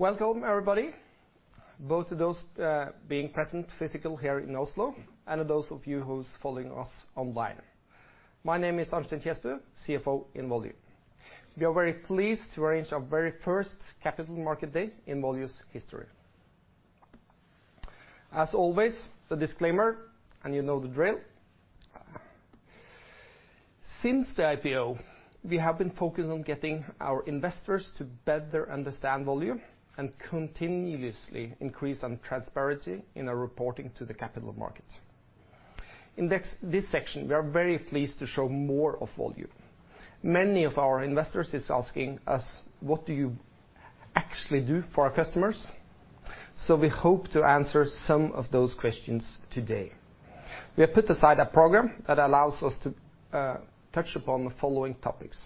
Welcome everybody, both those being physically present here in Oslo and those of you who's following us online. My name is Arnstein Kjesbu, CFO in Volue. We are very pleased to arrange our very first Capital Market Day in Volue's history. As always, the disclaimer, and you know the drill. Since the IPO, we have been focused on getting our investors to better understand Volue and continuously increase on transparency in our reporting to the capital markets. In this section, we are very pleased to show more of Volue. Many of our investors is asking us, "What do you actually do for our customers?" We hope to answer some of those questions today. We have put aside a program that allows us to touch upon the following topics.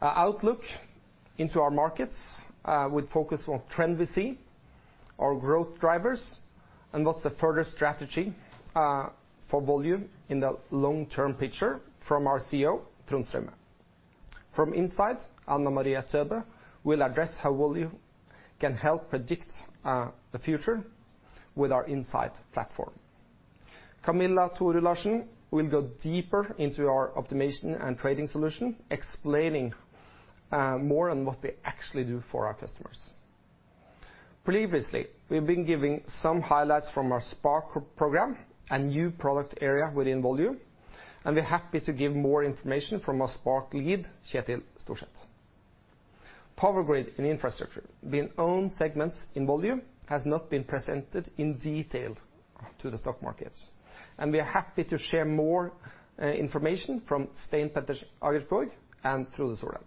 Outlook into our markets, with focus on trend we see, our growth drivers, and what's the further strategy, for Volue in the long-term picture from our CEO, Trond Straume. From insights, Anamaria Toebe will address how Volue can help predict, the future with our Insight platform. Camilla Thorrud Larsen will go deeper into our optimization and trading solution, explaining, more on what we actually do for our customers. Previously, we've been giving some highlights from our Spark program a new product area within Volue, and we're happy to give more information from our Spark lead, Kjetil Storset. Power grid and infrastructure, the own segments in Volue, has not been presented in detail to the stock markets, and we are happy to share more, information from Stein Petter Agersborg and Frode Solem.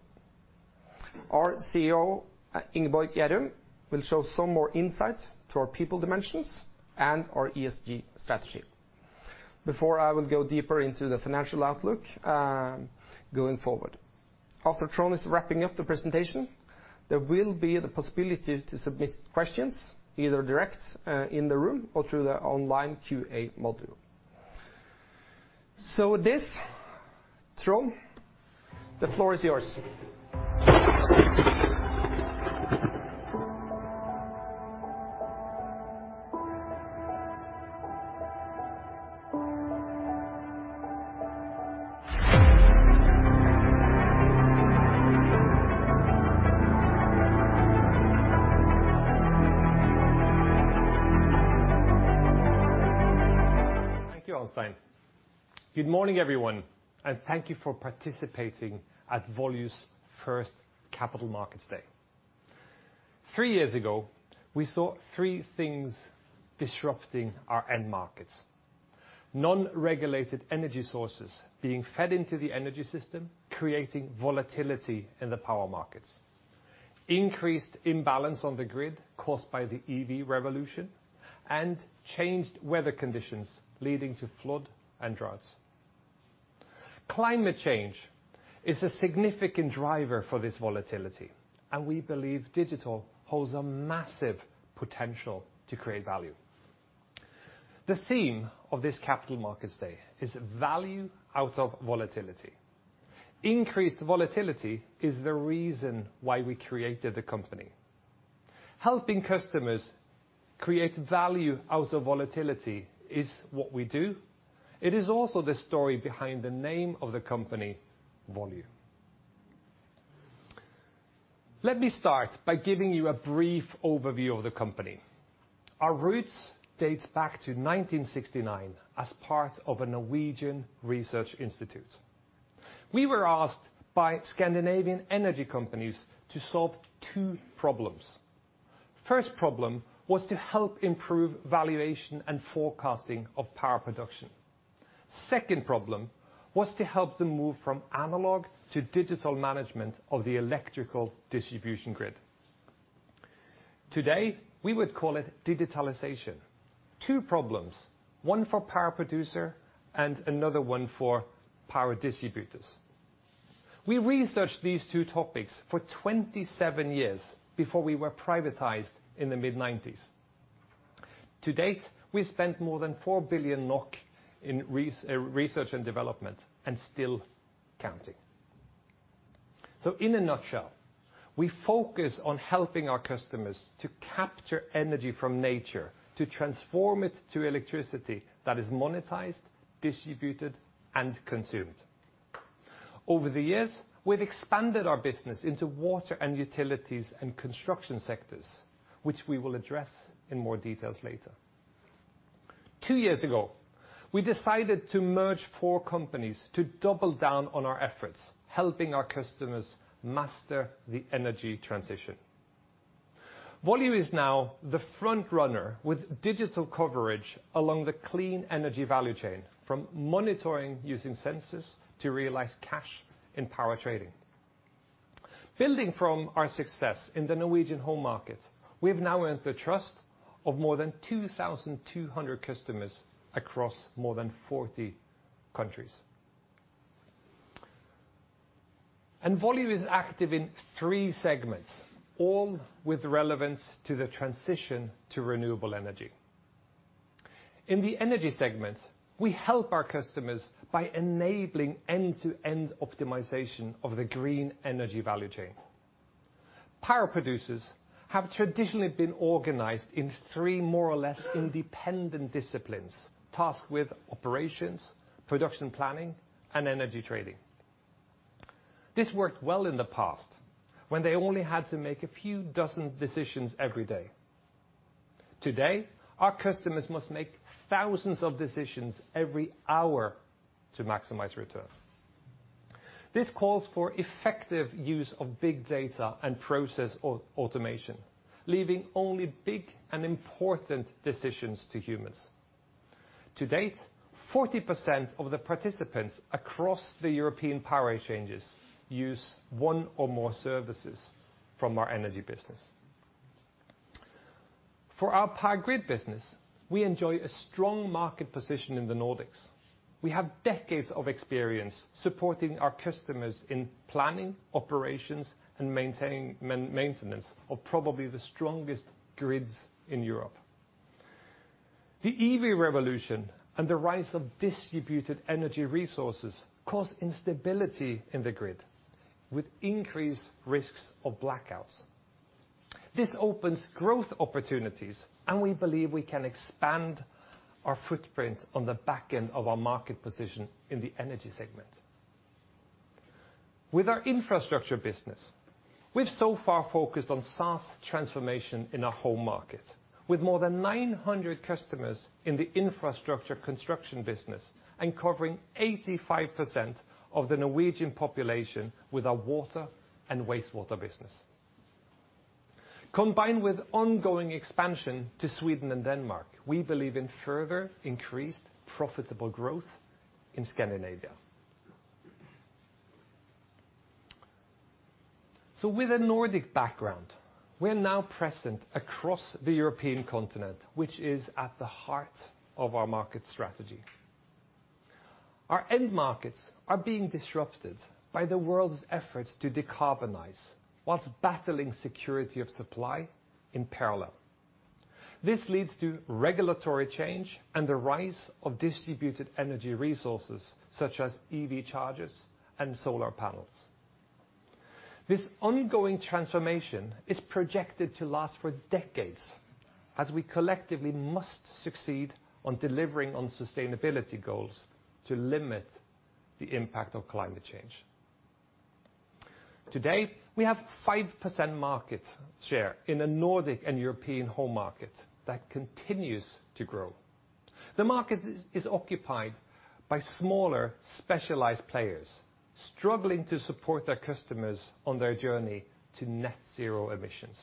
Our COO, Ingeborg Gjærum, will show some more insights to our people dimensions and our ESG strategy. Before I will go deeper into the financial outlook, going forward. After Trond is wrapping up the presentation, there will be the possibility to submit questions either directly in the room or through the online QA module. With this, Trond, the floor is yours. Thank you, Arnstein. Good morning, everyone, and thank you for participating at Volue's first Capital Markets Day. Three years ago, we saw three things disrupting our end markets. Non-regulated energy sources being fed into the energy system, creating volatility in the power markets. Increased imbalance on the grid caused by the EV revolution, and changed weather conditions leading to flood and droughts. Climate change is a significant driver for this volatility, and we believe digital holds a massive potential to create value. The theme of this Capital Markets Day is value out of volatility. Increased volatility is the reason why we created the company. Helping customers create value out of volatility is what we do. It is also the story behind the name of the company, Volue. Let me start by giving you a brief overview of the company. Our roots dates back to 1969 as part of a Norwegian research institute. We were asked by Scandinavian energy companies to solve two problems. First problem was to help improve valuation and forecasting of power production. Second problem was to help them move from analog to digital management of the electrical distribution grid. Today, we would call it digitalization. Two problems, one for power producer and another one for power distributors. We researched these two topics for 27 years before we were privatized in the mid-1990s. To date, we spent more than 4 billion NOK in research and development, and still counting. In a nutshell, we focus on helping our customers to capture energy from nature, to transform it to electricity that is monetized, distributed, and consumed. Over the years, we've expanded our business into water and utilities and construction sectors, which we will address in more details later. Two years ago, we decided to merge four companies to double down on our efforts, helping our customers master the energy transition. Volue is now the front runner with digital coverage along the clean energy value chain, from monitoring using sensors to realize cash in power trading. Building from our success in the Norwegian home market, we have now earned the trust of more than 2,200 customers across more than 40 countries. Volue is active in three segments, all with relevance to the transition to renewable energy. In the energy segment, we help our customers by enabling end-to-end optimization of the green energy value chain. Power producers have traditionally been organized in three more or less independent disciplines, tasked with operations, production planning, and energy trading. This worked well in the past when they only had to make a few dozen decisions every day. Today, our customers must make thousands of decisions every hour to maximize return. This calls for effective use of big data and process automation, leaving only big and important decisions to humans. To date, 40% of the participants across the European power exchanges use one or more services from our energy business. For our power grid business, we enjoy a strong market position in the Nordics. We have decades of experience supporting our customers in planning, operations, and maintenance of probably the strongest grids in Europe. The EV revolution and the rise of distributed energy resources cause instability in the grid, with increased risks of blackouts. This opens growth opportunities, and we believe we can expand our footprint on the back end of our market position in the energy segment. With our infrastructure business, we've so far focused on SaaS transformation in our home market, with more than 900 customers in the infrastructure construction business and covering 85% of the Norwegian population with our water and wastewater business. Combined with ongoing expansion to Sweden and Denmark, we believe in further increased profitable growth in Scandinavia. With a Nordic background, we're now present across the European continent, which is at the heart of our market strategy. Our end markets are being disrupted by the world's efforts to decarbonize while battling security of supply in parallel. This leads to regulatory change and the rise of distributed energy resources such as EV chargers and solar panels. This ongoing transformation is projected to last for decades, as we collectively must succeed on delivering on sustainability goals to limit the impact of climate change. Today, we have 5% market share in the Nordic and European home market that continues to grow. The market is occupied by smaller specialized players struggling to support their customers on their journey to net zero emissions.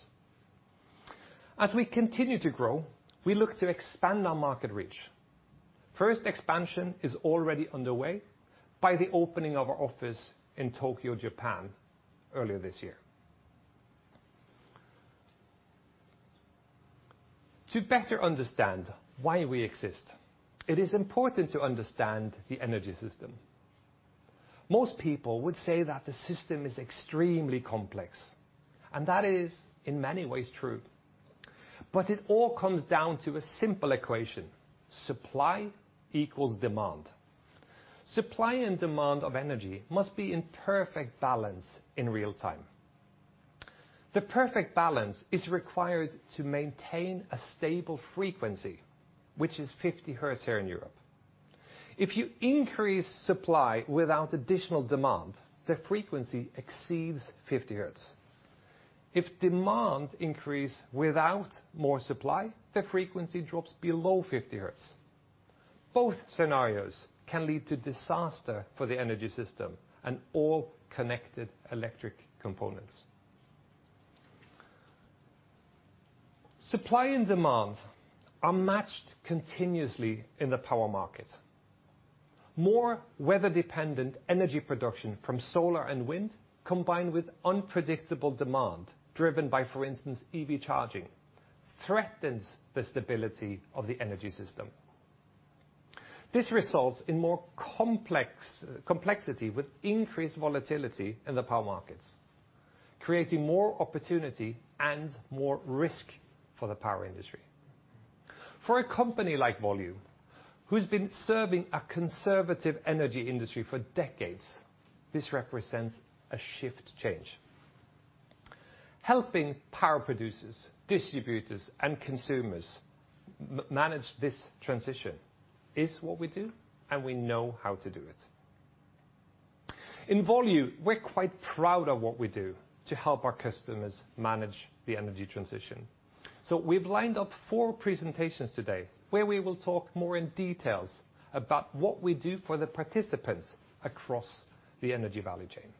As we continue to grow, we look to expand our market reach. First expansion is already underway by the opening of our office in Tokyo, Japan, earlier this year. To better understand why we exist, it is important to understand the energy system. Most people would say that the system is extremely complex, and that is in many ways true, but it all comes down to a simple equation: supply equals demand. Supply and demand of energy must be in perfect balance in real-time. The perfect balance is required to maintain a stable frequency, which is 50 Hz here in Europe. If you increase supply without additional demand, the frequency exceeds 50 Hz. If demand increase without more supply, the frequency drops below 50 Hz. Both scenarios can lead to disaster for the energy system and all connected electric components. Supply and demand are matched continuously in the power market. More weather-dependent energy production from solar and wind, combined with unpredictable demand driven by, for instance, EV charging, threatens the stability of the energy system. This results in more complex complexity with increased volatility in the power markets, creating more opportunity and more risk for the power industry. For a company like Volue, who's been serving a conservative energy industry for decades, this represents a shift change. Helping power producers, distributors, and consumers manage this transition is what we do, and we know how to do it. In Volue, we're quite proud of what we do to help our customers manage the energy transition. We've lined up four presentations today where we will talk more in details about what we do for the participants across the energy value chain.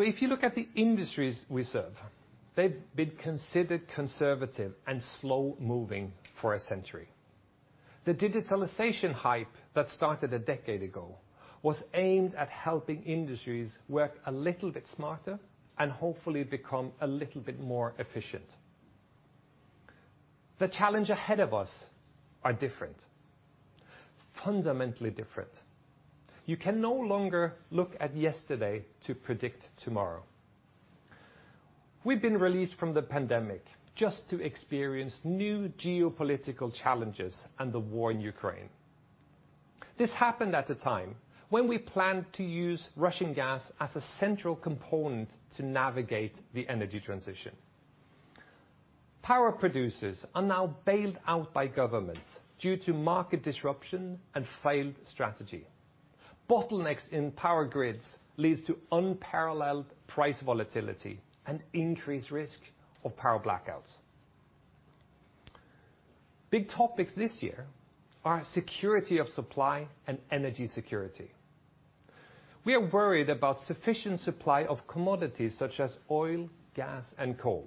If you look at the industries we serve, they've been considered conservative and slow-moving for a century. The digitalization hype that started a decade ago was aimed at helping industries work a little bit smarter and hopefully become a little bit more efficient. The challenge ahead of us are different, fundamentally different. You can no longer look at yesterday to predict tomorrow. We've been released from the pandemic just to experience new geopolitical challenges and the war in Ukraine. This happened at a time when we planned to use Russian gas as a central component to navigate the energy transition. Power producers are now bailed out by governments due to market disruption and failed strategy. Bottlenecks in power grids leads to unparalleled price volatility and increased risk of power blackouts. Big topics this year are security of supply and energy security. We are worried about sufficient supply of commodities such as oil, gas, and coal.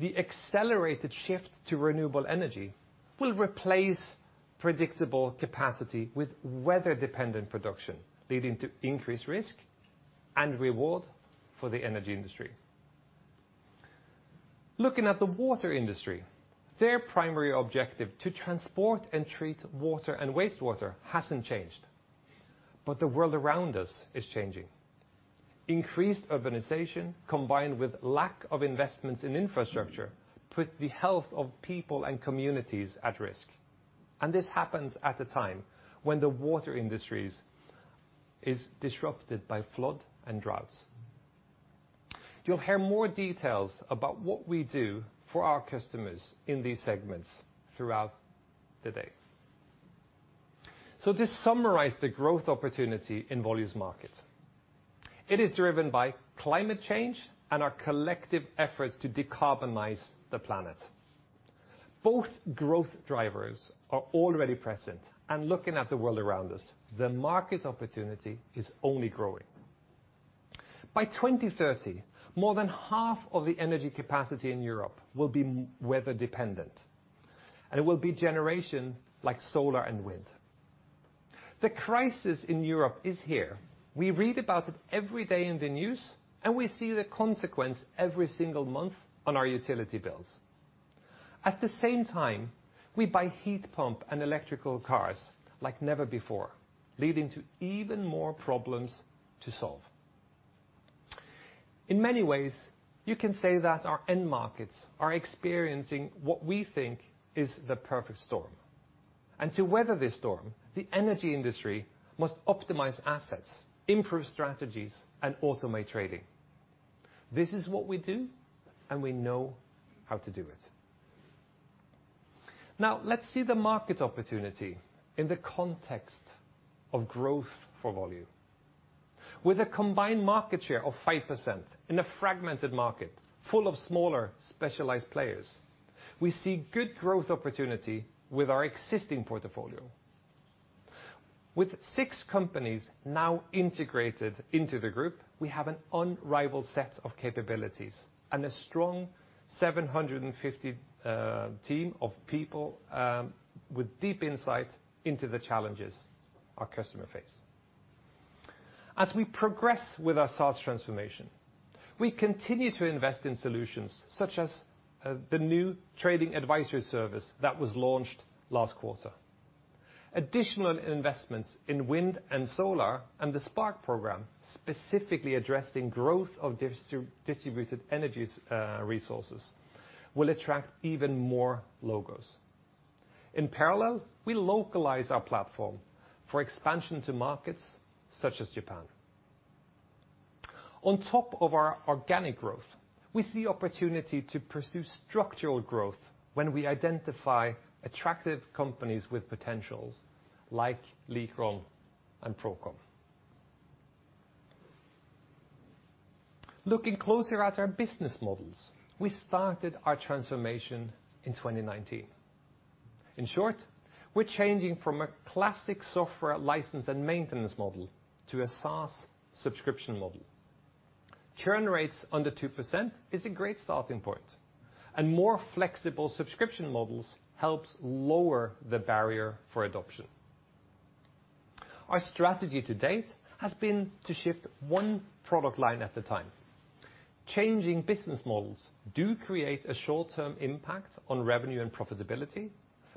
The accelerated shift to renewable energy will replace predictable capacity with weather-dependent production, leading to increased risk and reward for the energy industry. Looking at the water industry, their primary objective to transport and treat water and wastewater hasn't changed, but the world around us is changing. Increased urbanization, combined with lack of investments in infrastructure, put the health of people and communities at risk. This happens at a time when the water industries is disrupted by flood and droughts. You'll hear more details about what we do for our customers in these segments throughout the day. To summarize the growth opportunity in Volue's market, it is driven by climate change and our collective efforts to decarbonize the planet. Both growth drivers are already present, and looking at the world around us, the market opportunity is only growing. By 2030, more than half of the energy capacity in Europe will be weather-dependent, and it will be generation like solar and wind. The crisis in Europe is here. We read about it every day in the news, and we see the consequence every single month on our utility bills. At the same time, we buy heat pumps and electric cars like never before, leading to even more problems to solve. In many ways, you can say that our end markets are experiencing what we think is the perfect storm. To weather this storm, the energy industry must optimize assets, improve strategies, and automate trading. This is what we do, and we know how to do it. Now let's see the market opportunity in the context of growth for Volue. With a combined market share of 5% in a fragmented market full of smaller specialized players, we see good growth opportunity with our existing portfolio. With six companies now integrated into the group, we have an unrivaled set of capabilities and a strong 750 team of people with deep insight into the challenges our customer face. As we progress with our SaaS transformation, we continue to invest in solutions such as the new Energy Trading Advisory that was launched last quarter. Additional investments in wind and solar and the Spark program, specifically addressing growth of distributed energy resources, will attract even more logos. In parallel, we localize our platform for expansion to markets such as Japan. On top of our organic growth, we see opportunity to pursue structural growth when we identify attractive companies with potentials like Likron and ProCom. Looking closer at our business models, we started our transformation in 2019. In short, we're changing from a classic software license and maintenance model to a SaaS subscription model. Churn rates under 2% is a great starting point, and more flexible subscription models helps lower the barrier for adoption. Our strategy to date has been to shift one product line at a time. Changing business models do create a short-term impact on revenue and profitability,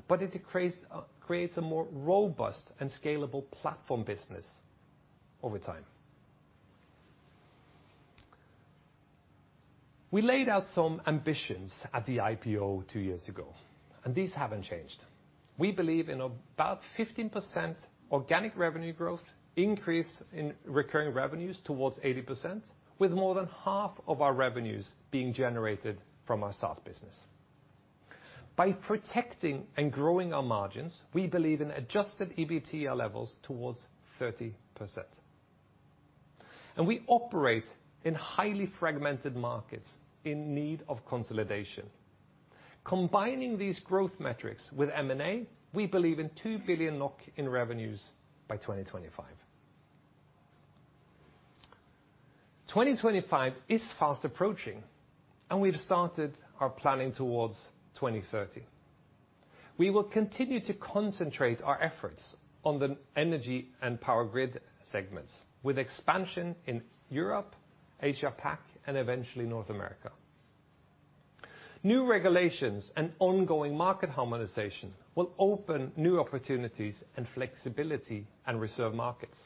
but it creates a more robust and scalable platform business over time. We laid out some ambitions at the IPO two years ago, and these haven't changed. We believe in about 15% organic revenue growth, increase in recurring revenues towards 80% with more than half of our revenues being generated from our SaaS business. By protecting and growing our margins, we believe in adjusted EBITDA levels towards 30%. We operate in highly fragmented markets in need of consolidation. Combining these growth metrics with M&A, we believe in 2 billion in revenues by 2025. 2025 is fast approaching, and we've started our planning towards 2030. We will continue to concentrate our efforts on the energy and power grid segments, with expansion in Europe, Asia Pac, and eventually North America. New regulations and ongoing market harmonization will open new opportunities in flexibility and reserve markets.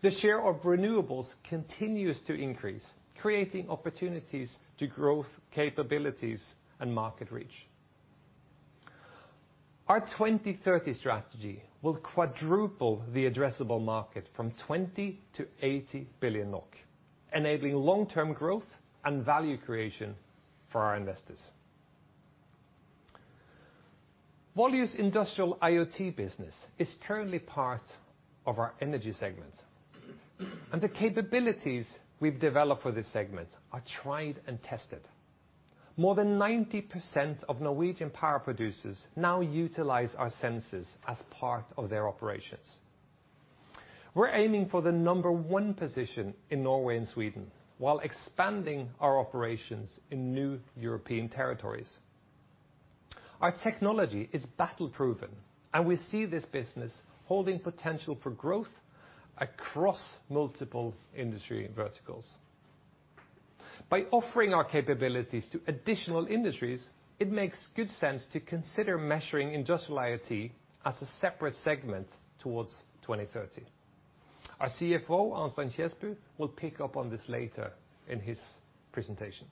The share of renewables continues to increase, creating opportunities to growth capabilities and market reach. Our 2030 strategy will quadruple the addressable market from 20 billion-80 billion NOK, enabling long-term growth and value creation for our investors. Volue's industrial IoT business is currently part of our energy segment, and the capabilities we've developed for this segment are tried and tested. More than 90% of Norwegian power producers now utilize our sensors as part of their operations. We're aiming for the number one position in Norway and Sweden while expanding our operations in new European territories. Our technology is battle-proven, and we see this business holding potential for growth across multiple industry verticals. By offering our capabilities to additional industries, it makes good sense to consider measuring industrial IoT as a separate segment towards 2030. Our CFO, Arnstein Kjesbu, will pick up on this later in his presentation.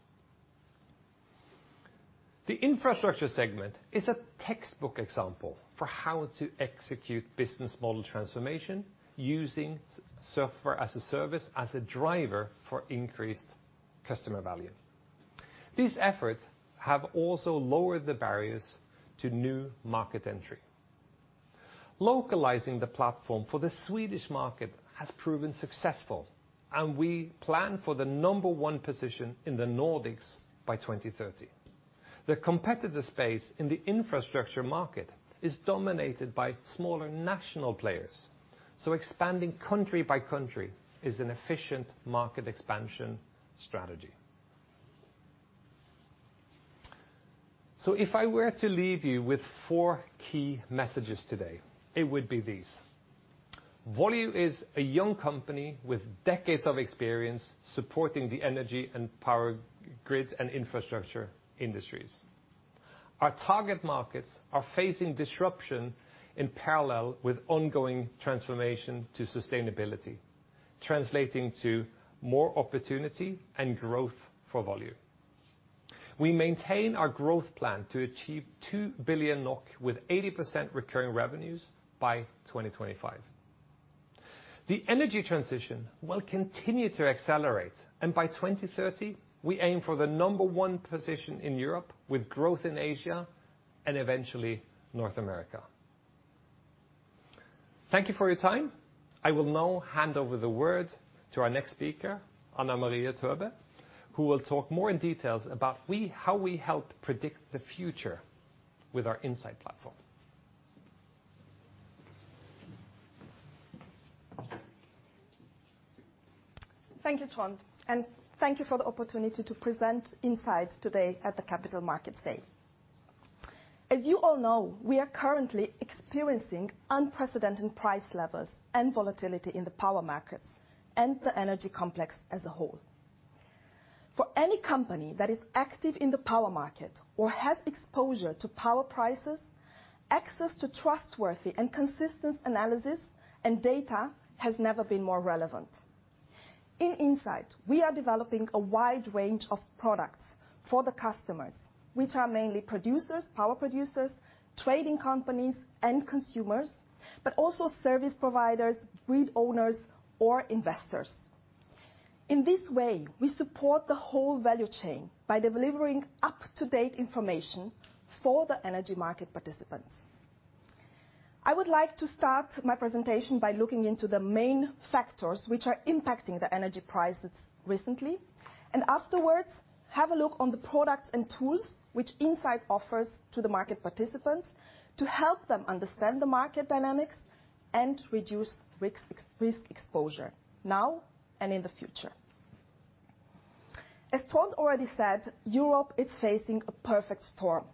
The infrastructure segment is a textbook example for how to execute business model transformation using software as a service as a driver for increased customer value. These efforts have also lowered the barriers to new market entry. Localizing the platform for the Swedish market has proven successful, and we plan for the number one position in the Nordics by 2030. The competitive space in the infrastructure market is dominated by smaller national players, so expanding country by country is an efficient market expansion strategy. If I were to leave you with four key messages today, it would be these: Volue is a young company with decades of experience supporting the energy and power grid and infrastructure industries. Our target markets are facing disruption in parallel with ongoing transformation to sustainability, translating to more opportunity and growth for Volue. We maintain our growth plan to achieve 2 billion NOK with 80% recurring revenues by 2025. The energy transition will continue to accelerate, and by 2030 we aim for the number one position in Europe with growth in Asia and eventually North America. Thank you for your time. I will now hand over the word to our next speaker, Anamaria Toebe, who will talk more in details about how we help predict the future with our Insight platform. Thank you, Trond, and thank you for the opportunity to present Insight today at the Capital Market Day. As you all know, we are currently experiencing unprecedented price levels and volatility in the power markets and the energy complex as a whole. For any company that is active in the power market or has exposure to power prices, access to trustworthy and consistent analysis and data has never been more relevant. In Insight, we are developing a wide range of products for the customers, which are mainly producers, power producers, trading companies and consumers, but also service providers, grid owners or investors. In this way, we support the whole value chain by delivering up-to-date information for the energy market participants. I would like to start my presentation by looking into the main factors which are impacting the energy prices recently, and afterwards, have a look on the products and tools which Insight offers to the market participants to help them understand the market dynamics and reduce risk exposure now and in the future. As Trond already said, Europe is facing a perfect storm.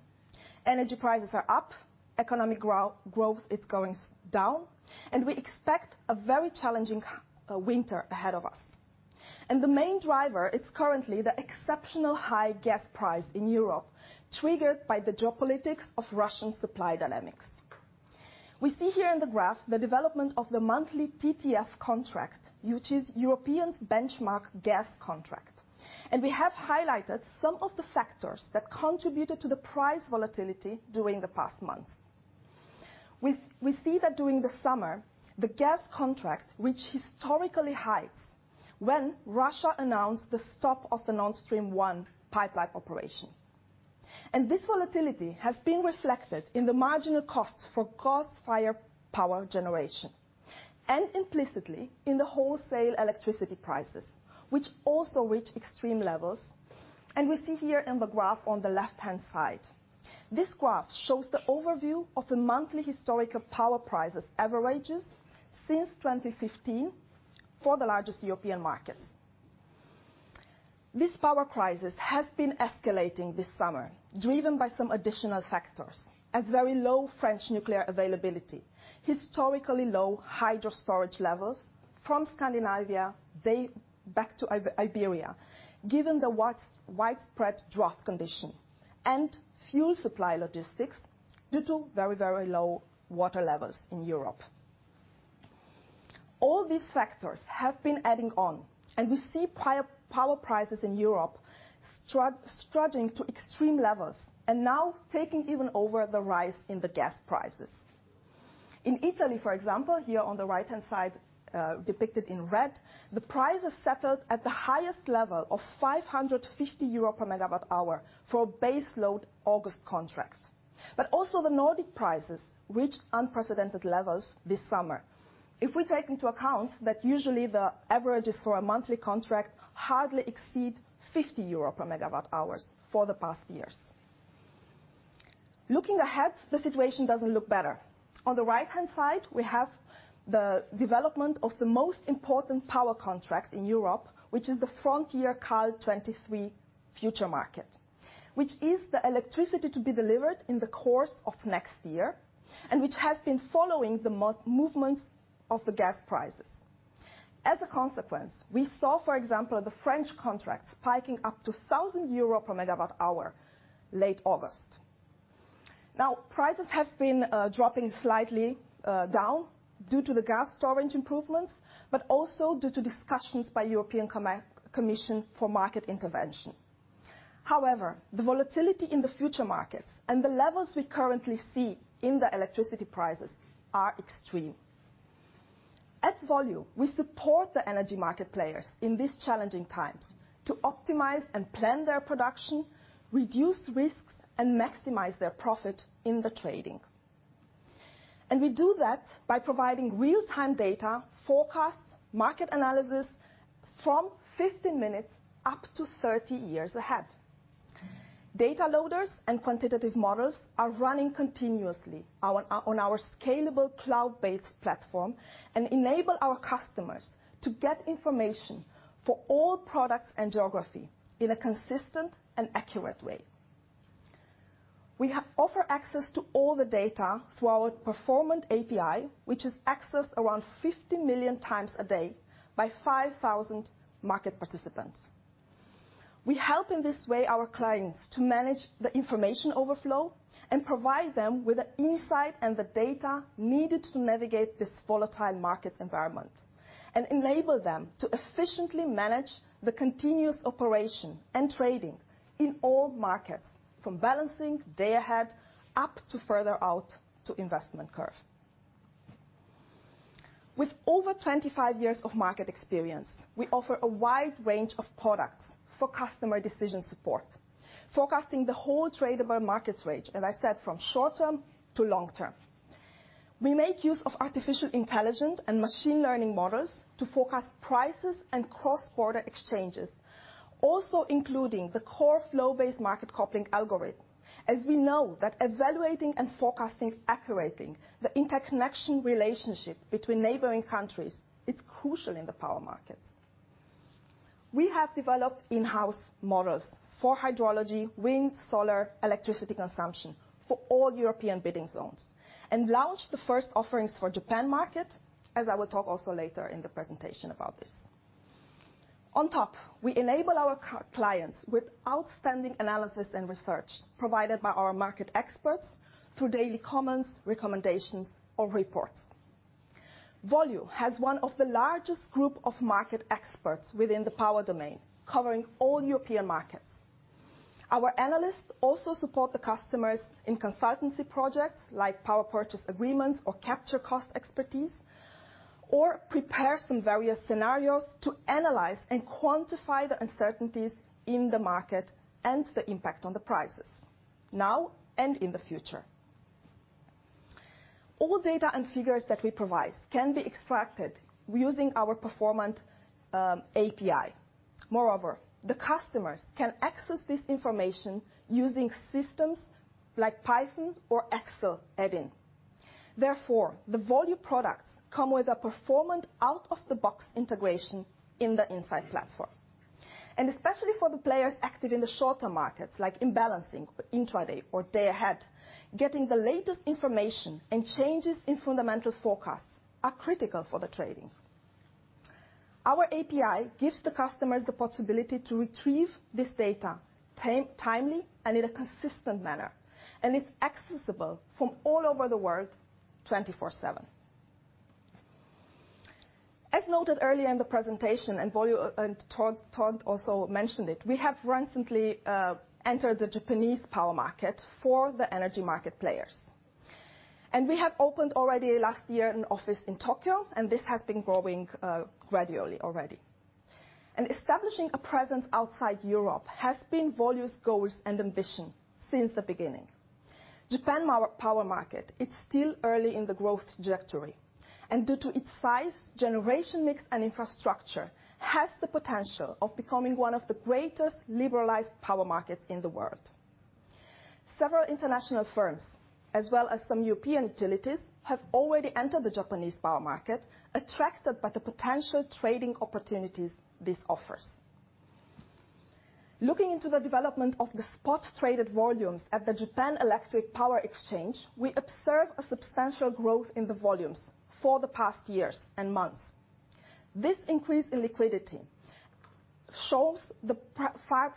Energy prices are up, economic growth is going down, and we expect a very challenging winter ahead of us. The main driver is currently the exceptional high gas price in Europe, triggered by the geopolitics of Russian supply dynamics. We see here in the graph the development of the monthly TTF contract, which is Europe's benchmark gas contract, and we have highlighted some of the factors that contributed to the price volatility during the past months. We see that during the summer, the gas contract reached historically highs when Russia announced the stop of the Nord Stream 1 pipeline operation. This volatility has been reflected in the marginal cost for gas-fired power generation and implicitly in the wholesale electricity prices, which also reach extreme levels. We see here in the graph on the left-hand side. This graph shows the overview of the monthly historical power prices averages since 2015 for the largest European markets. This power crisis has been escalating this summer, driven by some additional factors, as very low French nuclear availability, historically low hydro storage levels from Scandinavia to Iberia, given the widespread drought condition and fuel supply logistics due to very, very low water levels in Europe. All these factors have been adding up, and we see power prices in Europe struggling to extreme levels and now taking even over the rise in the gas prices. In Italy, for example, here on the right-hand side, depicted in red, the price has settled at the highest level of 550 euro per MWh for base load August contracts. Also the Nordic prices reached unprecedented levels this summer. If we take into account that usually the averages for a monthly contract hardly exceed 50 euro per MWh for the past years. Looking ahead, the situation doesn't look better. On the right-hand side, we have the development of the most important power contract in Europe, which is the Front Year Cal 2023 future market, which is the electricity to be delivered in the course of next year and which has been following the movements of the gas prices. As a consequence, we saw, for example, the French contracts spiking up to 1,000 euro per MWh late August. Now, prices have been dropping slightly down due to the gas storage improvements, but also due to discussions by European Commission for market intervention. However, the volatility in the future markets and the levels we currently see in the electricity prices are extreme. At Volue, we support the energy market players in these challenging times to optimize and plan their production, reduce risks, and maximize their profit in the trading. We do that by providing real-time data, forecasts, market analysis from 15 minutes up to 30 years ahead. Data loaders and quantitative models are running continuously on our scalable cloud-based platform and enable our customers to get information for all products and geography in a consistent and accurate way. We offer access to all the data through our performant API, which is accessed around 50 million times a day by 5,000 market participants. We help in this way our clients to manage the information overflow and provide them with the insight and the data needed to navigate this volatile market environment and enable them to efficiently manage the continuous operation and trading in all markets from balancing day ahead, up to further out to investment curve. With over 25 years of market experience, we offer a wide range of products for customer decision support, forecasting the whole tradable markets range, as I said, from short term to long term. We make use of artificial intelligence and machine learning models to forecast prices and cross-border exchanges. Also including the core flow-based market coupling algorithm, as we know that evaluating and forecasting accurately the interconnection relationship between neighboring countries is crucial in the power markets. We have developed in-house models for hydrology, wind, solar, electricity consumption for all European bidding zones, and launched the first offerings for Japan market, as I will talk also later in the presentation about this. On top, we enable our clients with outstanding analysis and research provided by our market experts through daily comments, recommendations or reports. Volue has one of the largest group of market experts within the power domain, covering all European markets. Our analysts also support the customers in consultancy projects like power purchase agreements or CapEx expertise, or prepare some various scenarios to analyze and quantify the uncertainties in the market and the impact on the prices now and in the future. All data and figures that we provide can be extracted using our performant API. Moreover, the customers can access this information using systems like Python or Excel add-in. Therefore, the Volue products come with a performant out-of-the-box integration in the insight platform. Especially for the players active in the shorter markets like imbalance or intraday or day ahead, getting the latest information and changes in fundamental forecasts are critical for the trading. Our API gives the customers the possibility to retrieve this data timely and in a consistent manner, and it's accessible from all over the world 24/7. As noted earlier in the presentation, Volue, Trond also mentioned it, we have recently entered the Japanese power market for the energy market players. We have opened already last year an office in Tokyo, and this has been growing gradually already. Establishing a presence outside Europe has been Volue's goals and ambition since the beginning. Japan power market is still early in the growth trajectory, and due to its size, generation mix, and infrastructure, has the potential of becoming one of the greatest liberalized power markets in the world. Several international firms, as well as some European utilities, have already entered the Japanese power market, attracted by the potential trading opportunities this offers. Looking into the development of the spot traded volumes at the Japan Electric Power Exchange, we observe a substantial growth in the volumes for the past years and months. This increase in liquidity shows the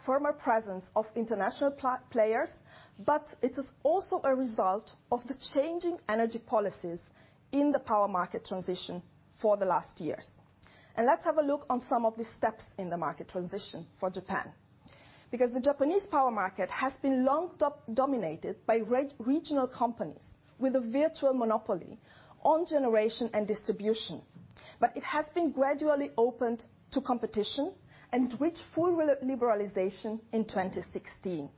firmer presence of international players, but it is also a result of the changing energy policies in the power market transition for the last years. Let's have a look on some of the steps in the market transition for Japan, because the Japanese power market has been long dominated by regional companies with a virtual monopoly on generation and distribution. It has been gradually opened to competition and reached full liberalization in 2016.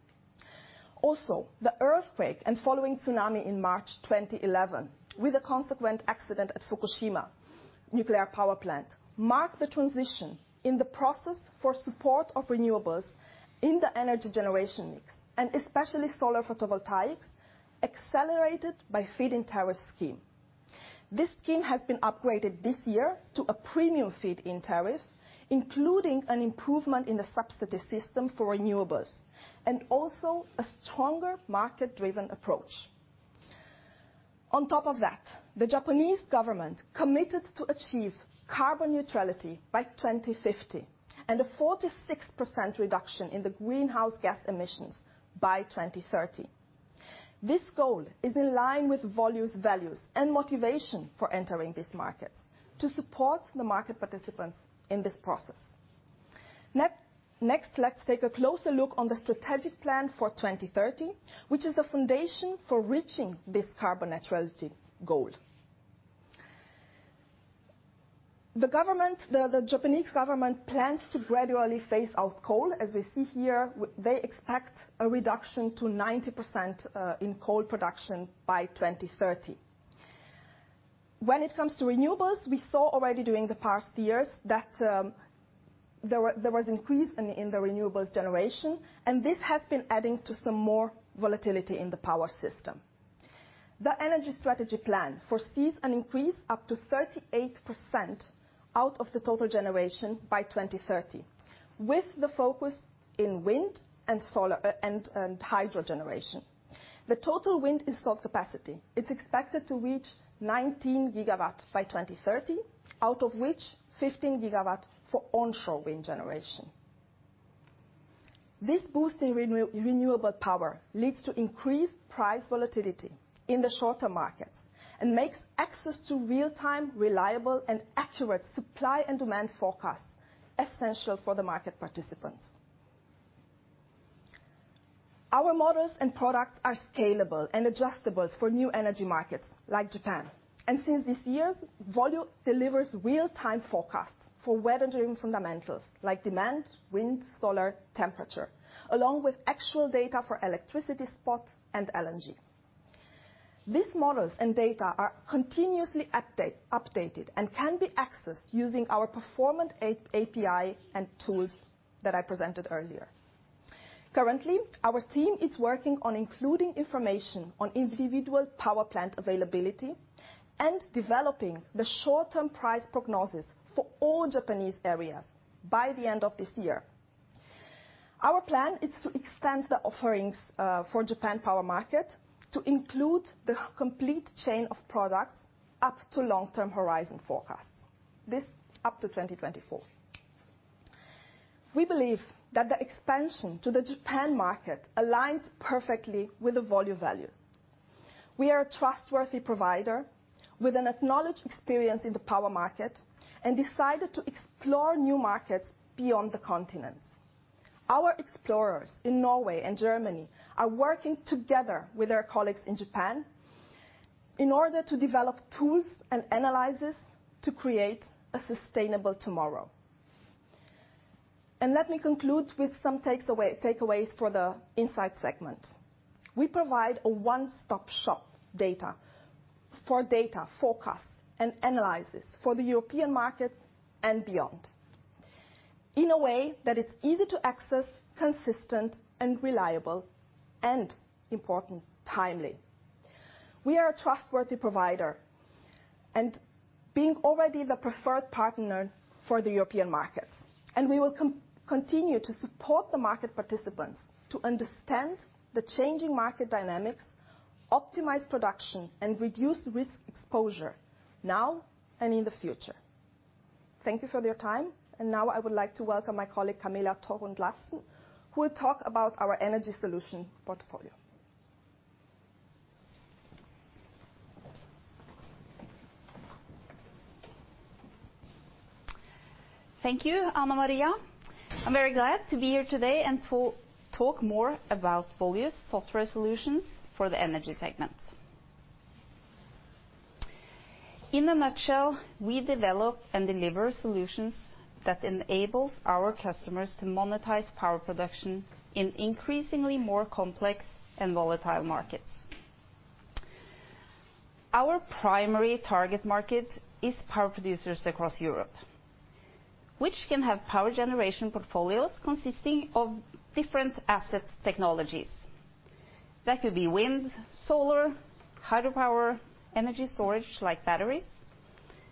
Also, the earthquake and following tsunami in March 2011, with a consequent accident at Fukushima Nuclear Power Plant, marked the transition in the process for support of renewables in the energy generation mix, and especially solar photovoltaics, accelerated by feed-in tariff scheme. This scheme has been upgraded this year to a premium feed-in tariff, including an improvement in the subsidy system for renewables, and also a stronger market-driven approach. On top of that, the Japanese government committed to achieve carbon neutrality by 2050 and a 46% reduction in the greenhouse gas emissions by 2030. This goal is in line with Volue's values and motivation for entering this market, to support the market participants in this process. Next, let's take a closer look on the strategic plan for 2030, which is the foundation for reaching this carbon neutrality goal. The Japanese government plans to gradually phase out coal, as we see here. They expect a reduction to 90% in coal production by 2030. When it comes to renewables, we saw already during the past years that there was increase in the renewables generation, and this has been adding to some more volatility in the power system. The energy strategy plan foresees an increase up to 38% out of the total generation by 2030, with the focus in wind and solar and hydro generation. The total wind installed capacity, it's expected to reach 19 GW by 2030, out of which 15 GW for onshore wind generation. This boost in renewable power leads to increased price volatility in the short-term markets and makes access to real-time, reliable, and accurate supply and demand forecasts essential for the market participants. Our models and products are scalable and adjustable for new energy markets like Japan. Since this year, Volue delivers real-time forecasts for weather-driven fundamentals like demand, wind, solar, temperature, along with actual data for electricity spot and LNG. These models and data are continuously updated and can be accessed using our performant API and tools that I presented earlier. Currently, our team is working on including information on individual power plant availability and developing the short-term price prognosis for all Japanese areas by the end of this year. Our plan is to extend the offerings for Japan power market to include the complete chain of products up to long-term horizon forecasts. This up to 2024. We believe that the expansion to the Japan market aligns perfectly with the Volue value. We are a trustworthy provider with an acknowledged experience in the power market and decided to explore new markets beyond the continent. Our explorers in Norway and Germany are working together with their colleagues in Japan in order to develop tools and analysis to create a sustainable tomorrow. Let me conclude with some takeaways for the Insight segment. We provide a one-stop-shop data for data forecasts and analysis for the European markets and beyond in a way that is easy to access, consistent, and reliable, and important, timely. We are a trustworthy provider and being already the preferred partner for the European markets, and we will continue to support the market participants to understand the changing market dynamics, optimize production, and reduce risk exposure now and in the future. Thank you for your time. Now I would like to welcome my colleague, Camilla Thorrud Larsen, who will talk about our energy solution portfolio. Thank you, Anamaria. I'm very glad to be here today and to talk more about Volue's software solutions for the energy segment. In a nutshell, we develop and deliver solutions that enables our customers to monetize power production in increasingly more complex and volatile markets. Our primary target market is power producers across Europe, which can have power generation portfolios consisting of different asset technologies. That could be wind, solar, hydropower, energy storage like batteries,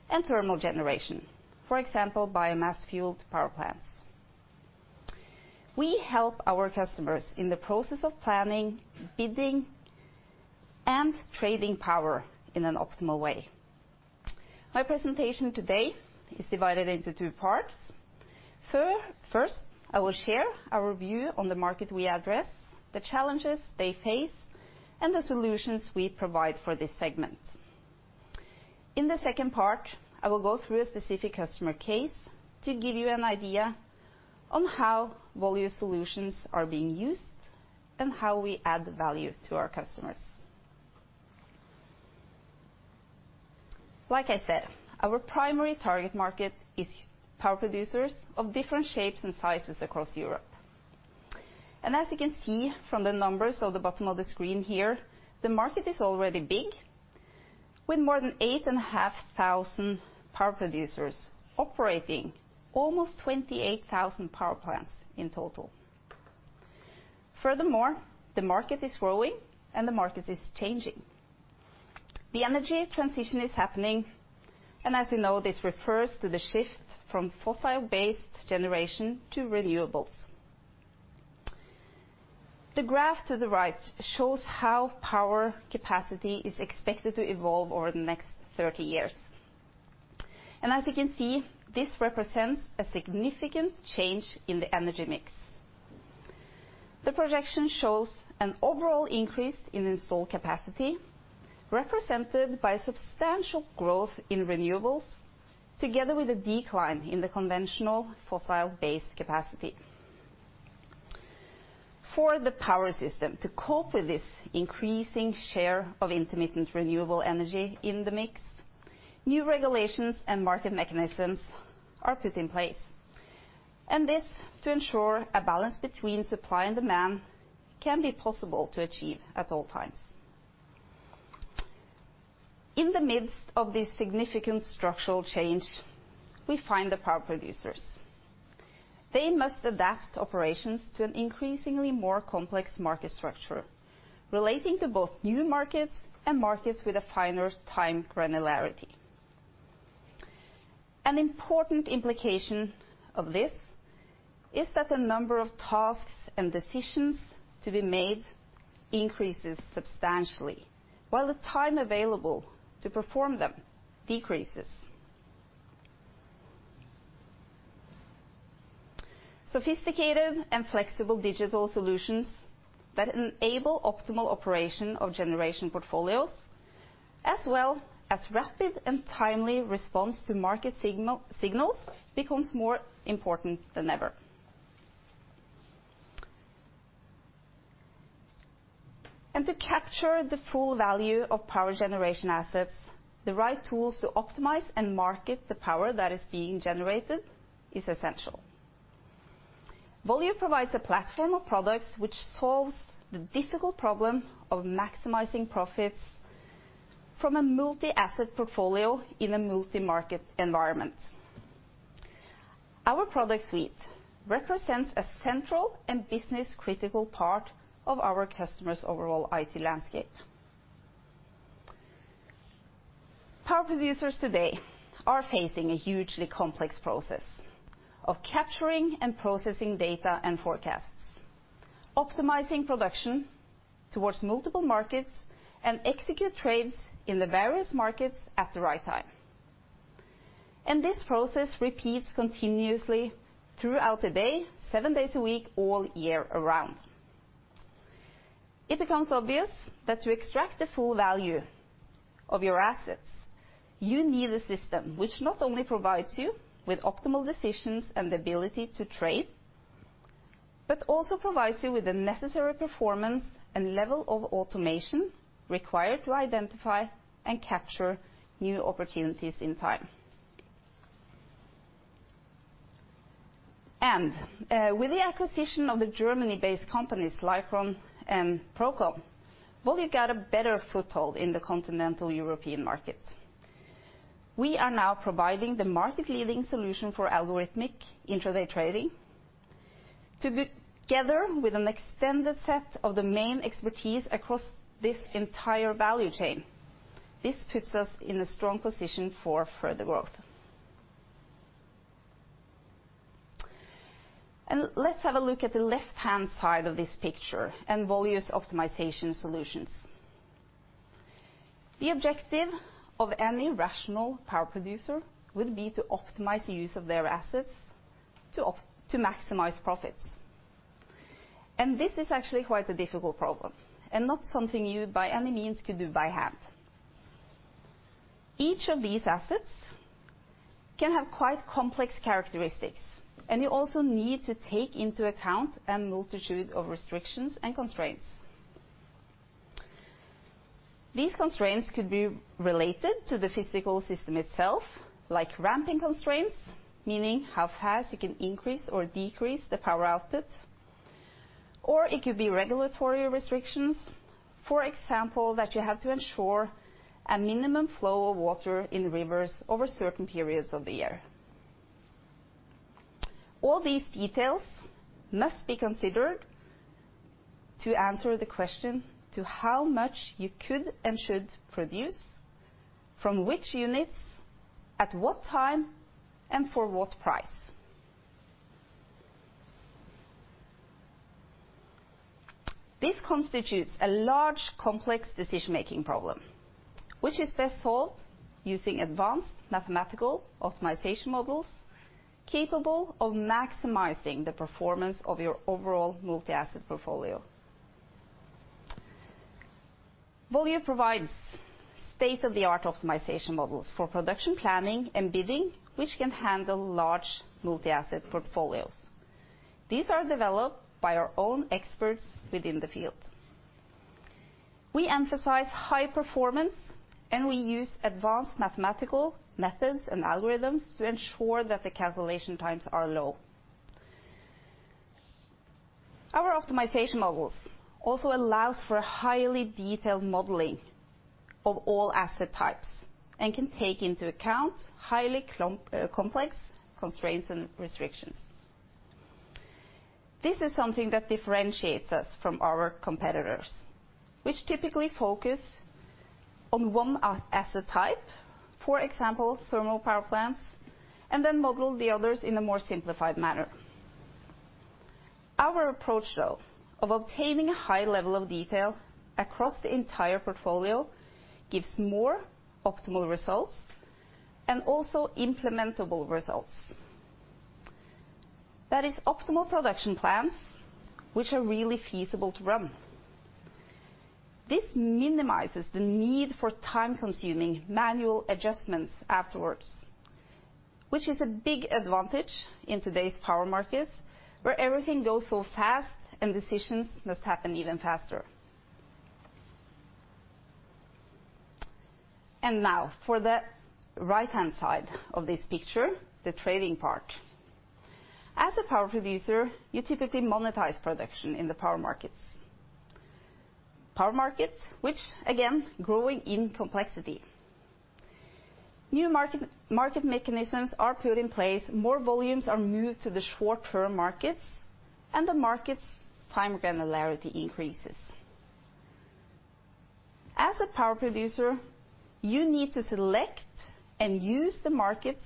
and thermal generation, for example, biomass-fueled power plants. We help our customers in the process of planning, bidding, and trading power in an optimal way. My presentation today is divided into two parts. First, I will share our view on the market we address, the challenges they face, and the solutions we provide for this segment. In the second part, I will go through a specific customer case to give you an idea on how Volue solutions are being used and how we add value to our customers. Like I said, our primary target market is power producers of different shapes and sizes across Europe. As you can see from the numbers on the bottom of the screen here, the market is already big, with more than 8,500 power producers operating almost 28,000 power plants in total. Furthermore, the market is growing and the market is changing. The energy transition is happening, and as you know, this refers to the shift from fossil-based generation to renewables. The graph to the right shows how power capacity is expected to evolve over the next 30 years. As you can see, this represents a significant change in the energy mix. The projection shows an overall increase in installed capacity, represented by substantial growth in renewables, together with a decline in the conventional fossil-based capacity. For the power system to cope with this increasing share of intermittent renewable energy in the mix, new regulations and market mechanisms are put in place, and this to ensure a balance between supply and demand can be possible to achieve at all times. In the midst of this significant structural change, we find the power producers. They must adapt operations to an increasingly more complex market structure relating to both new markets and markets with a finer time granularity. An important implication of this is that the number of tasks and decisions to be made increases substantially while the time available to perform them decreases. Sophisticated and flexible digital solutions that enable optimal operation of generation portfolios, as well as rapid and timely response to market signals, becomes more important than ever. To capture the full value of power generation assets, the right tools to optimize and market the power that is being generated is essential. Volue provides a platform of products which solves the difficult problem of maximizing profits from a multi-asset portfolio in a multi-market environment. Our product suite represents a central and business-critical part of our customers' overall IT landscape. Power producers today are facing a hugely complex process of capturing and processing data and forecasts, optimizing production towards multiple markets, and execute trades in the various markets at the right time. This process repeats continuously throughout the day, seven days a week, all year around. It becomes obvious that to extract the full value of your assets, you need a system which not only provides you with optimal decisions and the ability to trade, but also provides you with the necessary performance and level of automation required to identify and capture new opportunities in time. With the acquisition of the Germany-based companies Likron and ProCom, Volue got a better foothold in the continental European market. We are now providing the market-leading solution for algorithmic intraday trading, together with an extended set of the main expertise across this entire value chain. This puts us in a strong position for further growth. Let's have a look at the left-hand side of this picture and Volue's optimization solutions. The objective of any rational power producer would be to optimize the use of their assets to maximize profits. This is actually quite a difficult problem, and not something you by any means could do by hand. Each of these assets can have quite complex characteristics, and you also need to take into account a multitude of restrictions and constraints. These constraints could be related to the physical system itself, like ramping constraints, meaning how fast you can increase or decrease the power output. Or it could be regulatory restrictions. For example, that you have to ensure a minimum flow of water in rivers over certain periods of the year. All these details must be considered to answer the question to how much you could and should produce, from which units, at what time, and for what price. This constitutes a large, complex decision-making problem, which is best solved using advanced mathematical optimization models capable of maximizing the performance of your overall multi-asset portfolio. Volue provides state-of-the-art optimization models for production planning and bidding, which can handle large multi-asset portfolios. These are developed by our own experts within the field. We emphasize high performance, and we use advanced mathematical methods and algorithms to ensure that the calculation times are low. Our optimization models also allows for highly detailed modeling of all asset types and can take into account highly complex constraints and restrictions. This is something that differentiates us from our competitors, which typically focus on one asset type, for example, thermal power plants, and then model the others in a more simplified manner. Our approach, though, of obtaining a high level of detail across the entire portfolio gives more optimal results and also implementable results. That is optimal production plans which are really feasible to run. This minimizes the need for time-consuming manual adjustments afterwards, which is a big advantage in today's power markets, where everything goes so fast and decisions must happen even faster. Now for the right-hand side of this picture, the trading part. As a power producer, you typically monetize production in the power markets. Power markets, which again growing in complexity. New market mechanisms are put in place, more volumes are moved to the short-term markets, and the market's time granularity increases. As a power producer, you need to select and use the markets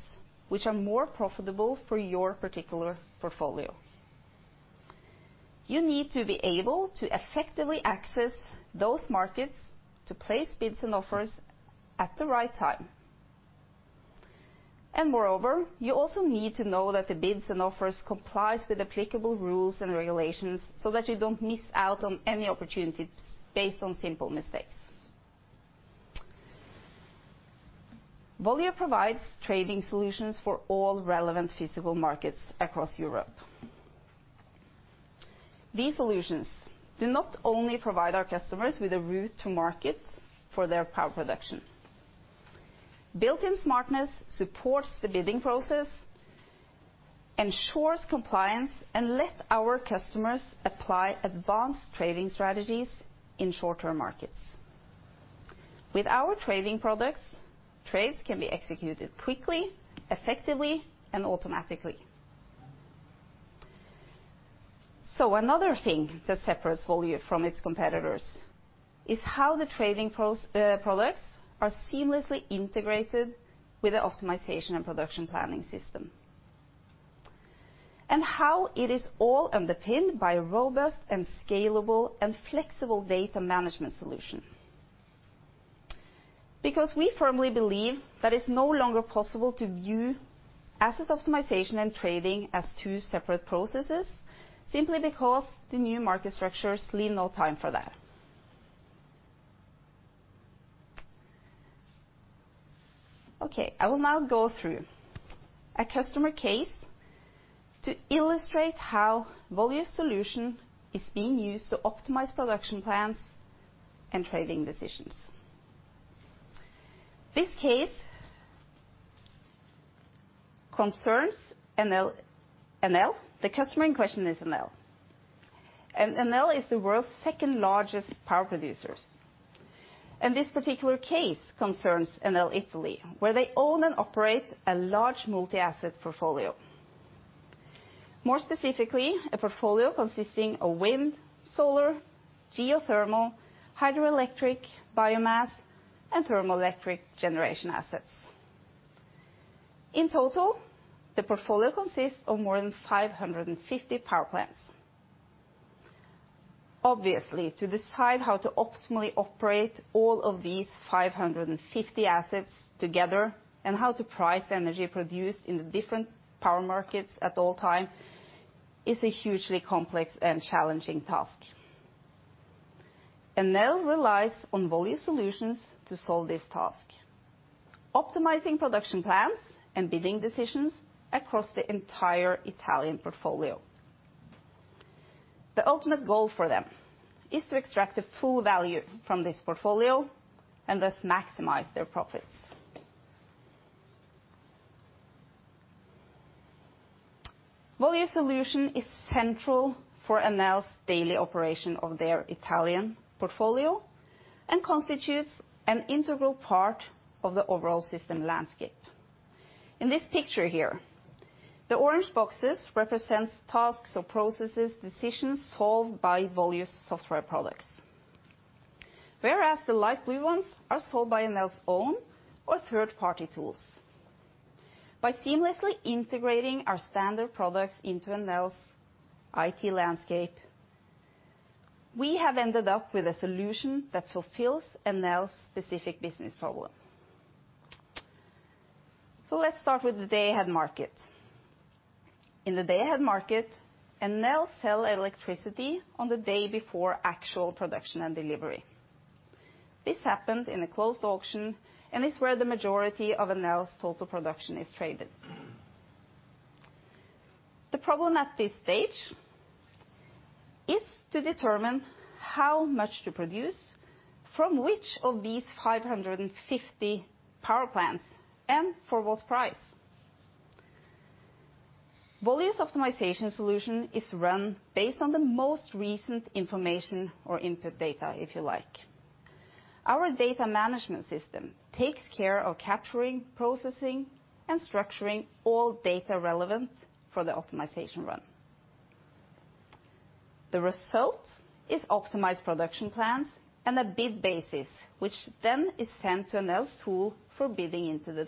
which are more profitable for your particular portfolio. You need to be able to effectively access those markets to place bids and offers at the right time. Moreover, you also need to know that the bids and offers complies with applicable rules and regulations so that you don't miss out on any opportunities based on simple mistakes. Volue provides trading solutions for all relevant physical markets across Europe. These solutions do not only provide our customers with a route to market for their power productions. Built-in smartness supports the bidding process, ensures compliance, and let our customers apply advanced trading strategies in short-term markets. With our trading products, trades can be executed quickly, effectively, and automatically. Another thing that separates Volue from its competitors is how the trading products are seamlessly integrated with the optimization and production planning system and how it is all underpinned by a robust and scalable and flexible data management solution. Because we firmly believe that it's no longer possible to view asset optimization and trading as two separate processes, simply because the new market structures leave no time for that. Okay, I will now go through a customer case to illustrate how Volue's solution is being used to optimize production plans and trading decisions. This case concerns Enel. The customer in question is Enel. Enel is the world's second-largest power producers. This particular case concerns Enel Italy, where they own and operate a large multi-asset portfolio. More specifically, a portfolio consisting of wind, solar, geothermal, hydroelectric, biomass, and thermoelectric generation assets. In total, the portfolio consists of more than 550 power plants. Obviously, to decide how to optimally operate all of these 550 assets together and how to price the energy produced in the different power markets at all time is a hugely complex and challenging task. Enel relies on Volue solutions to solve this task, optimizing production plans and bidding decisions across the entire Italian portfolio. The ultimate goal for them is to extract the full value from this portfolio and thus maximize their profits. Volue's solution is central for Enel's daily operation of their Italian portfolio, and constitutes an integral part of the overall system landscape. In this picture here, the orange boxes represents tasks or processes, decisions solved by Volue's software products. Whereas the light blue ones are solved by Enel's own or third-party tools. By seamlessly integrating our standard products into Enel's IT landscape, we have ended up with a solution that fulfills Enel's specific business problem. Let's start with the day-ahead market. In the day-ahead market, Enel sell electricity on the day before actual production and delivery. This happens in a closed auction, and is where the majority of Enel's total production is traded. The problem at this stage is to determine how much to produce from which of these 550 power plants, and for what price. Volue's optimization solution is run based on the most recent information or input data, if you like. Our data management system takes care of capturing, processing, and structuring all data relevant for the optimization run. The result is optimized production plans and a bid basis, which then is sent to Enel's tool for bidding into the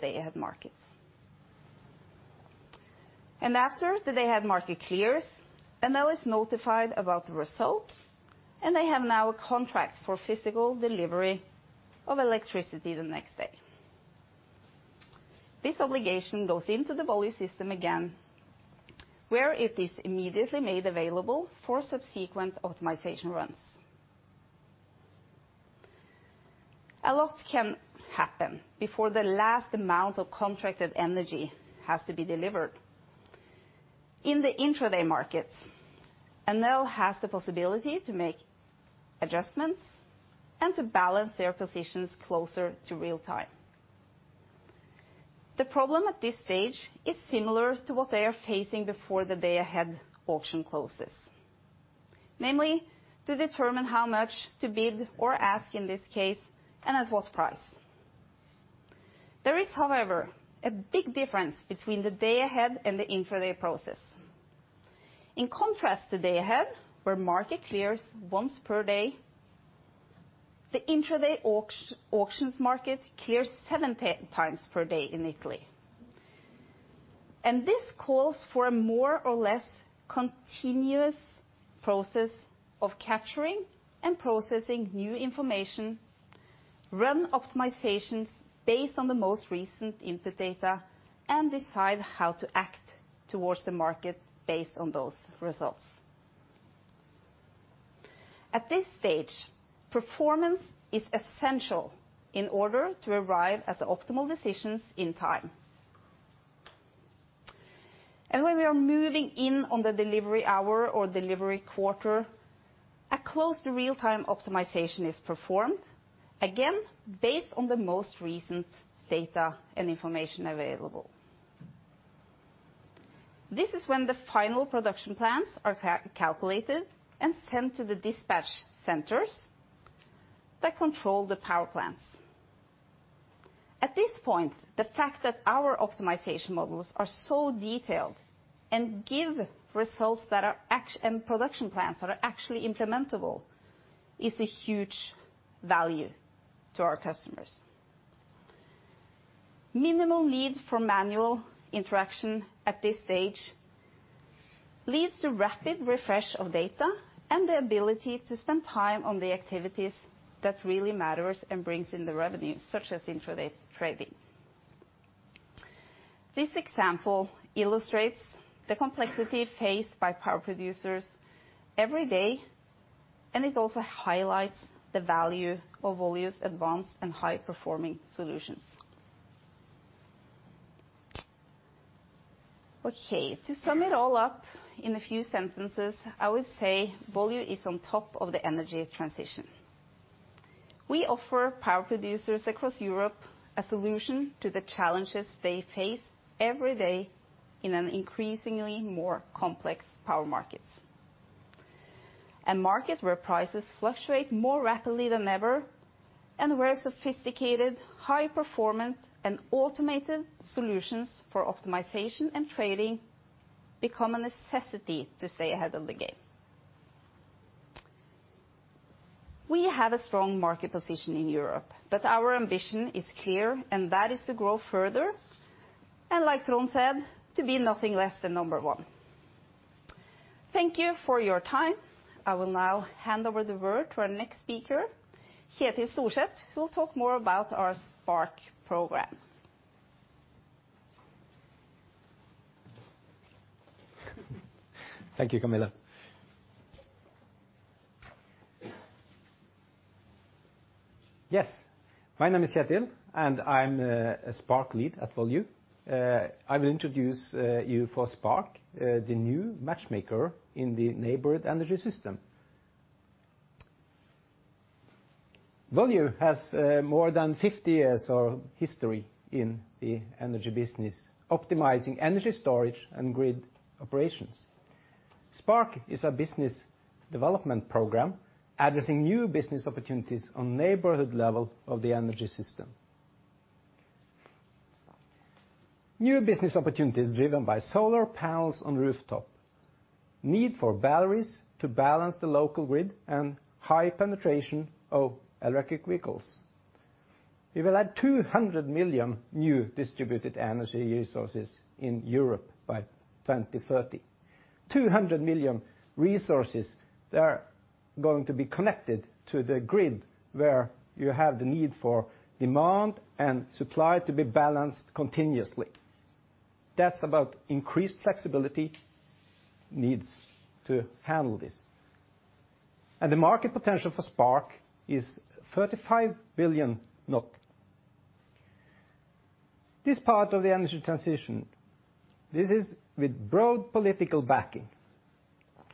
day-ahead market. After the day-ahead market clears, Enel is notified about the result, and they have now a contract for physical delivery of electricity the next day. This obligation goes into the Volue system again, where it is immediately made available for subsequent optimization runs. A lot can happen before the last amount of contracted energy has to be delivered. In the intraday market, Enel has the possibility to make adjustments and to balance their positions closer to real time. The problem at this stage is similar to what they are facing before the day-ahead auction closes. Namely, to determine how much to bid or ask in this case, and at what price. There is, however, a big difference between the day-ahead and the intraday process. In contrast to day-ahead, where market clears once per day, the intraday auctions market clears 70 times per day in Italy. This calls for a more or less continuous process of capturing and processing new information, run optimizations based on the most recent input data, and decide how to act towards the market based on those results. At this stage, performance is essential in order to arrive at the optimal decisions in time. When we are moving in on the delivery hour or delivery quarter, a close to real-time optimization is performed, again, based on the most recent data and information available. This is when the final production plans are calculated and sent to the dispatch centers that control the power plants. At this point, the fact that our optimization models are so detailed and give results and production plans that are actually implementable is a huge value to our customers. Minimal need for manual interaction at this stage leads to rapid refresh of data and the ability to spend time on the activities that really matters and brings in the revenue, such as intraday trading. This example illustrates the complexity faced by power producers every day, and it also highlights the value of Volue's advanced and high-performing solutions. Okay, to sum it all up in a few sentences, I would say Volue is on top of the energy transition. We offer power producers across Europe a solution to the challenges they face every day in an increasingly more complex power market. A market where prices fluctuate more rapidly than ever, and where sophisticated, high-performance, and automated solutions for optimization and trading become a necessity to stay ahead of the game. We have a strong market position in Europe, but our ambition is clear, and that is to grow further, and like Trond said, to be nothing less than number one. Thank you for your time. I will now hand over the word to our next speaker, Kjetil Storset, who will talk more about our Spark program. Thank you, Camilla. Yes, my name is Kjetil, and I'm a Spark lead at Volue. I will introduce you to Spark, the new matchmaker in the neighbor energy system. Volue has more than 50 years of history in the energy business, optimizing energy storage and grid operations. Spark is a business development program addressing new business opportunities on neighborhood level of the energy system. New business opportunities driven by solar panels on rooftop, need for batteries to balance the local grid, and high penetration of electric vehicles. We will add 200 million new distributed energy resources in Europe by 2030. 200 million resources that are going to be connected to the grid where you have the need for demand and supply to be balanced continuously. That's about increased flexibility needs to handle this. The market potential for Spark is 35 billion. This part of the energy transition, this is with broad political backing.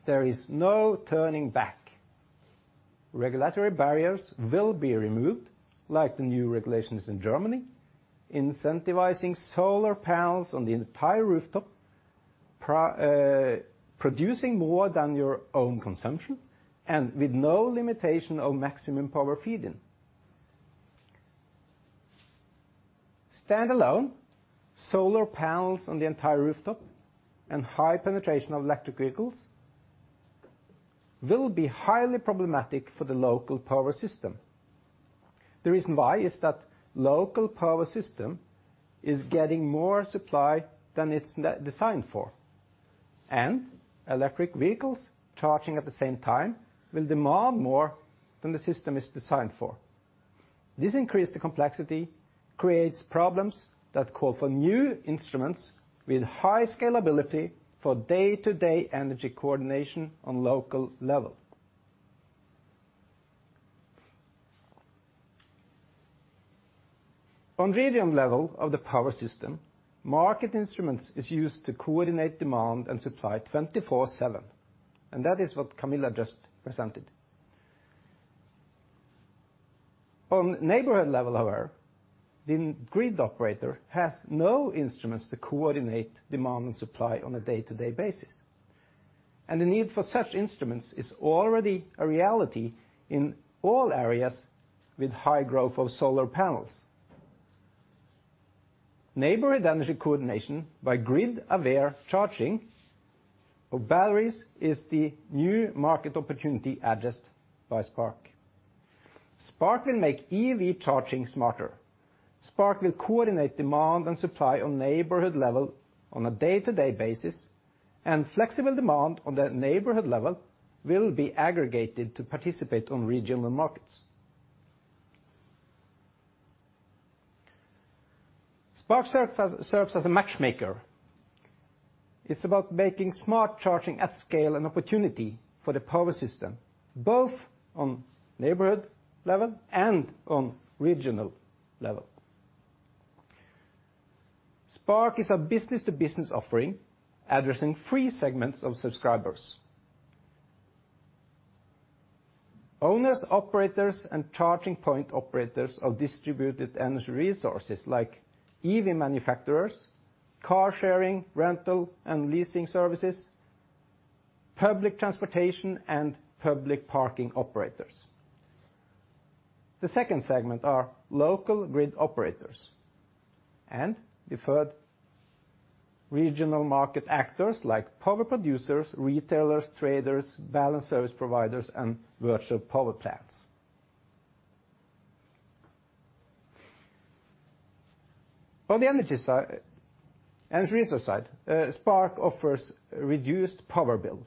There is no turning back. Regulatory barriers will be removed, like the new regulations in Germany, incentivizing solar panels on the entire rooftop, producing more than your own consumption, and with no limitation of maximum power feed-in. Standalone solar panels on the entire rooftop and high penetration of electric vehicles will be highly problematic for the local power system. The reason why is that local power system is getting more supply than it's designed for. Electric vehicles charging at the same time will demand more than the system is designed for. This increased complexity creates problems that call for new instruments with high scalability for day-to-day energy coordination on local level. On regional level of the power system, market instruments is used to coordinate demand and supply 24/7. That is what Camilla just presented. On neighborhood level, however, the grid operator has no instruments to coordinate demand and supply on a day-to-day basis. The need for such instruments is already a reality in all areas with high growth of solar panels. Neighborhood energy coordination by grid-aware charging of batteries is the new market opportunity addressed by Spark. Spark will make EV charging smarter. Spark will coordinate demand and supply on neighborhood level on a day-to-day basis, and flexible demand on the neighborhood level will be aggregated to participate on regional markets. Spark serves as a matchmaker. It's about making smart charging at scale an opportunity for the power system, both on neighborhood level and on regional level. Spark is a business-to-business offering addressing three segments of subscribers. Owners, operators, and charging point operators of distributed energy resources like EV manufacturers, car sharing, rental, and leasing services, public transportation, and public parking operators. The second segment are local grid operators and preferred regional market actors like power producers, retailers, traders, balance service providers, and virtual power plants. On the energy side, energy resource side, Spark offers reduced power bill.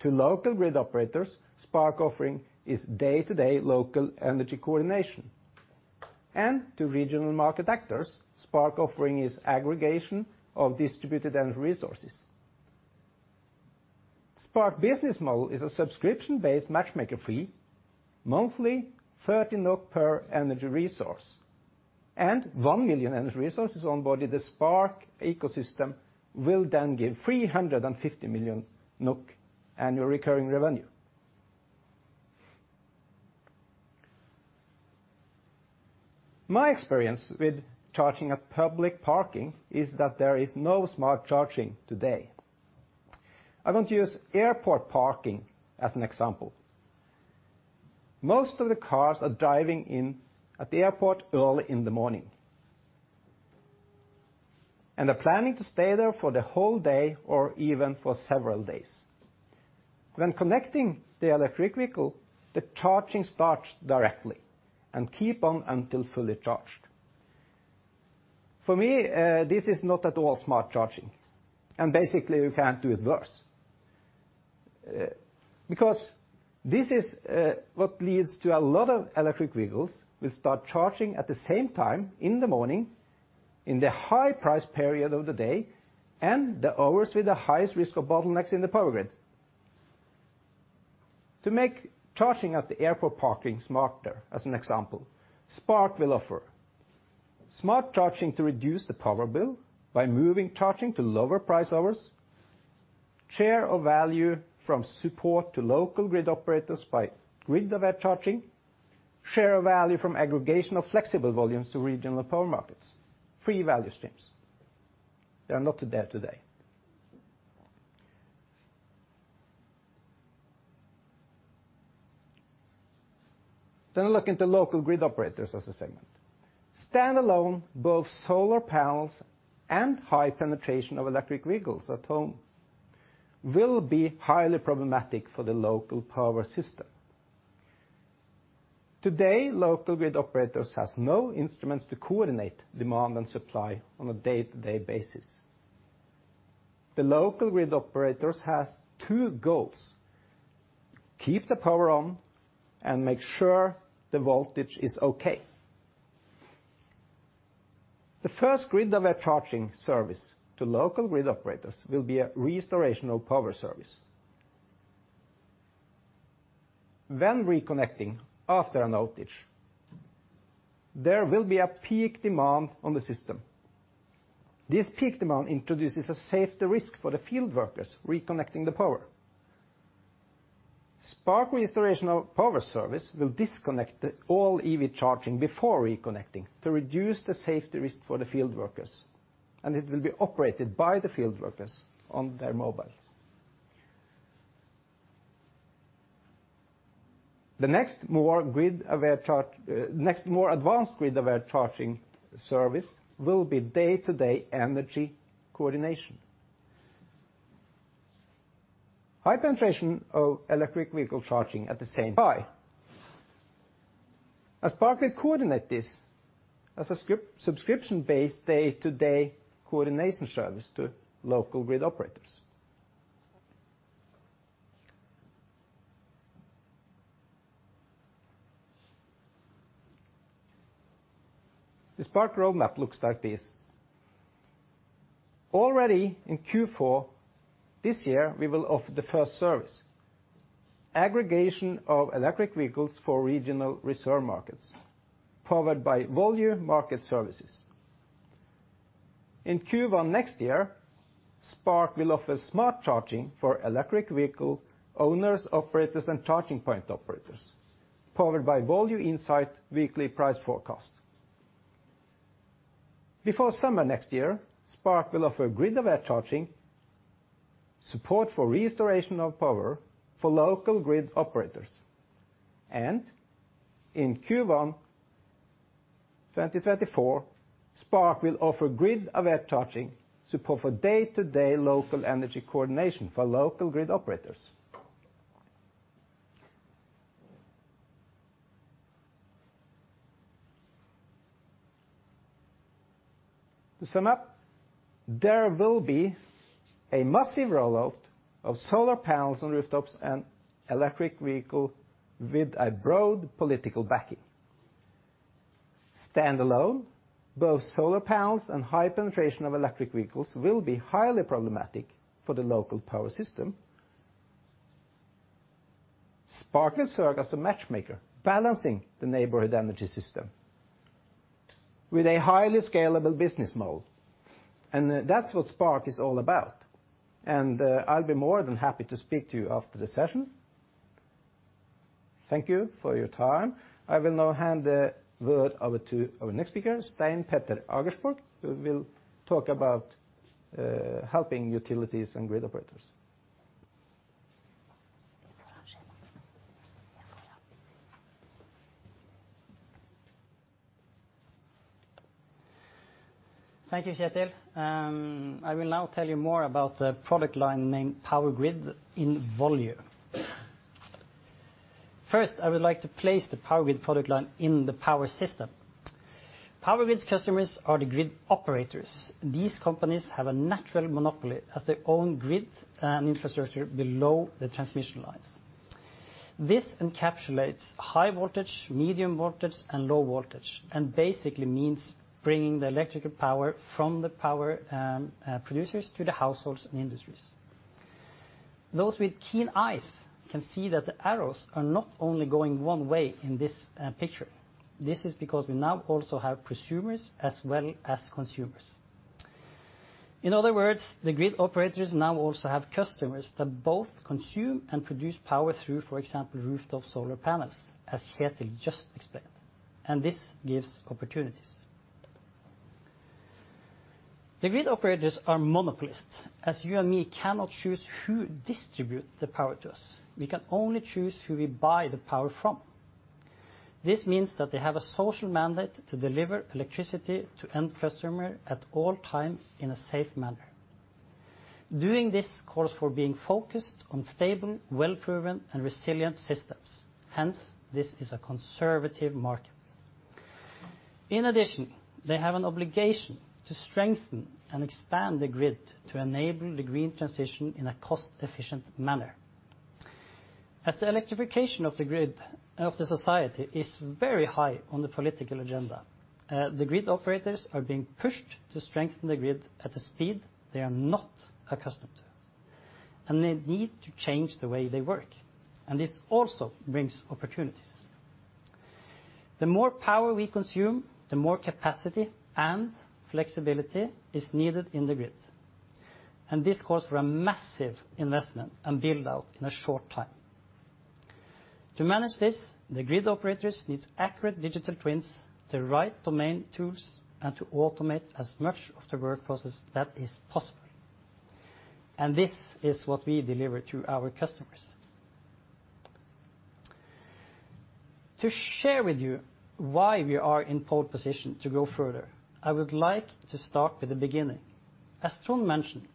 To local grid operators, Spark offering is day-to-day local energy coordination. To regional market actors, Spark offering is aggregation of distributed energy resources. Spark business model is a subscription-based matchmaker fee, monthly 30 NOK per energy resource. And 1 million energy resources on board the Spark ecosystem will then give 350 million NOK annual recurring revenue. My experience with charging at public parking is that there is no smart charging today. I want to use airport parking as an example. Most of the cars are driving in at the airport early in the morning and are planning to stay there for the whole day or even for several days. When connecting the electric vehicle, the charging starts directly and keep on until fully charged. For me, this is not at all smart charging, and basically you can't do it worse. Because this is what leads to a lot of electric vehicles will start charging at the same time in the morning, in the high-price period of the day, and the hours with the highest risk of bottlenecks in the power grid. To make charging at the airport parking smarter, as an example, Spark will offer smart charging to reduce the power bill by moving charging to lower price hours. Share value and support to local grid operators by grid-aware charging. Share a value from aggregation of flexible volumes to regional power markets. Three value streams. They are not there today. Look into local grid operators as a segment. Standalone, both solar panels and high penetration of electric vehicles at home will be highly problematic for the local power system. Today, local grid operators has no instruments to coordinate demand and supply on a day-to-day basis. The local grid operators has two goals, keep the power on, and make sure the voltage is okay. The first grid of a charging service to local grid operators will be a restoration power service. When reconnecting after an outage, there will be a peak demand on the system. This peak demand introduces a safety risk for the field workers reconnecting the power. Spark restoration power service will disconnect all EV charging before reconnecting to reduce the safety risk for the field workers, and it will be operated by the field workers on their mobile. The next more advanced grid-aware charging service will be day-to-day energy coordination. High penetration of electric vehicle charging at the same time. Spark will coordinate this as a subscription-based day-to-day coordination service to local grid operators. The Spark roadmap looks like this. Already in Q4 this year, we will offer the first service, aggregation of electric vehicles for regional reserve markets, powered by Volue Market Services. In Q1 next year, Spark will offer smart charging for electric vehicle owners, operators, and charging point operators, powered by Volue Insight weekly price forecast. Before summer next year, Spark will offer grid-aware charging, support for restoration of power for local grid operators. In Q1 2024, Spark will offer grid-aware charging, support for day-to-day local energy coordination for local grid operators. To sum up, there will be a massive rollout of solar panels on rooftops and electric vehicle with a broad political backing. Standalone, both solar panels and high penetration of electric vehicles will be highly problematic for the local power system. Spark will serve as a matchmaker, balancing the neighborhood energy system with a highly scalable business model. That's what Spark is all about. I'll be more than happy to speak to you after the session. Thank you for your time. I will now hand the word over to our next speaker, Stein Petter Agersborg, who will talk about helping utilities and grid operators. Thank you, Kjetil. I will now tell you more about the product line named Power Grid in Volue. First, I would like to place the Power Grid product line in the power system. Power Grid's customers are the grid operators. These companies have a natural monopoly as their own grid and infrastructure below the transmission lines. This encapsulates high voltage, medium voltage, and low voltage, and basically means bringing the electrical power from the power producers to the households and industries. Those with keen eyes can see that the arrows are not only going one way in this picture. This is because we now also have prosumers as well as consumers. In other words, the grid operators now also have customers that both consume and produce power through, for example, rooftop solar panels, as Kjetil just explained, and this gives opportunities. The grid operators are monopolists, as you and me cannot choose who distribute the power to us. We can only choose who we buy the power from. This means that they have a social mandate to deliver electricity to end customer at all times in a safe manner. Doing this calls for being focused on stable, well-proven, and resilient systems. Hence, this is a conservative market. In addition, they have an obligation to strengthen and expand the grid to enable the green transition in a cost-efficient manner. As the electrification of the grid, of the society is very high on the political agenda, the grid operators are being pushed to strengthen the grid at a speed they are not accustomed to, and they need to change the way they work, and this also brings opportunities. The more power we consume, the more capacity and flexibility is needed in the grid. This calls for a massive investment and build-out in a short time. To manage this, the grid operators need accurate digital twins, the right domain tools, and to automate as much of the work process that is possible. This is what we deliver to our customers. To share with you why we are in pole position to go further, I would like to start with the beginning. As Trond mentioned,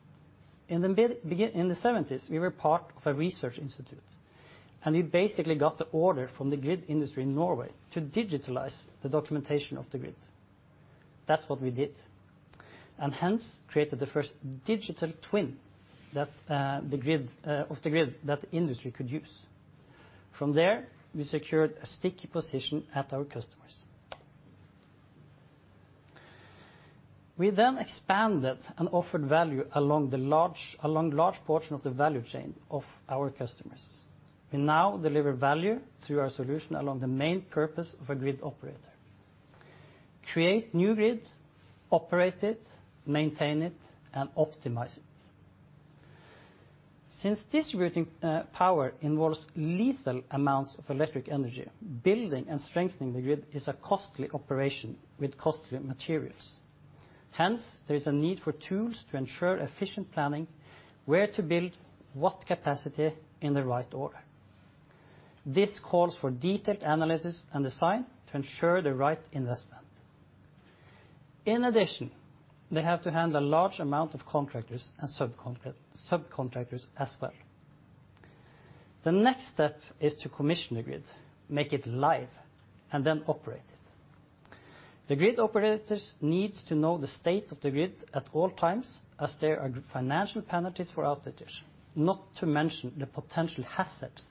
in the seventies, we were part of a research institute, and we basically got the order from the grid industry in Norway to digitalize the documentation of the grid. That's what we did, and hence created the first digital twin of the grid that the industry could use. From there, we secured a sticky position at our customers. We expanded and offered value along the large portion of the value chain of our customers. We now deliver value through our solution along the main purpose of a grid operator, create new grids, operate it, maintain it, and optimize it. Since distributing power involves lethal amounts of electric energy, building and strengthening the grid is a costly operation with costly materials. Hence, there is a need for tools to ensure efficient planning, where to build what capacity in the right order. This calls for detailed analysis and design to ensure the right investment. In addition, they have to handle a large amount of contractors and subcontractors as well. The next step is to commission the grid, make it live, and then operate it. The grid operators needs to know the state of the grid at all times, as there are financial penalties for outages. Not to mention the potential hazards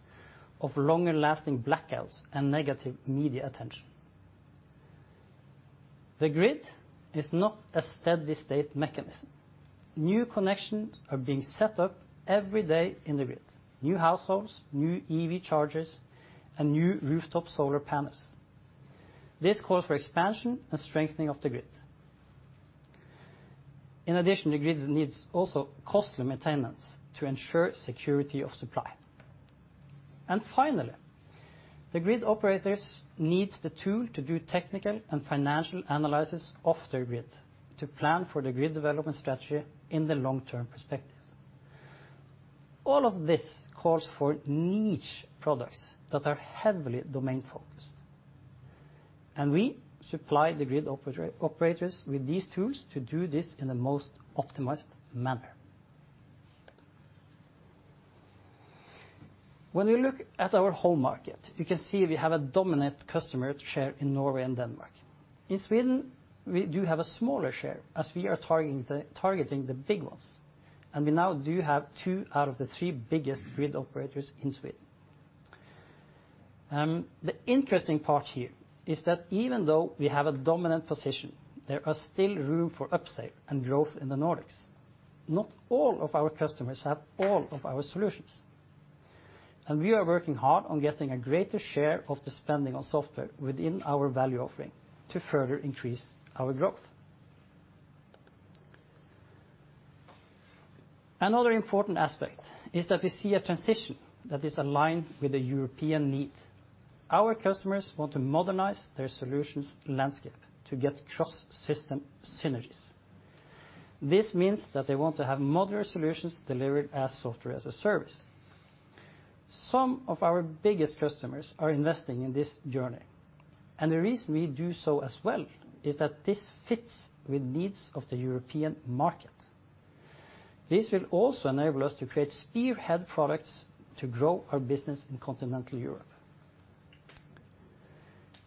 of longer-lasting blackouts and negative media attention. The grid is not a steady state mechanism. New connections are being set up every day in the grid. New households, new EV chargers, and new rooftop solar panels. This calls for expansion and strengthening of the grid. In addition, the grids needs also costly maintenance to ensure security of supply. Finally, the grid operators needs the tool to do technical and financial analysis of their grid to plan for the grid development strategy in the long-term perspective. All of this calls for niche products that are heavily domain-focused, and we supply the grid operators with these tools to do this in the most optimized manner. When we look at our home market, you can see we have a dominant customer share in Norway and Denmark. In Sweden, we do have a smaller share, as we are targeting the big ones, and we now do have two out of the three biggest grid operators in Sweden. The interesting part here is that even though we have a dominant position, there are still room for upsale and growth in the Nordics. Not all of our customers have all of our solutions, and we are working hard on getting a greater share of the spending on software within our value offering to further increase our growth. Another important aspect is that we see a transition that is aligned with the European need. Our customers want to modernize their solutions landscape to get cross-system synergies. This means that they want to have modular solutions delivered as software as a service. Some of our biggest customers are investing in this journey, and the reason we do so as well is that this fits with needs of the European market. This will also enable us to create spearhead products to grow our business in Continental Europe.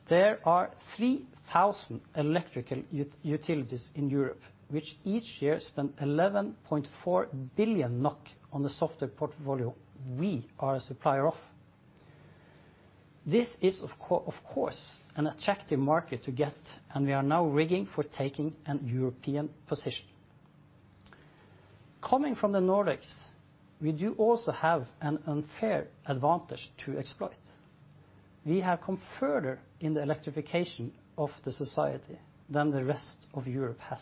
There are 3,000 electrical utilities in Europe, which each year spend 11.4 billion NOK on the software portfolio we are a supplier of. This is of course, an attractive market to get, and we are now rigging for taking an European position. Coming from the Nordics, we do also have an unfair advantage to exploit. We have come further in the electrification of the society than the rest of Europe has.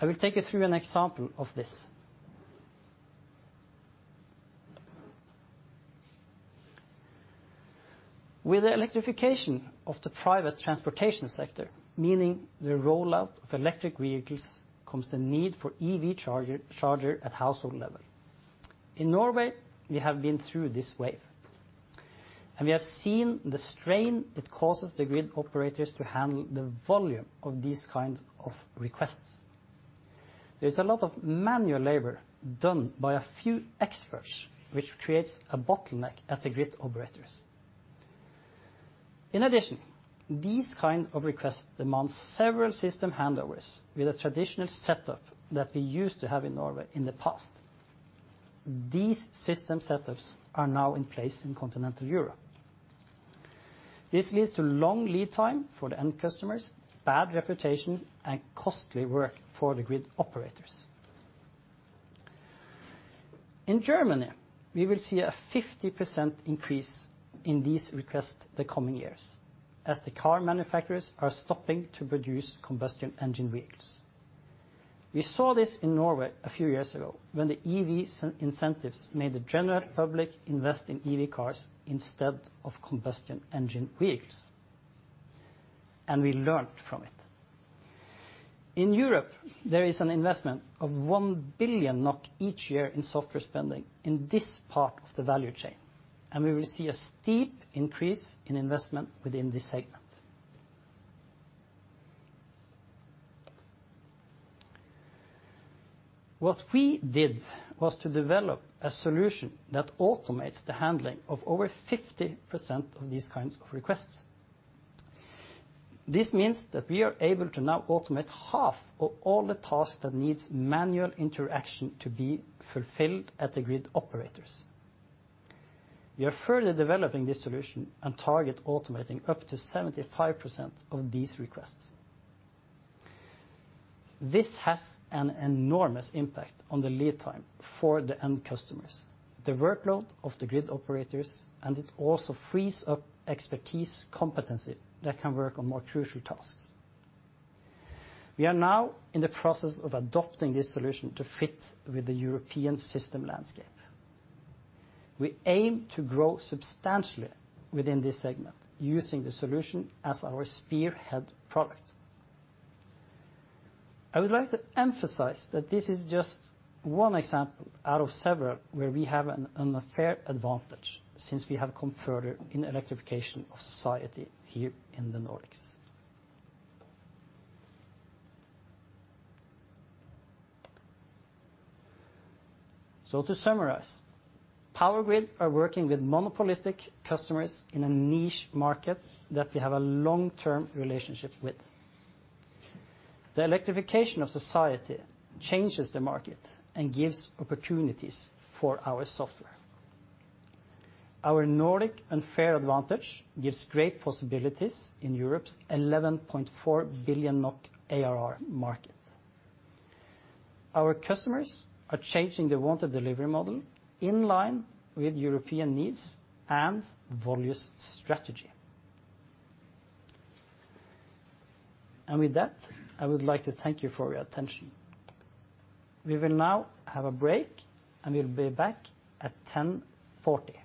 I will take you through an example of this. With the electrification of the private transportation sector, meaning the rollout of electric vehicles, comes the need for EV charger at household level. In Norway, we have been through this wave, and we have seen the strain it causes the grid operators to handle the volume of these kinds of requests. There's a lot of manual labor done by a few experts, which creates a bottleneck at the grid operators. In addition, these kinds of requests demand several system handovers with a traditional setup that we used to have in Norway in the past. These system setups are now in place in continental Europe. This leads to long lead time for the end customers, bad reputation, and costly work for the grid operators. In Germany, we will see a 50% increase in these requests the coming years as the car manufacturers are stopping to produce combustion engine vehicles. We saw this in Norway a few years ago when the EV incentives made the general public invest in EV cars instead of combustion engine wheels, and we learned from it. In Europe, there is an investment of 1 billion NOK each year in software spending in this part of the value chain, and we will see a steep increase in investment within this segment. What we did was to develop a solution that automates the handling of over 50% of these kinds of requests. This means that we are able to now automate half of all the tasks that needs manual interaction to be fulfilled at the grid operators. We are further developing this solution and target automating up to 75% of these requests. This has an enormous impact on the lead time for the end customers, the workload of the grid operators, and it also frees up expertise competency that can work on more crucial tasks. We are now in the process of adopting this solution to fit with the European system landscape. We aim to grow substantially within this segment using the solution as our spearhead product. I would like to emphasize that this is just one example out of several where we have an unfair advantage since we have come further in electrification of society here in the Nordics. To summarize, Power Grid are working with monopolistic customers in a niche market that we have a long-term relationship with. The electrification of society changes the market and gives opportunities for our software. Our Nordic unfair advantage gives great possibilities in Europe's 11.4 billion NOK ARR market. Our customers are changing the wanted delivery model in line with European needs and Volue's strategy. With that, I would like to thank you for your attention. We will now have a break, and we'll be back at 10:40 A.M.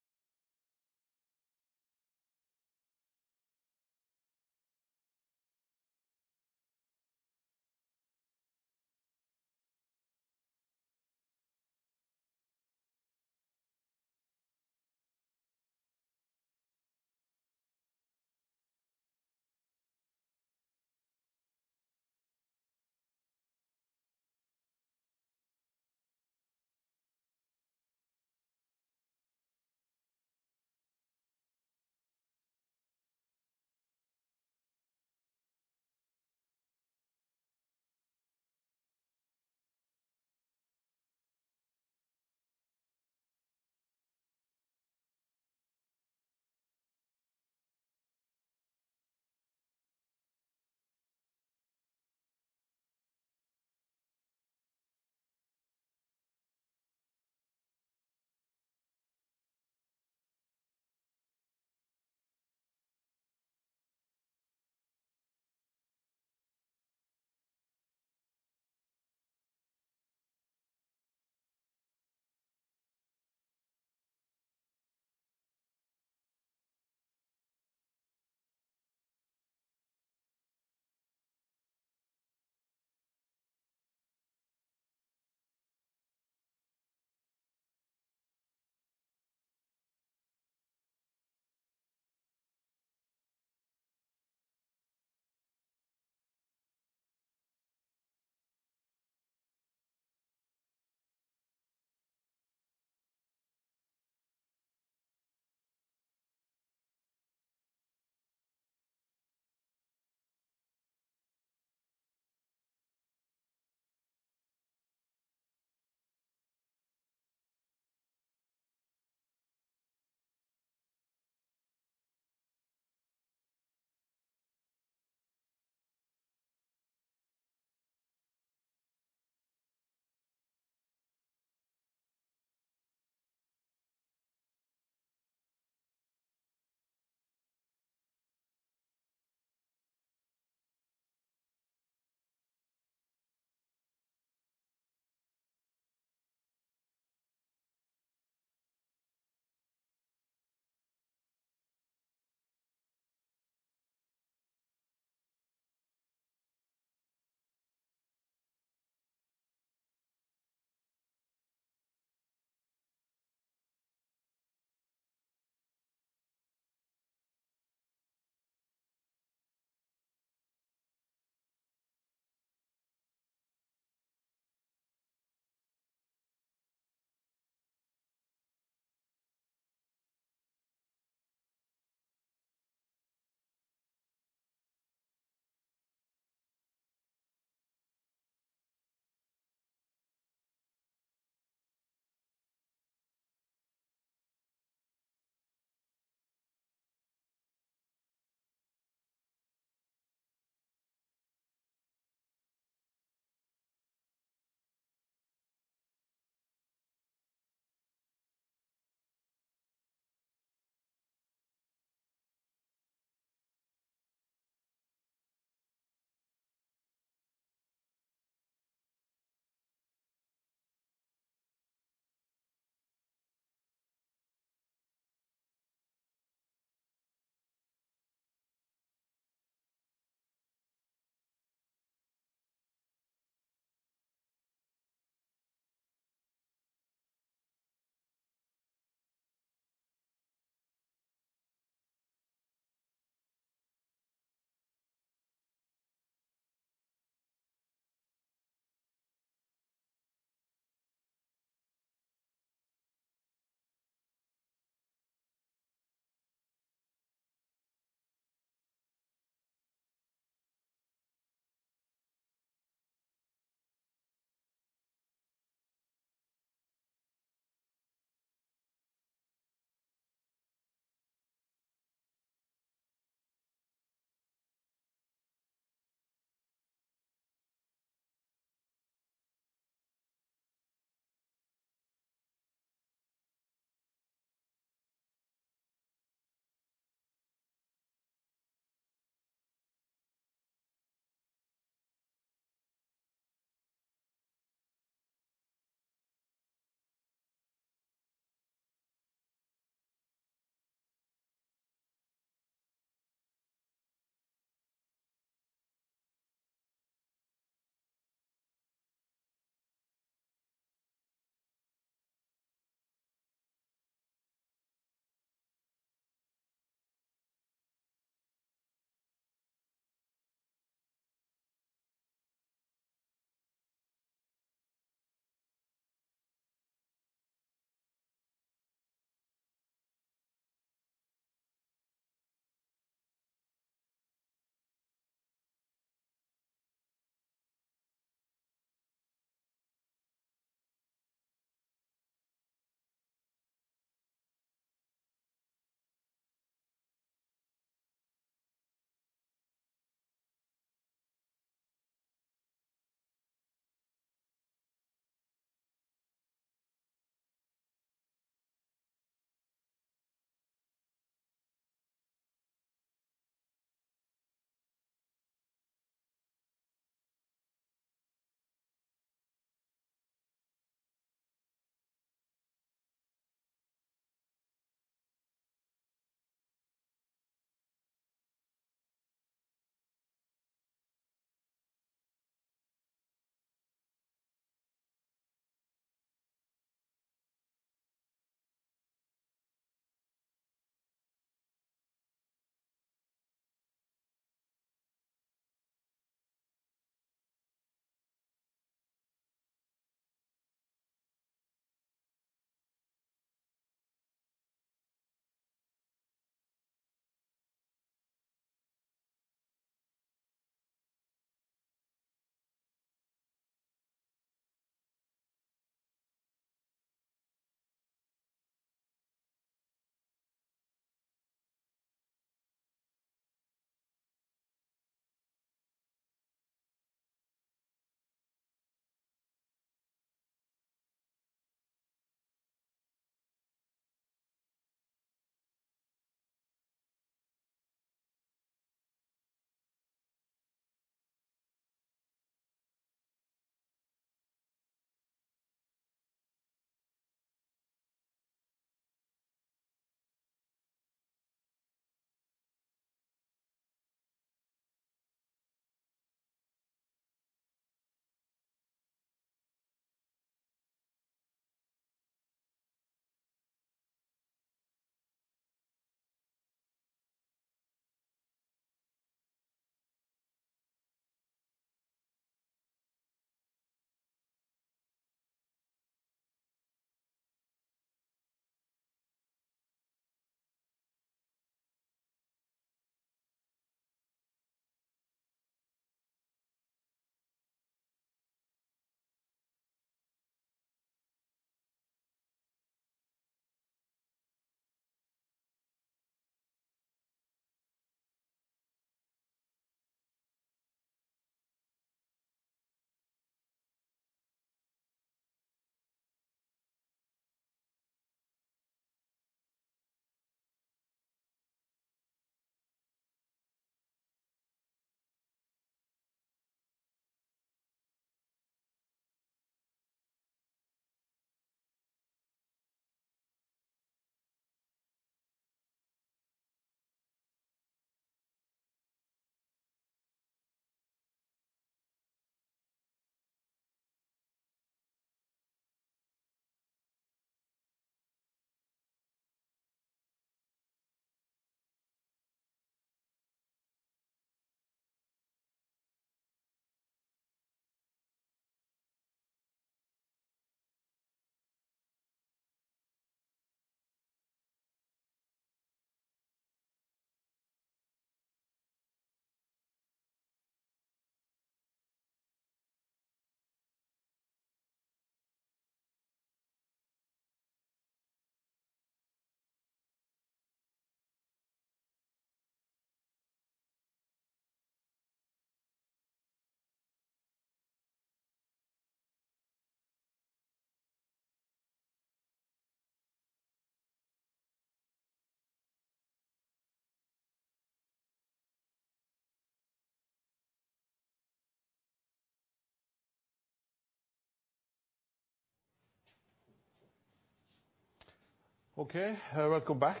Okay, welcome back.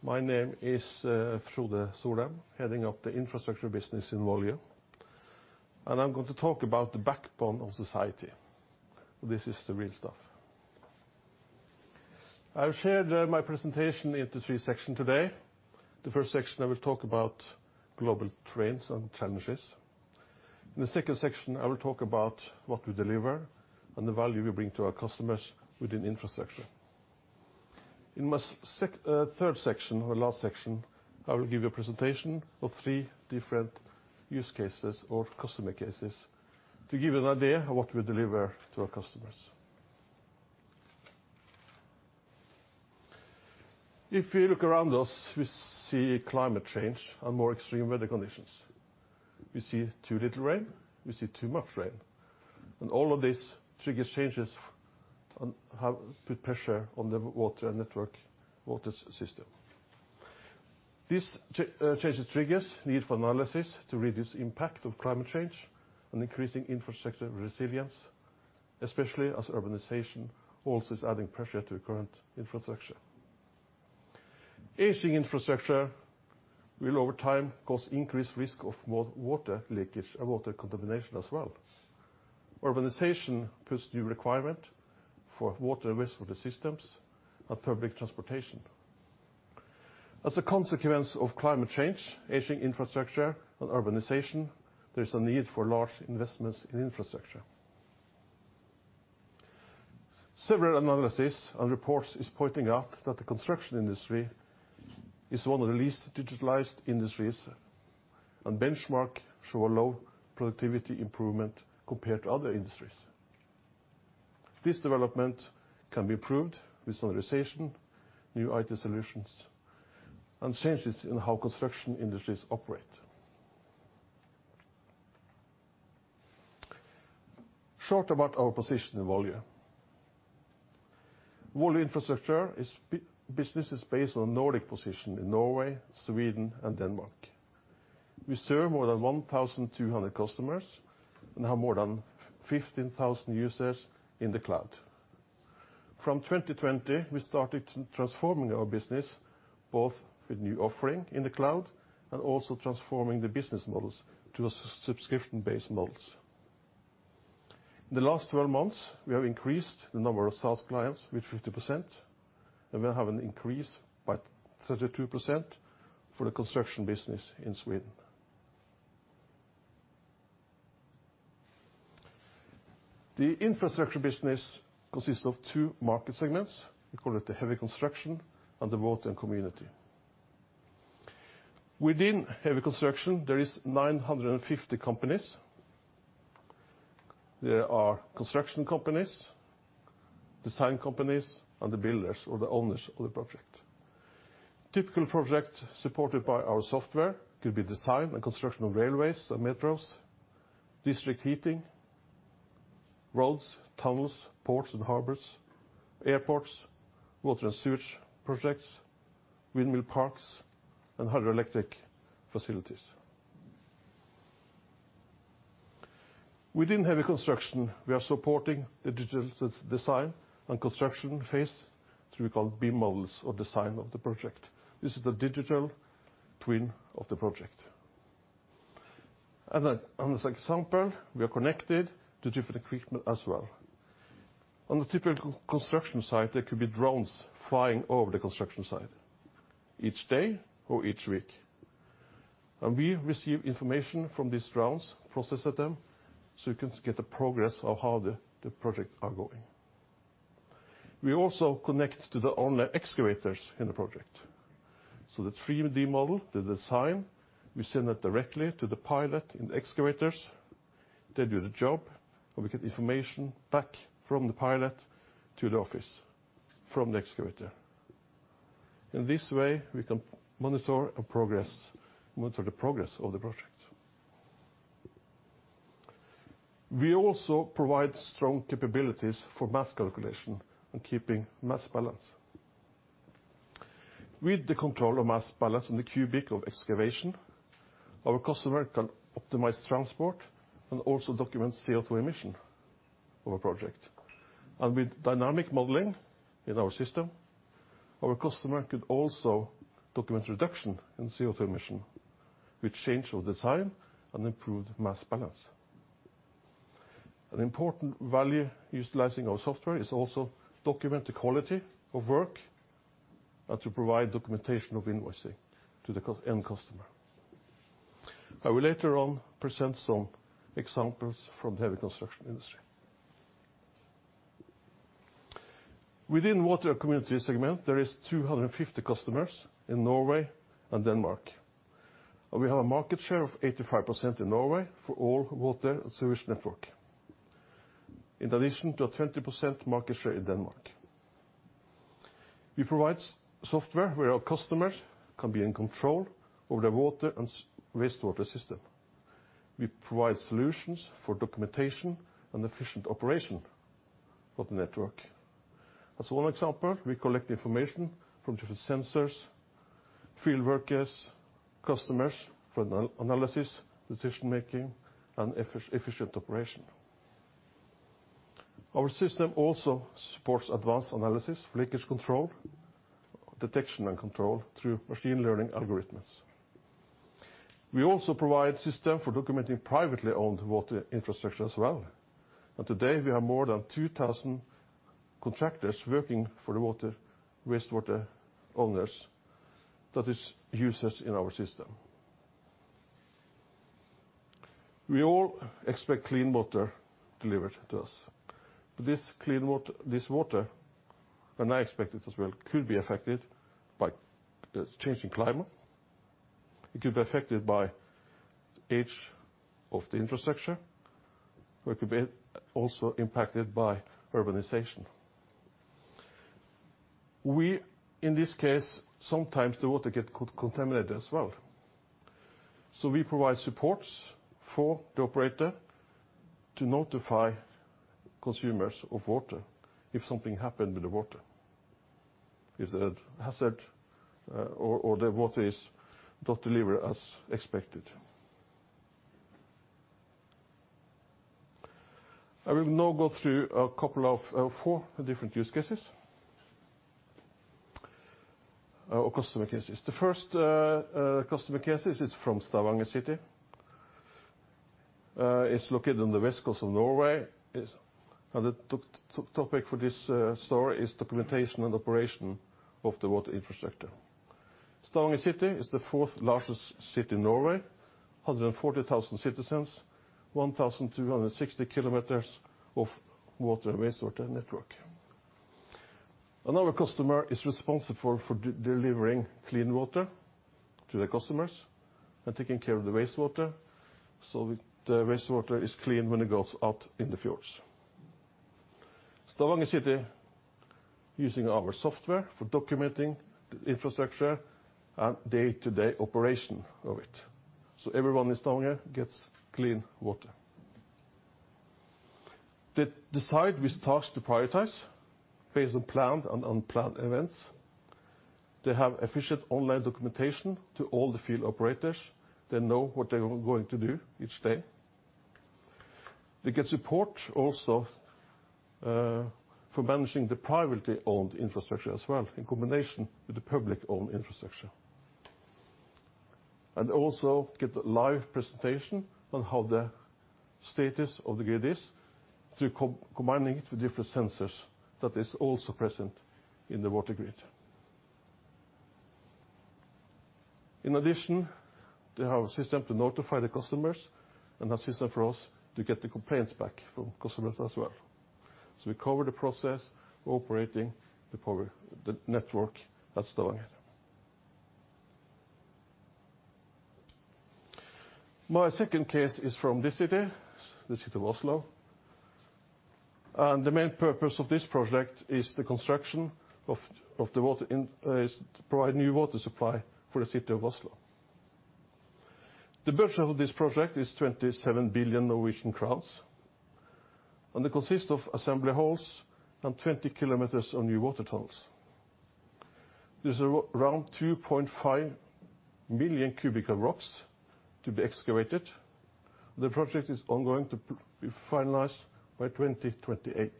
My name is Frode Solem, heading up the infrastructure business in Volue. I'm going to talk about the backbone of society. This is the real stuff. I've shared my presentation into three sections today. The first section, I will talk about global trends and challenges. In the second section, I will talk about what we deliver and the value we bring to our customers within infrastructure. In my third section or last section, I will give you a presentation of three different use cases or customer cases to give you an idea of what we deliver to our customers. If you look around us, we see climate change and more extreme weather conditions. We see too little rain, we see too much rain. All of this triggers changes on how we put pressure on the water network, water system. This change triggers need for analysis to reduce impact of climate change and increasing infrastructure resilience, especially as urbanization also is adding pressure to current infrastructure. Aging infrastructure will over time cause increased risk of more water leakage and water contamination as well. Urbanization puts new requirement for water and wastewater systems and public transportation. As a consequence of climate change, aging infrastructure and urbanization, there's a need for large investments in infrastructure. Several analysis and reports is pointing out that the construction industry is one of the least digitalized industries, and benchmark show a low productivity improvement compared to other industries. This development can be improved with standardization, new IT solutions, and changes in how construction industries operate. In short, about our position in Volue. Volue Infrastructure business is based on a Nordic position in Norway, Sweden and Denmark. We serve more than 1,200 customers and have more than 15,000 users in the cloud. From 2020, we started transforming our business, both with new offering in the cloud and also transforming the business models to a subscription-based models. In the last 12 months, we have increased the number of SaaS clients with 50%, and we have an increase by 32% for the construction business in Sweden. The infrastructure business consists of two market segments. We call it the heavy construction and the road and community. Within heavy construction, there is 950 companies. There are construction companies, design companies, and the builders or the owners of the project. Typical projects supported by our software could be design and construction of railways and metros, district heating, roads, tunnels, ports and harbors, airports, water and sewage projects, windmill parks, and hydroelectric facilities. Within heavy construction, we are supporting the digital system design and construction phase through what we call BIM models of design of the project. This is the digital twin of the project. In this example, we are connected to different equipment as well. On the typical construction site, there could be drones flying over the construction site each day or each week. We receive information from these drones, process them, so we can get the progress of how the project are going. We also connect to the owner of excavators in the project. The 3D model, the design, we send that directly to the pilot in the excavators to do the job, and we get information back from the pilot to the office from the excavator. In this way, we can monitor the progress of the project. We also provide strong capabilities for mass calculation and keeping mass balance. With the control of mass balance and the cubic of excavation, our customer can optimize transport and also document CO2 emission of a project. With dynamic modeling in our system, our customer could also document reduction in CO2 emission, which change over time and improved mass balance. An important value utilizing our software is also document the quality of work, and to provide documentation of invoicing to the end customer. I will later on present some examples from the heavy construction industry. Within water community segment, there are 250 customers in Norway and Denmark, and we have a market share of 85% in Norway for all water and sewage network. In addition to a 20% market share in Denmark. We provide software where our customers can be in control over the water and wastewater system. We provide solutions for documentation and efficient operation of the network. As one example, we collect information from different sensors, field workers, customers for analysis, decision-making, and efficient operation. Our system also supports advanced analysis, leakage control, detection and control through machine learning algorithms. We also provide system for documenting privately owned water infrastructure as well. Today we have more than 2,000 contractors working for the water wastewater owners that is users in our system. We all expect clean water delivered to us. This water, and I expect it as well, could be affected by the changing climate. It could be affected by age of the infrastructure, or it could be also impacted by urbanization. We, in this case, sometimes the water get contaminated as well. We provide supports for the operator to notify consumers of water if something happened with the water, if there's a hazard, or the water is not delivered as expected. I will now go through a couple of four different use cases, or customer cases. The first customer case is from City of Stavanger. It's located on the west coast of Norway. The topic for this story is documentation and operation of the water infrastructure. Stavanger City is the fourth largest city in Norway, 140,000 citizens, 1,260 kilometers of water and wastewater network. Another customer is responsible for delivering clean water to the customers and taking care of the wastewater, so the wastewater is clean when it goes out in the fjords. Stavanger City using our software for documenting the infrastructure and day-to-day operation of it, so everyone in Stavanger gets clean water. They decide which tasks to prioritize based on planned and unplanned events. They have efficient online documentation to all the field operators. They know what they were going to do each day. They get support also for managing the privately owned infrastructure as well, in combination with the publicly owned infrastructure. Also get a live presentation on how the status of the grid is through combining it with different sensors that is also present in the water grid. In addition, they have a system to notify the customers and a system for us to get the complaints back from customers as well. We cover the process, operating the power network at Stavanger. My second case is from this city, the city of Oslo, and the main purpose of this project is to provide new water supply for the city of Oslo. The budget of this project is 27 billion Norwegian crowns, and it consists of assembly halls and 20 km of new water tunnels. There's around 2.5 million cu m of rocks to be excavated. The project is ongoing to be finalized by 2028.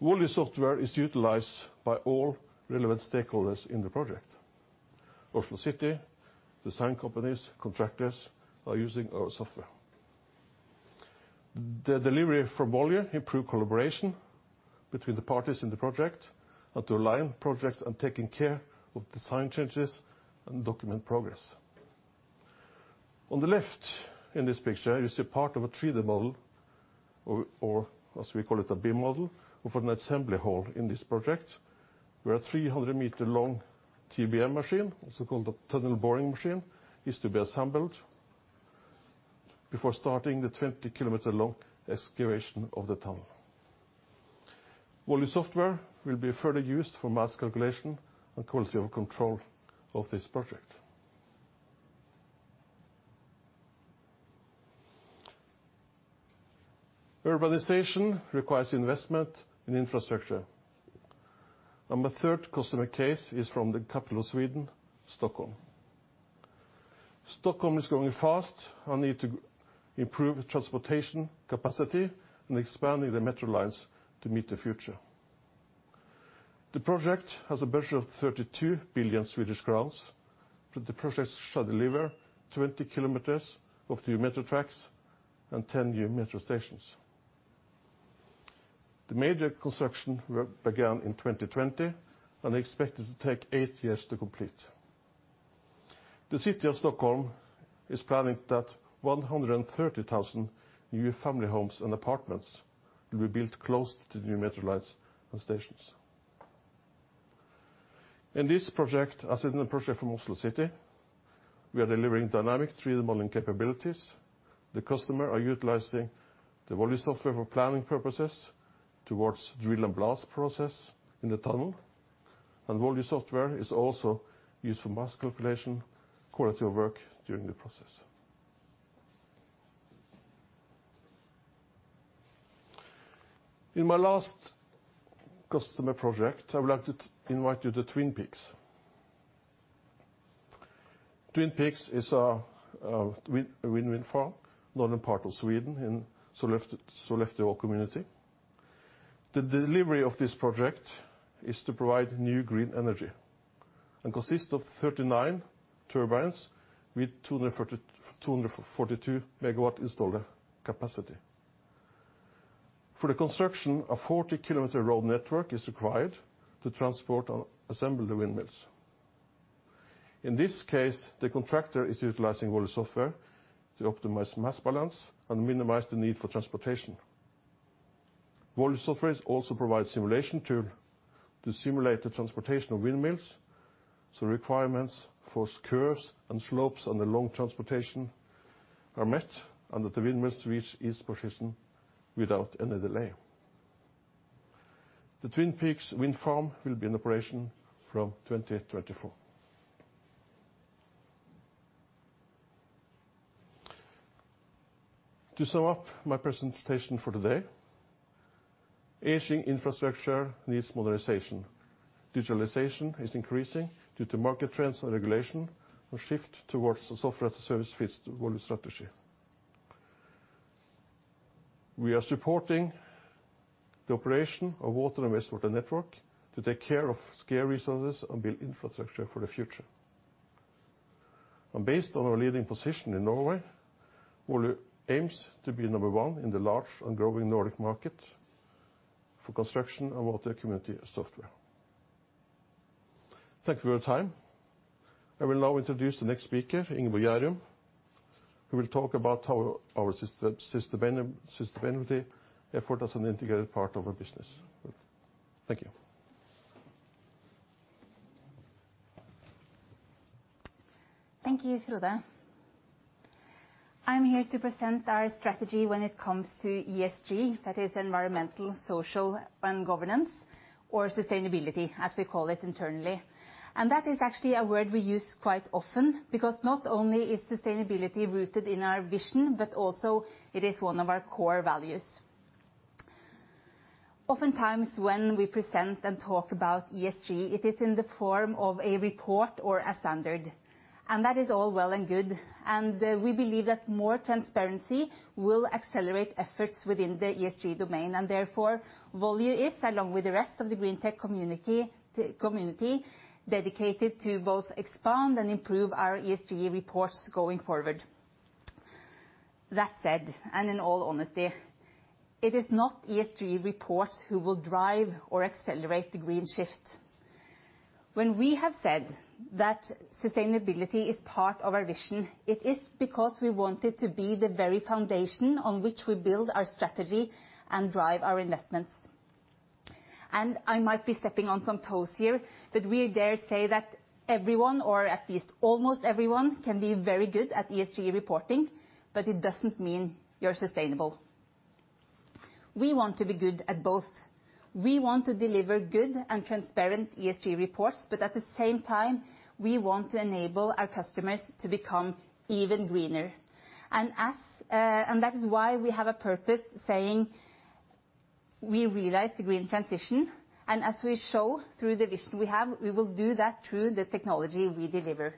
Volue software is utilized by all relevant stakeholders in the project. City of Oslo, design companies, contractors are using our software. The delivery from Volue improves collaboration between the parties in the project and to align projects and taking care of design changes and document progress. On the left in this picture, you see part of a 3D model, or as we call it a BIM model, of an assembly hall in this project, where a 300-m long TBM machine, also called a tunnel boring machine, is to be assembled before starting the 20-km long excavation of the tunnel. Volue software will be further used for mass calculation and quality control of this project. Urbanization requires investment in infrastructure. The third customer case is from the capital of Sweden, Stockholm. Stockholm is growing fast and needs to improve the transportation capacity and expand the metro lines to meet the future. The project has a budget of 32 billion Swedish crowns. The project shall deliver 20 km of new metro tracks and 10 new metro stations. The major construction work began in 2020 and expected to take eight years to complete. The City of Oslo is planning that 130,000 new family homes and apartments will be built close to the new metro lines and stations. In this project, as in the project from the City of Oslo, we are delivering dynamic 3D modeling capabilities. The customer are utilizing the Volue software for planning purposes towards drill-and-blast process in the tunnel. Volue software is also used for mass calculation, quality of work during the process. In my last customer project, I would like to invite you to Twin Peaks. Twin Peaks is a wind farm, northern part of Sweden in Sollefteå Municipality. The delivery of this project is to provide new green energy and consists of 39 turbines with 242 MW installed capacity. For the construction, a 40-km road network is required to transport or assemble the windmills. In this case, the contractor is utilizing Volue software to optimize mass balance and minimize the need for transportation. Volue software also provides simulation tool to simulate the transportation of windmills, so requirements for curves and slopes on the long transportation are met and that the windmills reach its position without any delay. The Twin Peaks Wind Farm will be in operation from 2024. To sum up my presentation for today, aging infrastructure needs modernization. Digitalization is increasing due to market trends and regulation, and shift towards software as a service fits Volue strategy. We are supporting the operation of water and wastewater network to take care of scarce resources and build infrastructure for the future. Based on our leading position in Norway, Volue aims to be number one in the large and growing Nordic market for construction and water community software. Thank you for your time. I will now introduce the next speaker, Ingeborg Gjærum, who will talk about our sustainability effort as an integrated part of our business. Thank you. Thank you, Frode. I'm here to present our strategy when it comes to ESG, that is environmental, social and governance, or sustainability, as we call it internally. That is actually a word we use quite often because not only is sustainability rooted in our vision, but also it is one of our core values. Oftentimes, when we present and talk about ESG, it is in the form of a report or a standard, and that is all well and good. We believe that more transparency will accelerate efforts within the ESG domain. Therefore, Volue is, along with the rest of the green tech community, dedicated to both expand and improve our ESG reports going forward. That said, and in all honesty, it is not ESG reports who will drive or accelerate the green shift. When we have said that sustainability is part of our vision, it is because we want it to be the very foundation on which we build our strategy and drive our investments. I might be stepping on some toes here, but we dare say that everyone, or at least almost everyone, can be very good at ESG reporting, but it doesn't mean you're sustainable. We want to be good at both. We want to deliver good and transparent ESG reports, but at the same time, we want to enable our customers to become even greener. That is why we have a purpose saying we realize the green transition, and as we show through the vision we have, we will do that through the technology we deliver.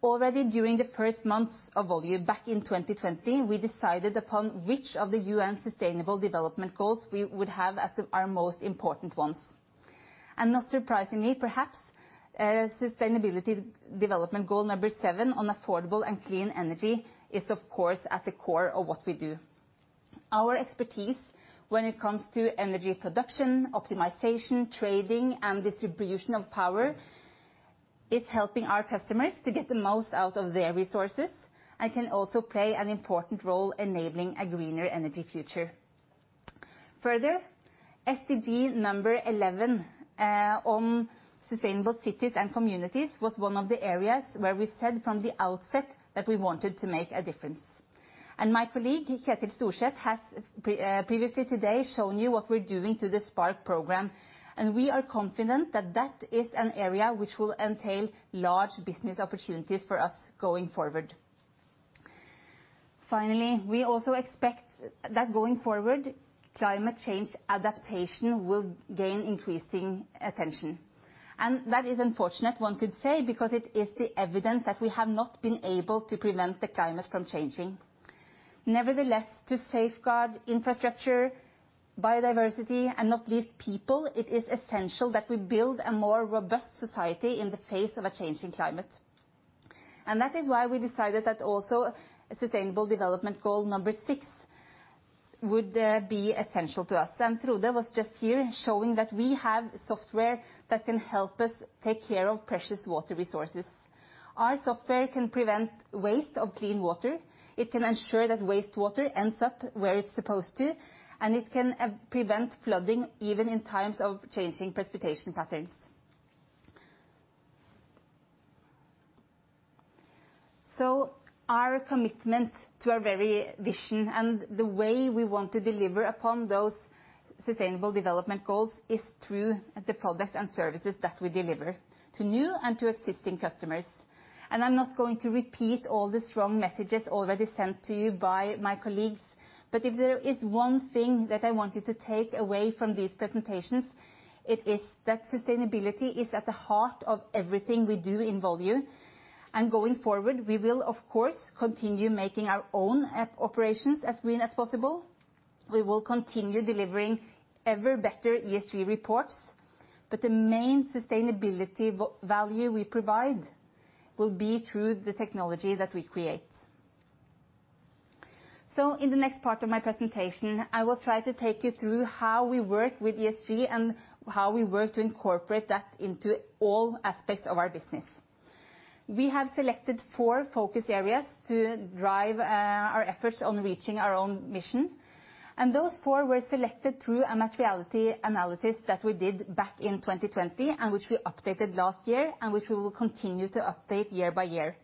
Already during the first months of Volue back in 2020, we decided upon which of the UN Sustainable Development Goals we would have as our most important ones. Not surprisingly, perhaps, Sustainable Development Goal Number 7 on affordable and clean energy is, of course, at the core of what we do. Our expertise when it comes to energy production, optimization, trading, and distribution of power is helping our customers to get the most out of their resources and can also play an important role enabling a greener energy future. Further, SDG Number 11 on sustainable cities and communities was one of the areas where we said from the outset that we wanted to make a difference. My colleague, Kjetil Storset, has previously today shown you what we're doing to the Spark program, and we are confident that is an area which will entail large business opportunities for us going forward. Finally, we also expect that going forward, climate change adaptation will gain increasing attention. That is unfortunate, one could say, because it is the evidence that we have not been able to prevent the climate from changing. Nevertheless, to safeguard infrastructure, biodiversity, and not least people, it is essential that we build a more robust society in the face of a changing climate. That is why we decided that also Sustainable Development Goal Number 6 would be essential to us. just here showing that we have software that can help us take care of precious water resources. Our software can prevent waste of clean water, it can ensure that wastewater ends up where it's supposed to, and it can prevent flooding even in times of changing precipitation patterns. Our commitment to our very vision and the way we want to deliver upon those sustainable development goals is through the products and services that we deliver to new and to existing customers. I'm not going to repeat all the strong messages already sent to you by my colleagues, but if there is one thing that I want you to take away from these presentations, it is that sustainability is at the heart of everything we do in Volue. Going forward, we will, of course, continue making our own operations as green as possible. We will continue delivering ever better ESG reports. The main sustainability value we provide will be through the technology that we create. In the next part of my presentation, I will try to take you through how we work with ESG and how we work to incorporate that into all aspects of our business. We have selected four focus areas to drive our efforts on reaching our own mission, and those four were selected through a materiality analysis that we did back in 2020, and which we updated last year, and which we will continue to update year by year.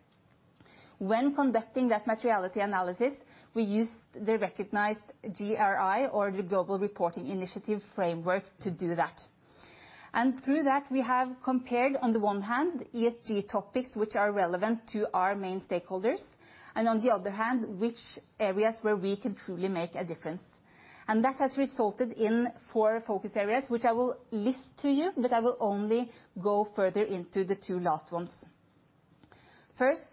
When conducting that materiality analysis, we used the recognized GRI or the Global Reporting Initiative framework to do that. Through that, we have compared, on the one hand, ESG topics which are relevant to our main stakeholders, and on the other hand, which areas where we can truly make a difference. That has resulted in four focus areas, which I will list to you, but I will only go further into the two last ones. First,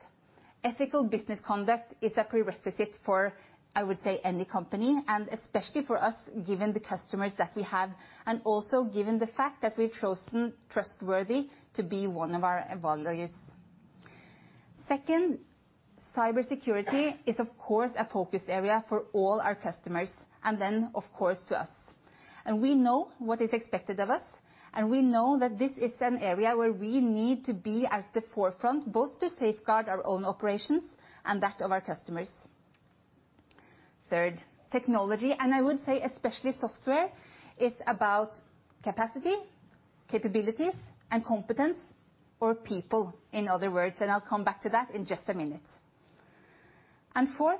ethical business conduct is a prerequisite for, I would say, any company, and especially for us, given the customers that we have, and also given the fact that we've chosen trustworthy to be one of our values. Second, cybersecurity is, of course, a focus area for all our customers, and then, of course, to us. We know what is expected of us, and we know that this is an area where we need to be at the forefront, both to safeguard our own operations and that of our customers. Third, technology, and I would say especially software, is about capacity, capabilities, and competence, or people, in other words, and I'll come back to that in just a minute. Fourth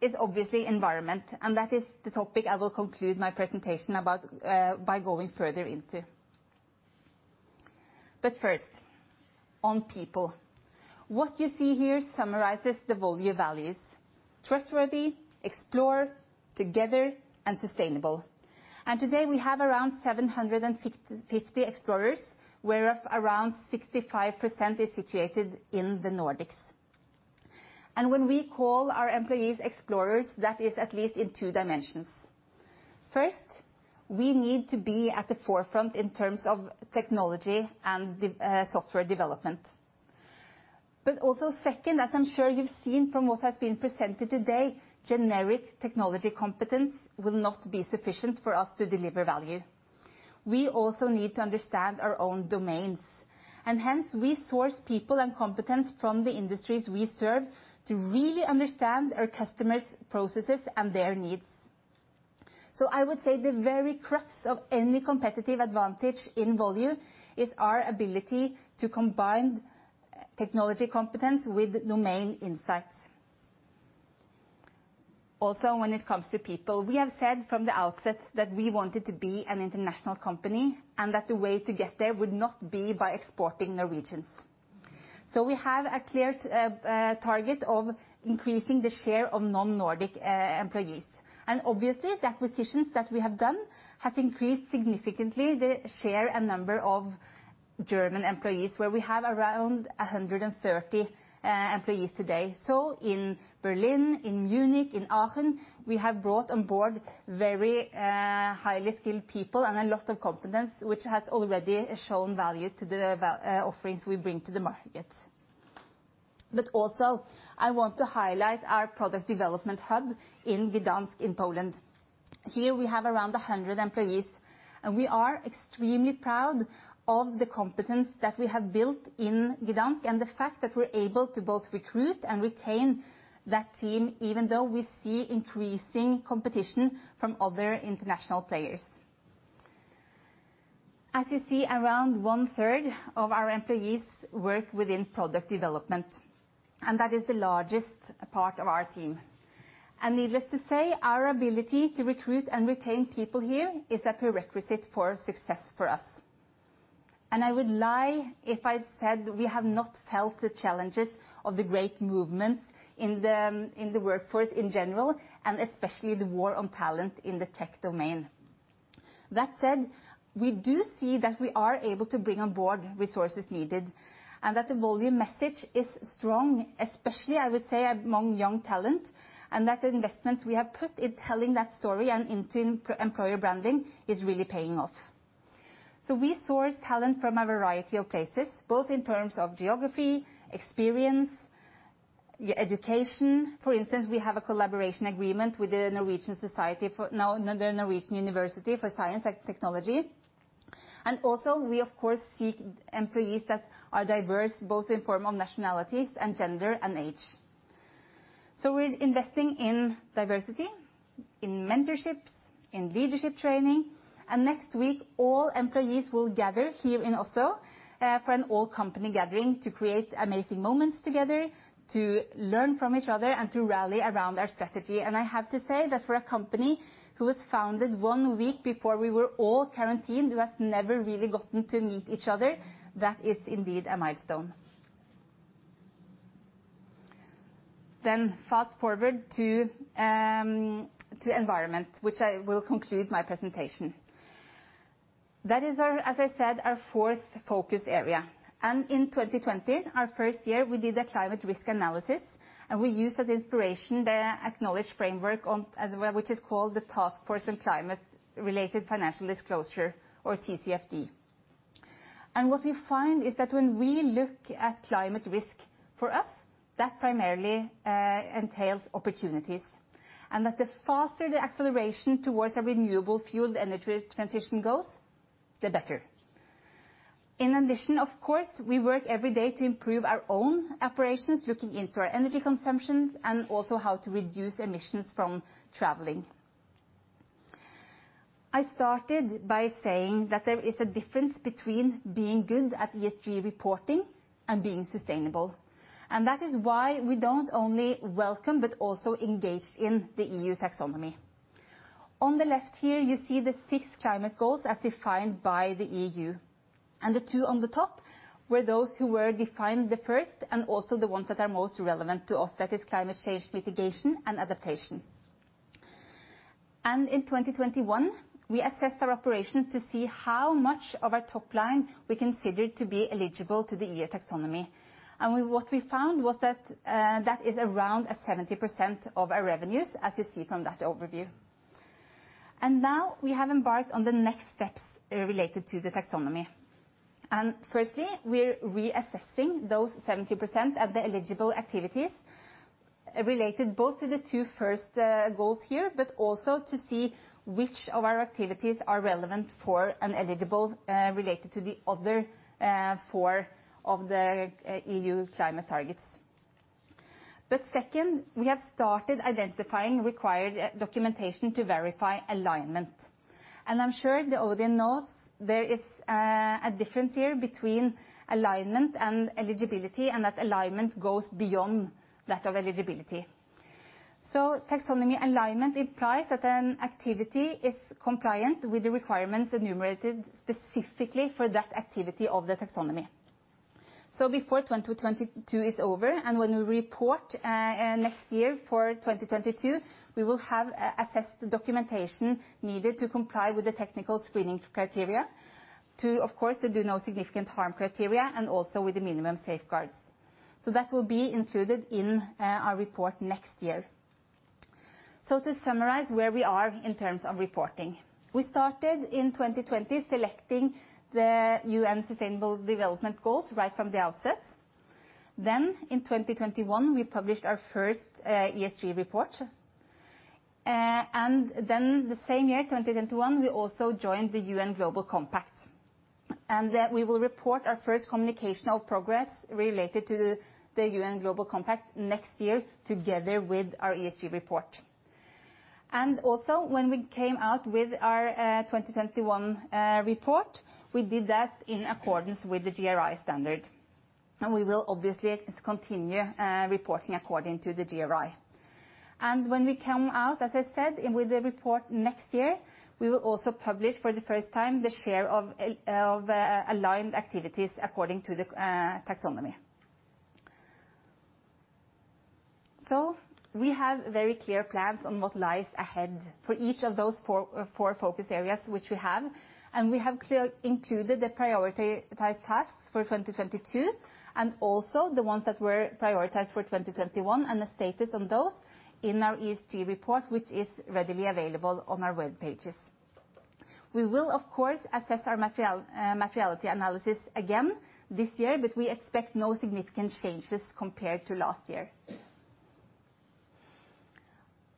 is obviously environment, and that is the topic I will conclude my presentation about, by going further into. First, on people. What you see here summarizes the Volue values, trustworthy, explore, together, and sustainable. Today, we have around 750 explorers, whereas around 65% is situated in the Nordics. When we call our employees explorers, that is at least in two dimensions. First, we need to be at the forefront in terms of technology and software development. Also second, as I'm sure you've seen from what has been presented today, generic technology competence will not be sufficient for us to deliver value. We also need to understand our own domains, and hence, we source people and competence from the industries we serve to really understand our customers' processes and their needs. I would say the very crux of any competitive advantage in Volue is our ability to combine technology competence with domain Insights. Also, when it comes to people, we have said from the outset that we wanted to be an international company and that the way to get there would not be by exporting Norwegians. We have a clear target of increasing the share of non-Nordic employees. Obviously, the acquisitions that we have done has increased significantly the share and number of German employees, where we have around 130 employees today. In Berlin, in Munich, in Aachen, we have brought on board very highly skilled people and a lot of competence, which has already shown value to the offerings we bring to the market. I want to highlight our product development hub in Gdańsk in Poland. Here we have around 100 employees, and we are extremely proud of the competence that we have built in Gdańsk and the fact that we're able to both recruit and retain that team, even though we see increasing competition from other international players. As you see, around one third of our employees work within product development, and that is the largest part of our team. Needless to say, our ability to recruit and retain people here is a prerequisite for success for us. I would lie if I said we have not felt the challenges of the great movement in the workforce in general, and especially the war on talent in the tech domain. That said, we do see that we are able to bring on board resources needed and that the Volue message is strong, especially, I would say, among young talent, and that the investments we have put in telling that story and into employer branding is really paying off. We source talent from a variety of places, both in terms of geography, experience, education. For instance, we have a collaboration agreement with the Norwegian University of Science and Technology. Also we of course seek employees that are diverse both in form of nationalities and gender and age. We're investing in diversity, in mentorships, in leadership training, and next week all employees will gather here in Oslo for an all-company gathering to create amazing moments together, to learn from each other, and to rally around our strategy. I have to say that for a company who was founded one week before we were all quarantined, who have never really gotten to meet each other, that is indeed a milestone. Fast-forward to environment, which I will conclude my presentation. That is our, as I said, our fourth focus area. In 2020, our first year, we did a climate risk analysis, and we used as inspiration the acknowledged framework as well, which is called the Task Force on Climate-related Financial Disclosure, or TCFD. What we find is that when we look at climate risk, for us, that primarily entails opportunities, and that the faster the acceleration towards a renewable fuel energy transition goes, the better. In addition, of course, we work every day to improve our own operations, looking into our energy consumptions and also how to reduce emissions from traveling. I started by saying that there is a difference between being good at ESG reporting and being sustainable, and that is why we don't only welcome but also engage in the EU taxonomy. On the left here you see the six climate goals as defined by the EU, and the two on the top were those who were defined the first and also the ones that are most relevant to us. That is climate change mitigation and adaptation. In 2021, we assessed our operations to see how much of our top line we considered to be eligible to the EU taxonomy. We found that is around 70% of our revenues, as you see from that overview. Now we have embarked on the next steps related to the taxonomy. Firstly, we're reassessing those 70% of the eligible activities, related both to the two first goals here, but also to see which of our activities are relevant for and eligible related to the other four of the EU climate targets. Second, we have started identifying required documentation to verify alignment. I'm sure the audience knows there is a difference here between alignment and eligibility, and that alignment goes beyond that of eligibility. Taxonomy alignment implies that an activity is compliant with the requirements enumerated specifically for that activity of the taxonomy. Before 2022 is over, and when we report next year for 2022, we will have assessed documentation needed to comply with the technical screening criteria to, of course, to Do No Significant Harm criteria, and also with the minimum safeguards. That will be included in our report next year. To summarize where we are in terms of reporting. We started in 2020 selecting the UN Sustainable Development Goals right from the outset. In 2021, we published our first ESG report. In the same year, 2021, we also joined the UN Global Compact. We will report our first communication of progress related to the UN Global Compact next year together with our ESG report. Also when we came out with our 2021 report, we did that in accordance with the GRI standard. We will obviously continue reporting according to the GRI. When we come out with the report next year, we will also publish for the first time the share of aligned activities according to the taxonomy. We have very clear plans on what lies ahead for each of those four focus areas which we have. We have clearly included the prioritized tasks for 2022, and also the ones that were prioritized for 2021 and the status on those in our ESG report, which is readily available on our web pages. We will of course assess our materiality analysis again this year, but we expect no significant changes compared to last year.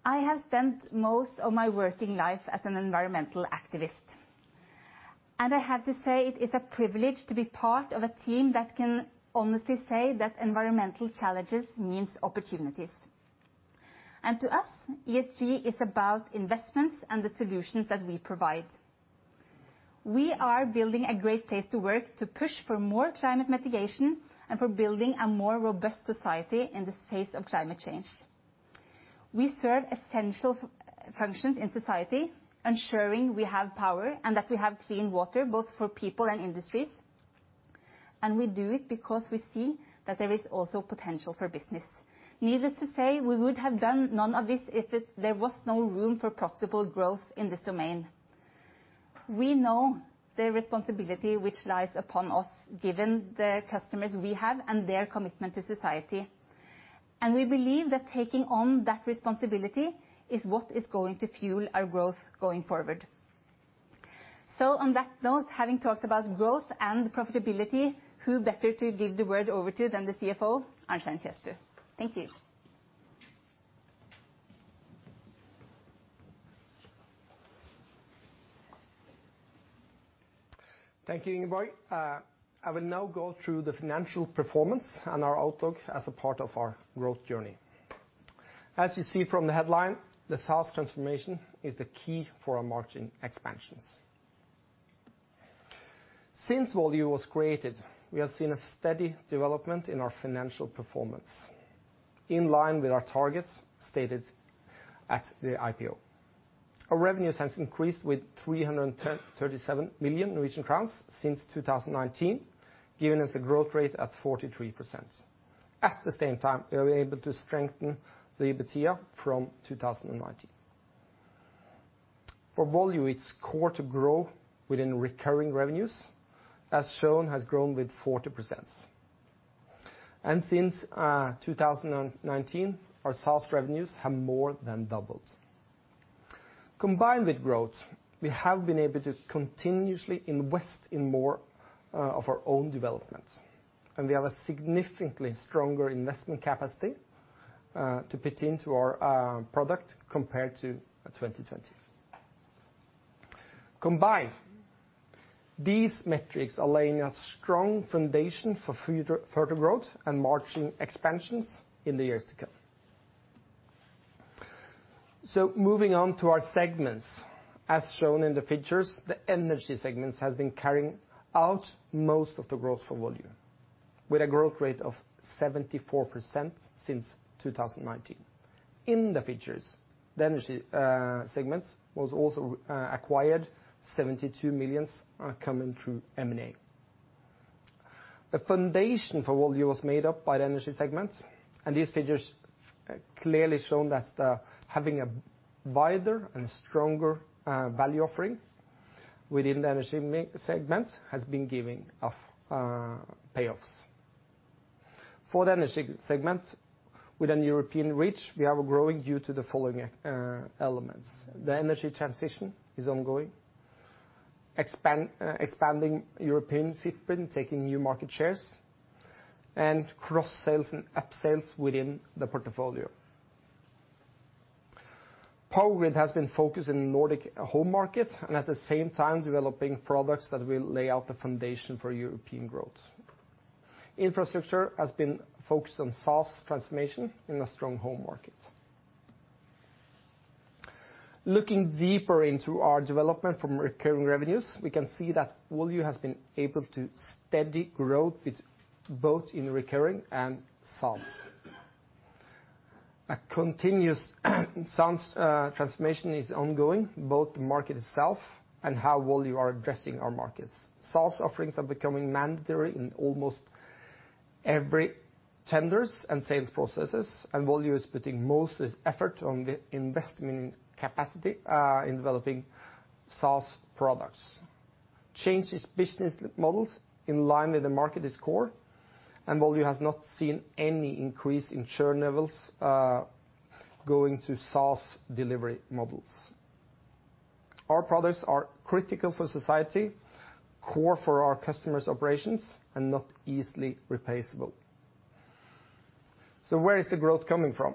I have spent most of my working life as an environmental activist, and I have to say it is a privilege to be part of a team that can honestly say that environmental challenges means opportunities. To us, ESG is about investments and the solutions that we provide. We are building a great place to work to push for more climate mitigation and for building a more robust society in the face of climate change. We serve essential functions in society, ensuring we have power and that we have clean water both for people and industries. We do it because we see that there is also potential for business. Needless to say, we would have done none of this if there was no room for profitable growth in this domain. We know the responsibility which lies upon us, given the customers we have and their commitment to society. We believe that taking on that responsibility is what is going to fuel our growth going forward. On that note, having talked about growth and profitability, who better to give the word over to than the CFO, Arnstein Kjesbu. Thank you. Thank you, Ingeborg. I will now go through the financial performance and our outlook as a part of our growth journey. As you see from the headline, the sales transformation is the key for our margin expansions. Since Volue was created, we have seen a steady development in our financial performance, in line with our targets stated at the IPO. Our revenues has increased with 310.037 million Norwegian crowns since 2019, giving us a growth rate at 43%. At the same time, we are able to strengthen the EBITDA from 2019. For Volue, its core to grow within recurring revenues, as shown, has grown with 40%. Since 2019, our SaaS revenues have more than doubled. Combined with growth, we have been able to continuously invest in more of our own developments, and we have a significantly stronger investment capacity to put into our product compared to 2020. Combined, these metrics are laying a strong foundation for future further growth and margin expansions in the years to come. Moving on to our segments. As shown in the figures, the energy segment has been carrying out most of the growth for Volue, with a growth rate of 74% since 2019. In the figures, the energy segment was also acquired 72 million coming through M&A. The foundation for Volue was made up by the energy segment, and these figures clearly show that having a wider and stronger value offering within the energy segment has been paying off. For the energy segment, with a European reach, we are growing due to the following elements. The energy transition is ongoing. Expanding European footprint, taking new market shares, and cross-sales and up-sales within the portfolio. Power Grid has been focused in Nordic home market and at the same time developing products that will lay out the foundation for European growth. Infrastructure has been focused on SaaS transformation in a strong home market. Looking deeper into our development from recurring revenues, we can see that Volue has been able to steady growth with both in recurring and SaaS. A continuous SaaS transformation is ongoing, both the market itself and how Volue are addressing our markets. SaaS offerings are becoming mandatory in almost every tenders and sales processes, and Volue is putting most of its effort on the investment capacity in developing SaaS products. Changing its business models in line with the market is core, and Volue has not seen any increase in churn levels going to SaaS delivery models. Our products are critical for society, core for our customers' operations, and not easily replaceable. Where is the growth coming from?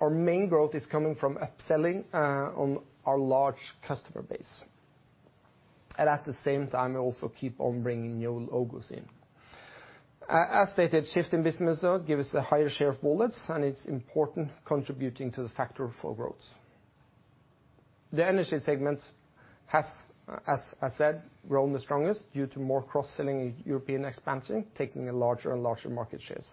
Our main growth is coming from upselling on our large customer base. At the same time, we also keep on bringing new logos in. As stated, shift in business, though, give us a higher share of wallets, and it's important contributing to the factor for growth. The energy segment has, as I said, grown the strongest due to more cross-selling European expansion, taking a larger and larger market shares.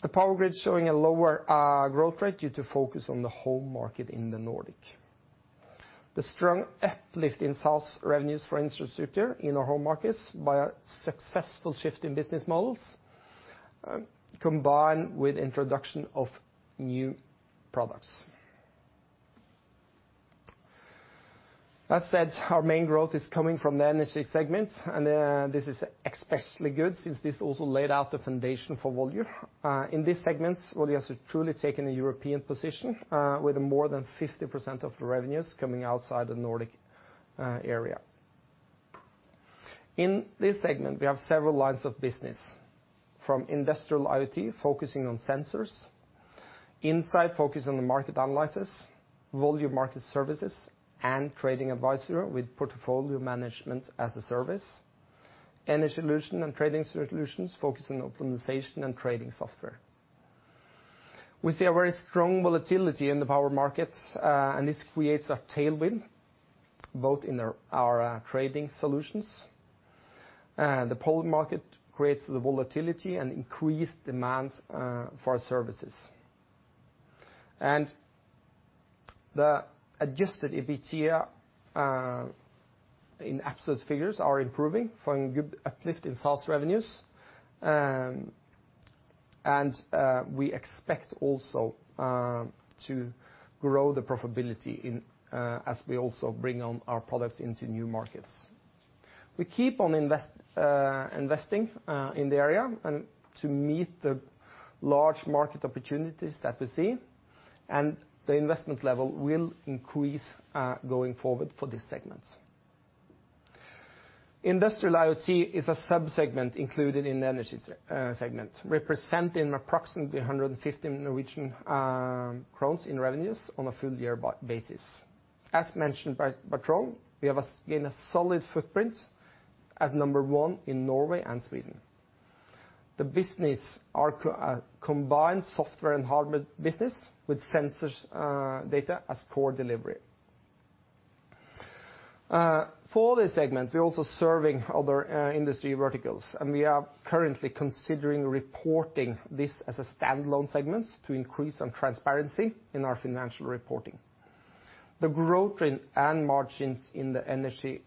The power grid showing a lower growth rate due to focus on the home market in the Nordic. The strong uplift in sales revenues for infrastructure in our home markets by a successful shift in business models, combined with introduction of new products. As said, our main growth is coming from the energy segment, and this is especially good since this also laid out the foundation for Volue. In this segment, Volue has truly taken a European position, with more than 50% of the revenues coming outside the Nordic area. In this segment, we have several lines of business, from industrial IoT focusing on sensors, Insight focus on the market analysis, Volue Market Services, and trading advisory with portfolio management as a service. Energy Solutions and trading solutions focus on optimization and trading software. We see a very strong volatility in the power markets, and this creates a tailwind both in our trading solutions. The power market creates the volatility and increased demand for our services. The adjusted EBITDA in absolute figures are improving from good uplift in sales revenues. We expect also to grow the profitability in as we also bring on our products into new markets. We keep on investing in the area and to meet the large market opportunities that we see, and the investment level will increase going forward for this segment. Industrial IoT is a sub-segment included in the energy segment, representing approximately 150 Norwegian crowns in revenues on a full year basis. As mentioned by Trond, we have again a solid footprint as number one in Norway and Sweden. The business are combined software and hardware business with sensors data as core delivery. For this segment, we're also serving other industry verticals, and we are currently considering reporting this as a standalone segment to increase some transparency in our financial reporting. The growth rate and margins in the energy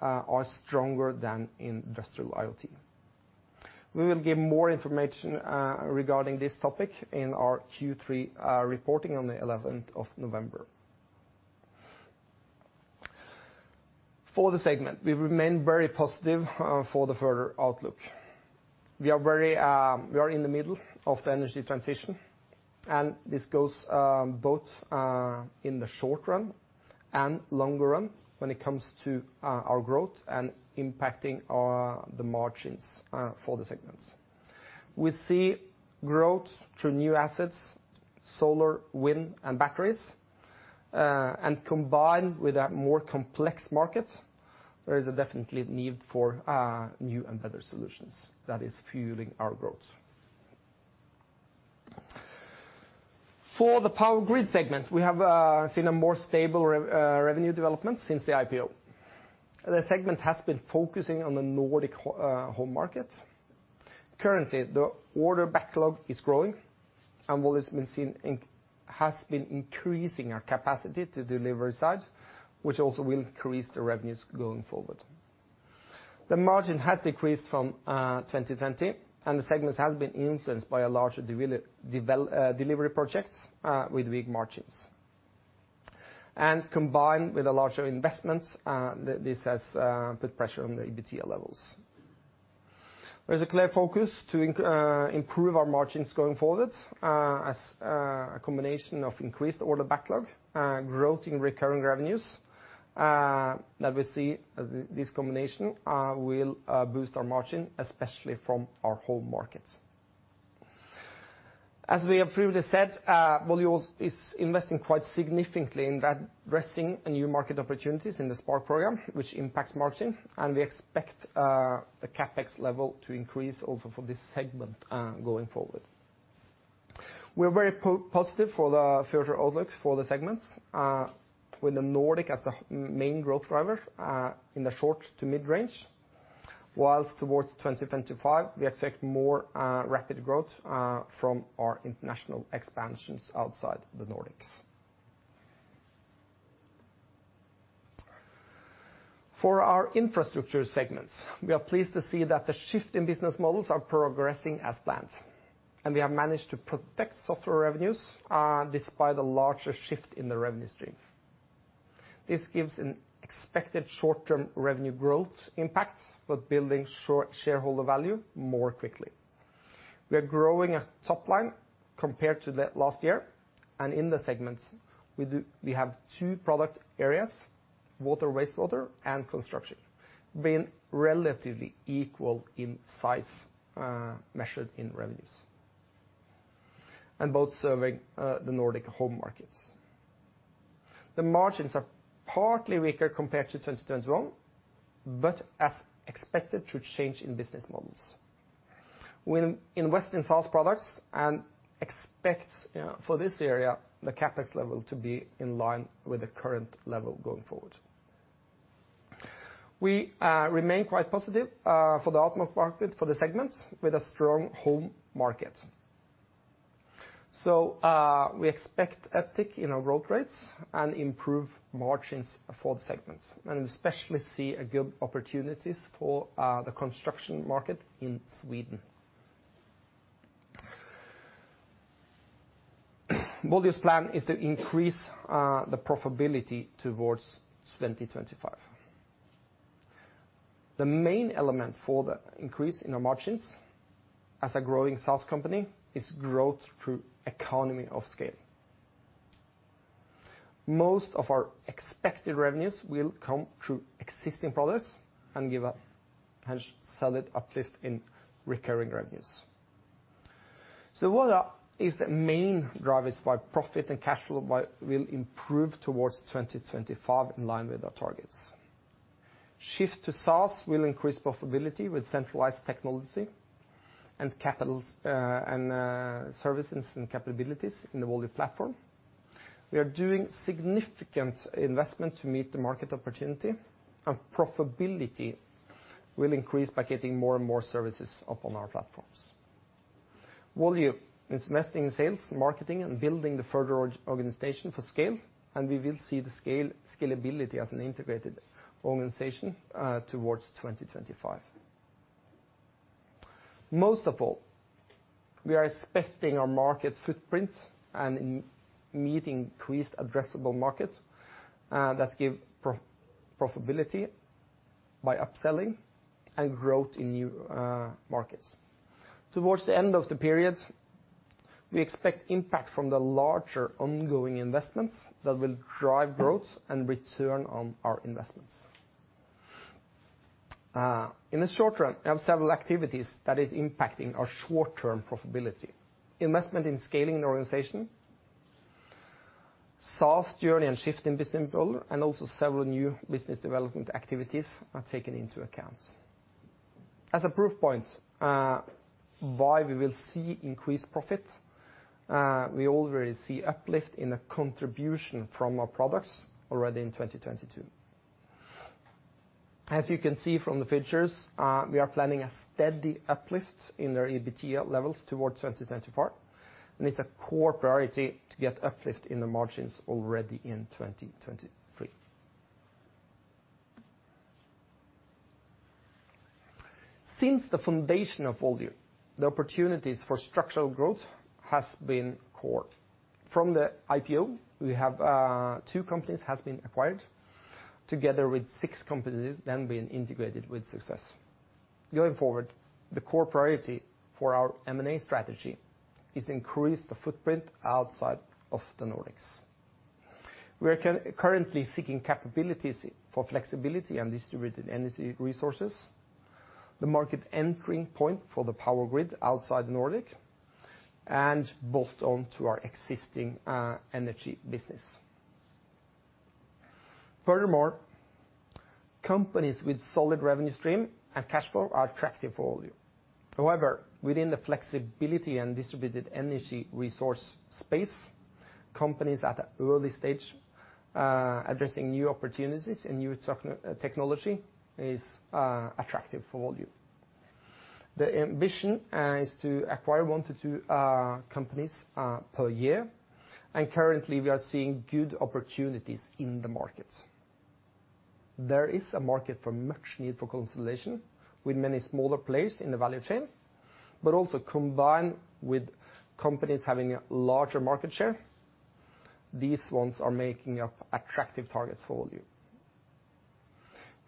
are stronger than in industrial IoT. We will give more information regarding this topic in our Q3 reporting on the eleventh of November. For the segment, we remain very positive for the further outlook. We are in the middle of the energy transition, and this goes both in the short run and longer run when it comes to our growth and impacting our margins for the segments. We see growth through new assets, solar, wind and batteries. Combined with a more complex market, there is a definite need for new and better solutions that is fueling our growth. For the Power Grid segment, we have seen a more stable revenue development since the IPO. The segment has been focusing on the Nordic home market. Currently, the order backlog is growing, and Volue has been increasing our capacity to deliver sites, which also will increase the revenues going forward. The margin has decreased from 2020, and the segment has been influenced by a larger delivery projects with weak margins. Combined with a larger investment, this has put pressure on the EBITDA levels. There's a clear focus to improve our margins going forward, as a combination of increased order backlog, growth in recurring revenues, that we see this combination will boost our margin, especially from our home market. As we have previously said, Volue is investing quite significantly in addressing new market opportunities in the Spark program, which impacts margin, and we expect the CapEx level to increase also for this segment going forward. We're very positive for the future outlook for the segments, with the Nordics as the main growth driver in the short to mid-range. Whilst towards 2025, we expect more rapid growth from our international expansions outside the Nordics. For our infrastructure segments, we are pleased to see that the shift in business models are progressing as planned, and we have managed to protect software revenues, despite the larger shift in the revenue stream. This gives an expected short-term revenue growth impact, but building short shareholder value more quickly. We are growing a top line compared to last year, and in the segments, we have two product areas. Water, wastewater, and construction being relatively equal in size, measured in revenues, and both serving the Nordic home markets. The margins are partly weaker compared to 2021, but as expected to change in business models. In West and South products, we expect for this area, the CapEx level to be in line with the current level going forward. We remain quite positive for the outlook market for the segments with a strong home market. We expect uptick in our growth rates and improve margins for the segments, and especially see a good opportunities for the construction market in Sweden. Volue's plan is to increase the profitability towards 2025. The main element for the increase in our margins as a growing SaaS company is growth through economy of scale. Most of our expected revenues will come through existing products and give a solid uplift in recurring revenues. What are the main drivers why profit and cash flow will improve towards 2025 in line with our targets? Shift to SaaS will increase profitability with centralized technology and capitals and services and capabilities in the Volue platform. We are doing significant investment to meet the market opportunity, and profitability will increase by getting more and more services up on our platforms. Volue is investing in sales, marketing, and building the further organization for scale, and we will see the scalability as an integrated organization towards 2025. Most of all, we are expecting our market footprint and meeting increased addressable market that give profitability by upselling and growth in new markets. Towards the end of the period, we expect impact from the larger ongoing investments that will drive growth and return on our investments. In the short run, we have several activities that is impacting our short-term profitability. Investment in scaling the organization, SaaS journey and shift in business model, and also several new business development activities are taken into account. As a proof point, why we will see increased profits, we already see uplift in the contribution from our products already in 2022. As you can see from the figures, we are planning a steady uplift in our EBITDA levels towards 2025, and it's a core priority to get uplift in the margins already in 2023. Since the foundation of Volue, the opportunities for structural growth has been core. From the IPO, we have, two companies has been acquired together with six companies then being integrated with success. Going forward, the core priority for our M&A strategy is to increase the footprint outside of the Nordics. We are currently seeking capabilities for flexibility and distributed energy resources, the market entry point for the power grid outside the Nordics, and bolt-on to our existing, energy business. Furthermore, companies with solid revenue stream and cash flow are attractive for Volue. However, within the flexibility and distributed energy resource space, companies at an early stage addressing new opportunities and new technology is attractive for Volue. The ambition is to acquire one to two companies per year, and currently we are seeing good opportunities in the market. There is much need for consolidation with many smaller players in the value chain, but also combined with companies having a larger market share. These ones are making up attractive targets for Volue.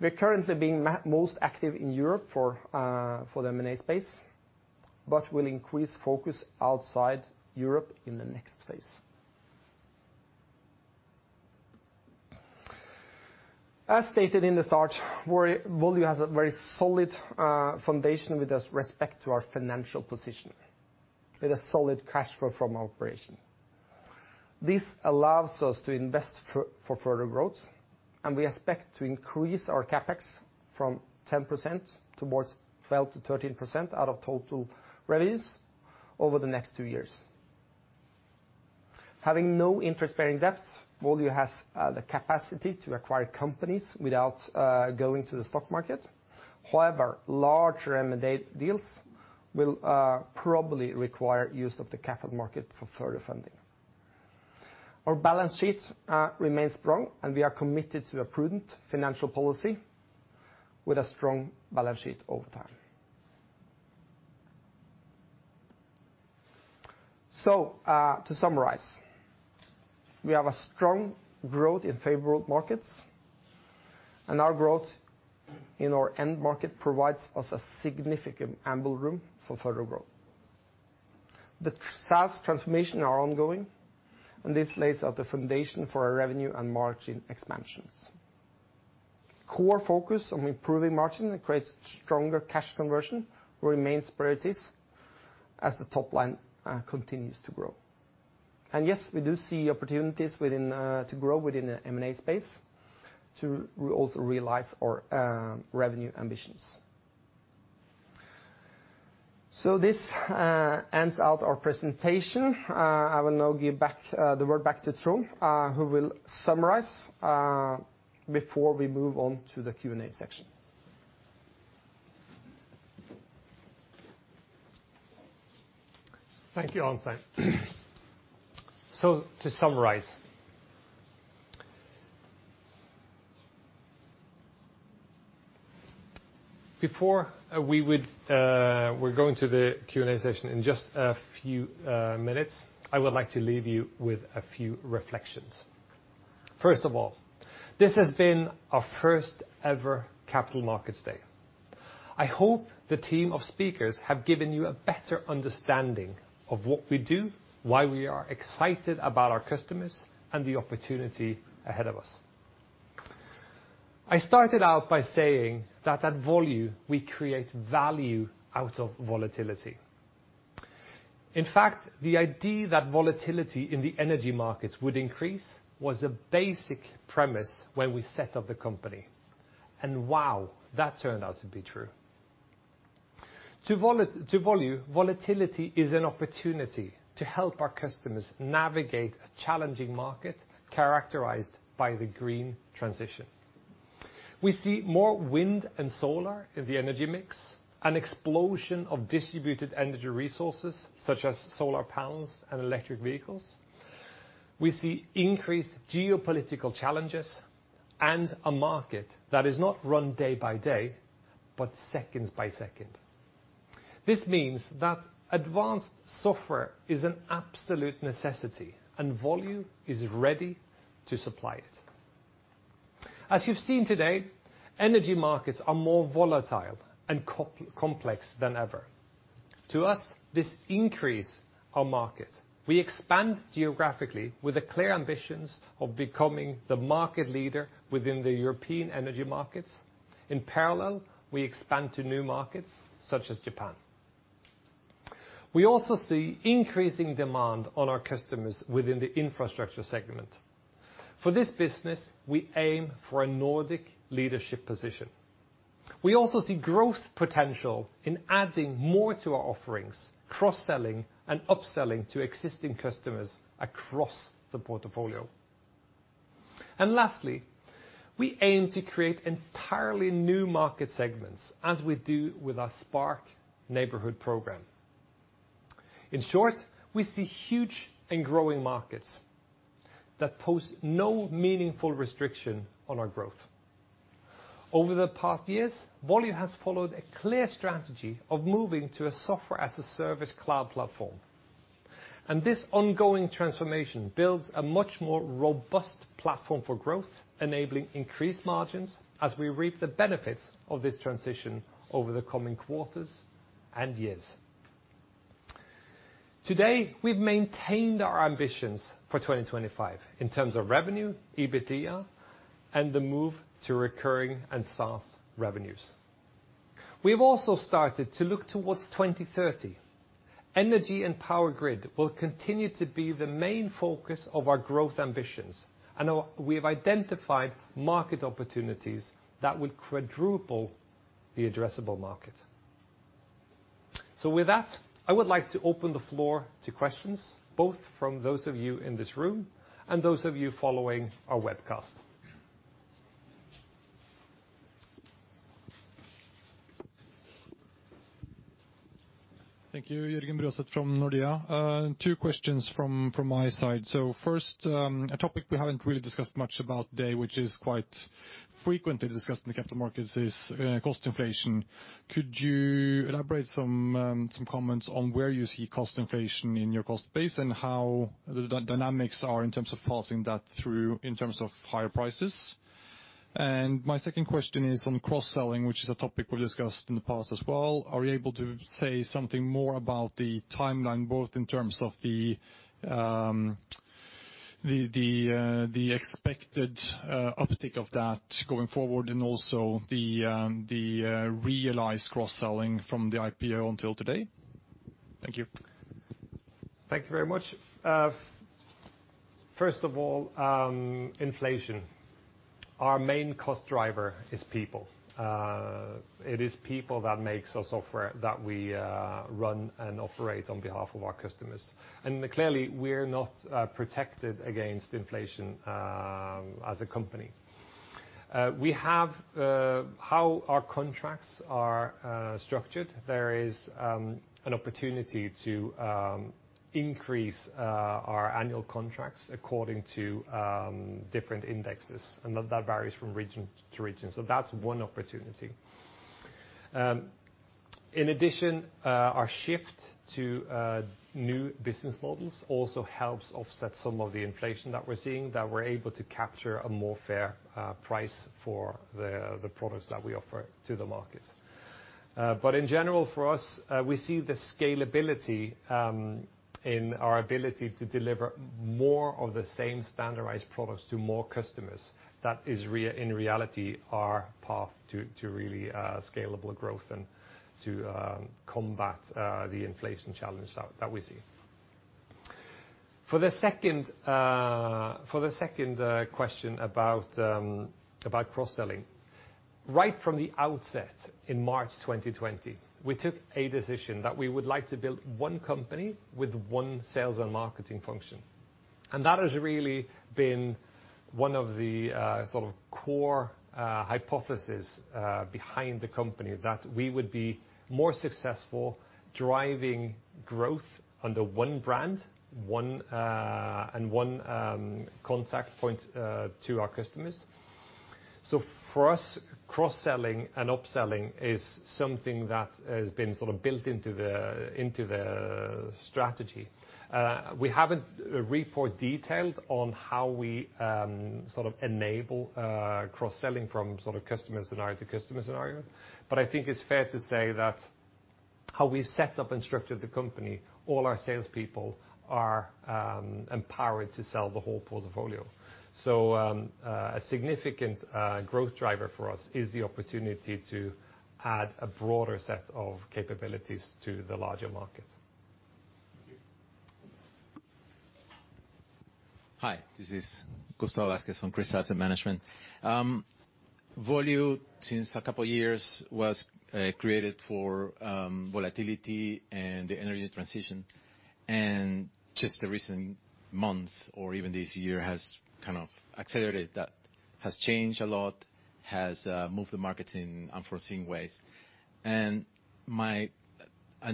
We're currently being most active in Europe for the M&A space, but will increase focus outside Europe in the next phase. As stated in the start, Volue has a very solid foundation with respect to our financial position with a solid cash flow from our operation. This allows us to invest for further growth, and we expect to increase our CapEx from 10% towards 12%-13% out of total revenues over the next two years. Having no interest-bearing debt, Volue has the capacity to acquire companies without going to the stock market. However, larger M&A deals will probably require use of the capital market for further funding. Our balance sheets remain strong, and we are committed to a prudent financial policy with a strong balance sheet over time. To summarize, we have a strong growth in favorable markets, and our growth in our end market provides us a significant ample room for further growth. The SaaS transformation are ongoing, and this lays out the foundation for our revenue and margin expansions. Core focus on improving margin and creates stronger cash conversion will remain priorities as the top line continues to grow. Yes, we do see opportunities within to grow within the M&A space to also realize our revenue ambitions. This ends our presentation. I will now give back the word back to Trond, who will summarize before we move on to the Q&A section. Thank you, Arnstein. To summarize. We're going to the Q&A session in just a few minutes. I would like to leave you with a few reflections. First of all, this has been our first ever Capital Markets Day. I hope the team of speakers have given you a better understanding of what we do, why we are excited about our customers, and the opportunity ahead of us. I started out by saying that at Volue we create value out of volatility. In fact, the idea that volatility in the energy markets would increase was a basic premise when we set up the company. Wow, that turned out to be true. To Volue, volatility is an opportunity to help our customers navigate a challenging market characterized by the green transition. We see more wind and solar in the energy mix, an explosion of distributed energy resources such as solar panels and electric vehicles. We see increased geopolitical challenges and a market that is not run day by day, but second by second. This means that advanced software is an absolute necessity, and Volue is ready to supply it. As you've seen today, energy markets are more volatile and complex than ever. To us, this increases our market. We expand geographically with the clear ambitions of becoming the market leader within the European energy markets. In parallel, we expand to new markets such as Japan. We also see increasing demand on our customers within the infrastructure segment. For this business, we aim for a Nordic leadership position. We also see growth potential in adding more to our offerings, cross-selling and upselling to existing customers across the portfolio. Lastly, we aim to create entirely new market segments as we do with our Spark Neighborhood Program. In short, we see huge and growing markets that pose no meaningful restriction on our growth. Over the past years, Volue has followed a clear strategy of moving to a software as a service cloud platform, and this ongoing transformation builds a much more robust platform for growth, enabling increased margins as we reap the benefits of this transition over the coming quarters and years. Today, we've maintained our ambitions for 2025 in terms of revenue, EBITDA, and the move to recurring and SaaS revenues. We've also started to look towards 2030. Energy and Power Grid will continue to be the main focus of our growth ambitions, and we've identified market opportunities that will quadruple the addressable market. With that, I would like to open the floor to questions, both from those of you in this room and those of you following our webcast. Thank you. Jørgen Bruaset from Nordea. Two questions from my side. First, a topic we haven't really discussed much about today, which is quite frequently discussed in the capital markets, is cost inflation. Could you elaborate some comments on where you see cost inflation in your cost base and how the dynamics are in terms of passing that through in terms of higher prices? My second question is on cross-selling, which is a topic we've discussed in the past as well. Are you able to say something more about the timeline, both in terms of the expected uptick of that going forward, and also the realized cross-selling from the IPO until today? Thank you. Thank you very much. First of all, inflation. Our main cost driver is people. It is people that makes our software that we run and operate on behalf of our customers. Clearly, we're not protected against inflation as a company. How our contracts are structured, there is an opportunity to increase our annual contracts according to different indexes, and that varies from region to region. That's one opportunity. In addition, our shift to new business models also helps offset some of the inflation that we're seeing that we're able to capture a more fair price for the products that we offer to the markets. In general, for us, we see the scalability in our ability to deliver more of the same standardized products to more customers. That is in reality our path to really scalable growth and to combat the inflation challenge that we see. For the second question about cross-selling, right from the outset in March 2020, we took a decision that we would like to build one company with one sales and marketing function. That has really been one of the sort of core hypothesis behind the company, that we would be more successful driving growth under one brand and one contact point to our customers. For us, cross-selling and upselling is something that has been sort of built into the strategy. We haven't reported detailed on how we sort of enable cross-selling from sort of customer scenario to customer scenario, but I think it's fair to say that how we've set up and structured the company, all our salespeople are empowered to sell the whole portfolio. A significant growth driver for us is the opportunity to add a broader set of capabilities to the larger market. Hi. This is Gustavo Vasquez from Crystal Asset Management. Volue, since a couple of years, was created for volatility and the energy transition. Just the recent months or even this year has kind of accelerated that, has changed a lot, has moved the markets in unforeseen ways. I'm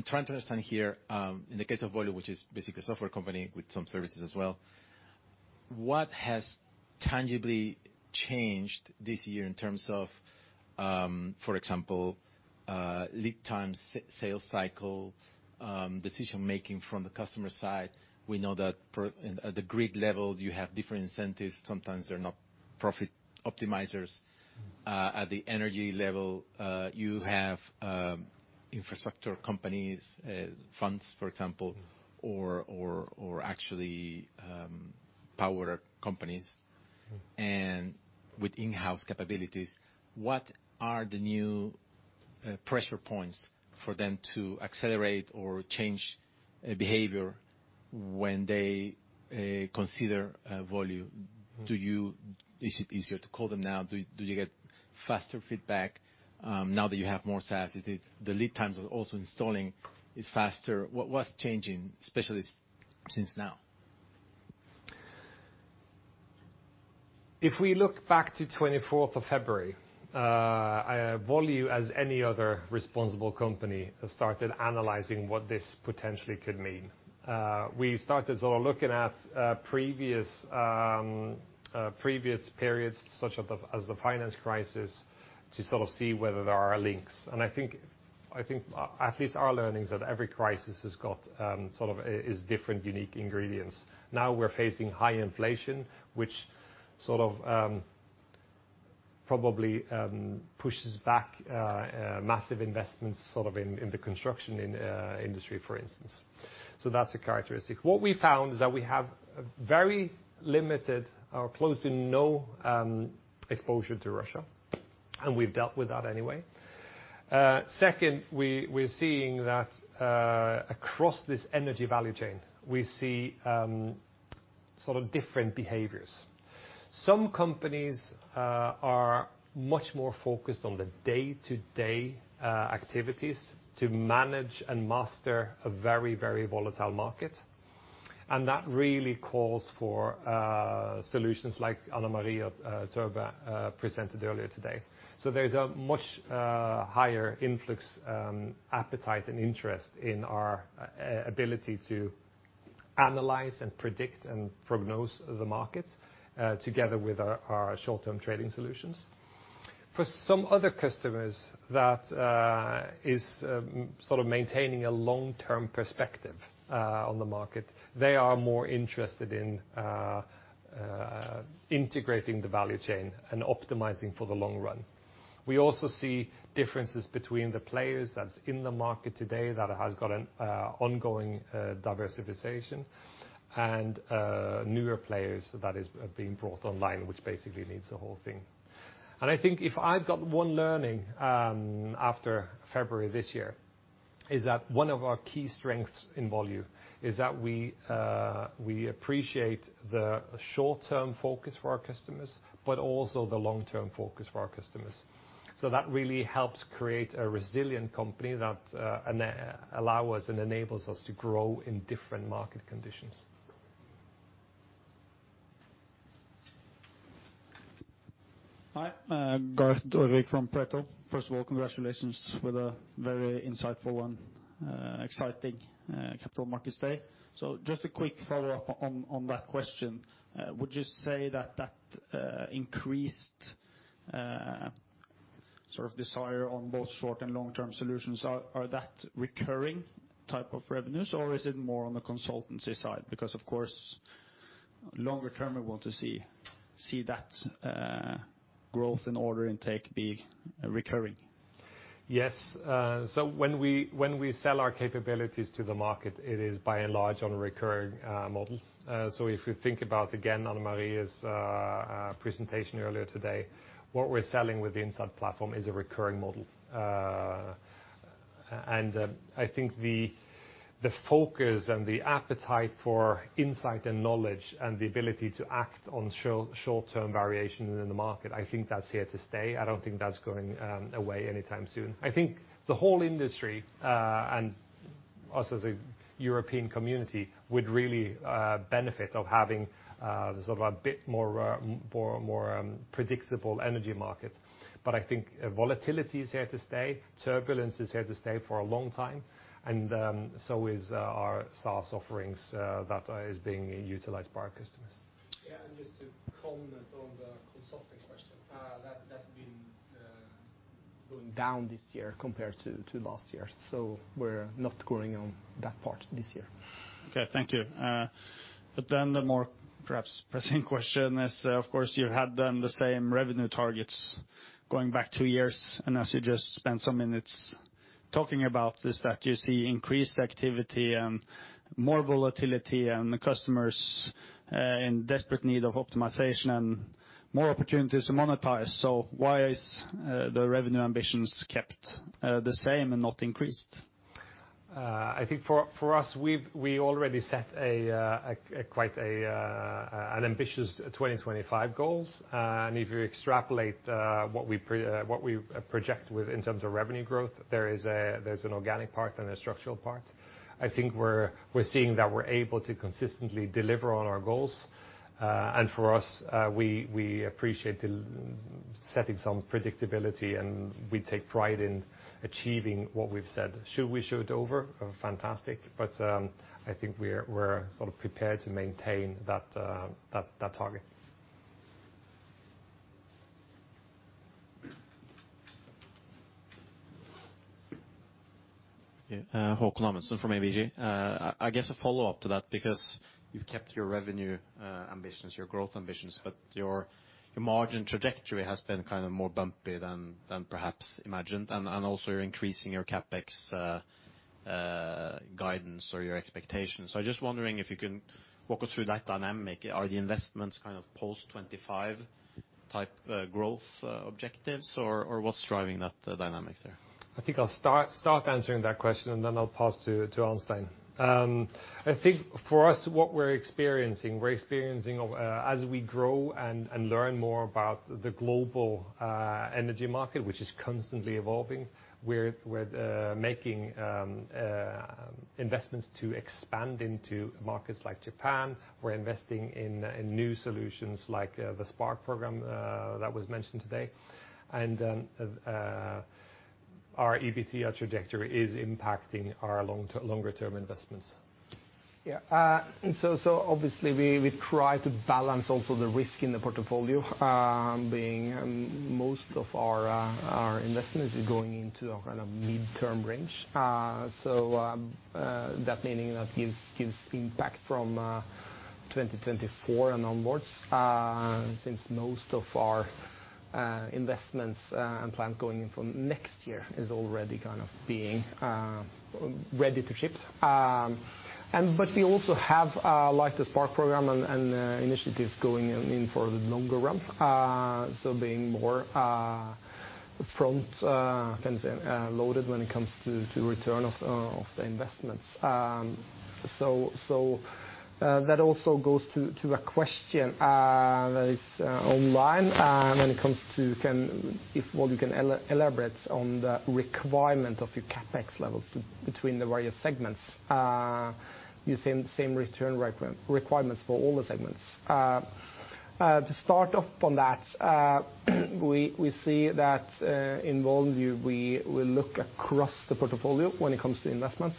trying to understand here, in the case of Volue, which is basically a software company with some services as well, what has tangibly changed this year in terms of, for example, lead times, sales cycle, decision-making from the customer side? We know that at the grid level, you have different incentives. Sometimes they're not profit optimizers. At the energy level, you have infrastructure companies, funds, for example. Mm-hmm Or actually, power companies. Mm-hmm And with in-house capabilities. What are the new pressure points for them to accelerate or change behavior when they consider Volue? Mm-hmm. Is it easier to call them now? Do you get faster feedback now that you have more SaaS? Is it the lead times of also installing is faster? What's changing, especially since now? If we look back to February 24, Volue, as any other responsible company, has started analyzing what this potentially could mean. We started sort of looking at previous periods, such as the financial crisis, to sort of see whether there are links. I think at least our learning is that every crisis is different, unique ingredients. Now we're facing high inflation, which probably pushes back massive investments sort of in the construction industry, for instance. That's a characteristic. What we found is that we have very limited or close to no exposure to Russia, and we've dealt with that anyway. Second, we're seeing that across this energy value chain, we see sort of different behaviors. Some companies are much more focused on the day-to-day activities to manage and master a very, very volatile market. That really calls for solutions like Anamaria Toebe presented earlier today. There's a much higher influx appetite and interest in our ability to analyze and predict and prognose the markets together with our short-term trading solutions. For some other customers that is sort of maintaining a long-term perspective on the market, they are more interested in integrating the value chain and optimizing for the long run. We also see differences between the players that's in the market today that has got an ongoing diversification and newer players that is being brought online, which basically needs the whole thing. I think if I've got one learning after February this year, is that one of our key strengths in Volue is that we appreciate the short-term focus for our customers, but also the long-term focus for our customers. That really helps create a resilient company that enables us to grow in different market conditions. Hi. Garth Orvik from Pareto. First of all, congratulations with a very insightful and exciting capital markets day. Just a quick follow-up on that question. Would you say that increased sort of desire on both short and long-term solutions are that recurring type of revenues or is it more on the consultancy side? Because, of course longer term, I want to see that growth in order intake be recurring. Yes. When we sell our capabilities to the market, it is by and large on a recurring model. If you think about, again, Anamaria's presentation earlier today, what we're selling with the Insight platform is a recurring model. I think the focus and the appetite for insight and knowledge and the ability to act on short-term variations in the market, I think that's here to stay. I don't think that's going away anytime soon. I think the whole industry and us as a European community would really benefit of having sort of a bit more predictable energy market. I think volatility is here to stay, turbulence is here to stay for a long time, and so is our SaaS offerings that is being utilized by our customers. Yeah. Just to comment on the consulting question, that's been going down this year compared to last year. We're not growing on that part this year. Okay. Thank you. The more perhaps pressing question is, of course, you had done the same revenue targets going back two years, and as you just spent some minutes talking about this, that you see increased activity and more volatility and the customers in desperate need of optimization and more opportunities to monetize. Why is the revenue ambitions kept the same and not increased? I think for us, we've already set a quite an ambitious 2025 goals. If you extrapolate what we project within in terms of revenue growth, there's an organic part and a structural part. I think we're seeing that we're able to consistently deliver on our goals. For us, we appreciate setting some predictability, and we take pride in achieving what we've said. Should we show it over? Fantastic. I think we're sort of prepared to maintain that target. Yeah, Haakon Amundsen from ABG. I guess a follow-up to that because you've kept your revenue ambitions, your growth ambitions, but your margin trajectory has been kind of more bumpy than perhaps imagined. Also you're increasing your CapEx guidance or your expectations. I'm just wondering if you can walk us through that dynamic. Are the investments kind of post 2025 type growth objectives? Or what's driving that dynamic there? I think I'll start answering that question, and then I'll pass to Arnstein. I think for us, what we're experiencing as we grow and learn more about the global energy market, which is constantly evolving. Our EBITDA trajectory is impacting our longer term investments. Yeah. Obviously we try to balance also the risk in the portfolio, being most of our investments is going into a kind of mid-term range. That meaning that gives impact from 2024 and onwards, since most of our investments and plans going in for next year is already kind of being ready to ship. But we also have, like, the Spark program and initiatives going in for the longer run, so being more front-loaded when it comes to return of the investments. That also goes to a question that is online, when it comes to, can you elaborate on the requirement of your CapEx levels between the various segments. Using same return requirements for all the segments. To start off on that, we see that, in Volue, we look across the portfolio when it comes to investments,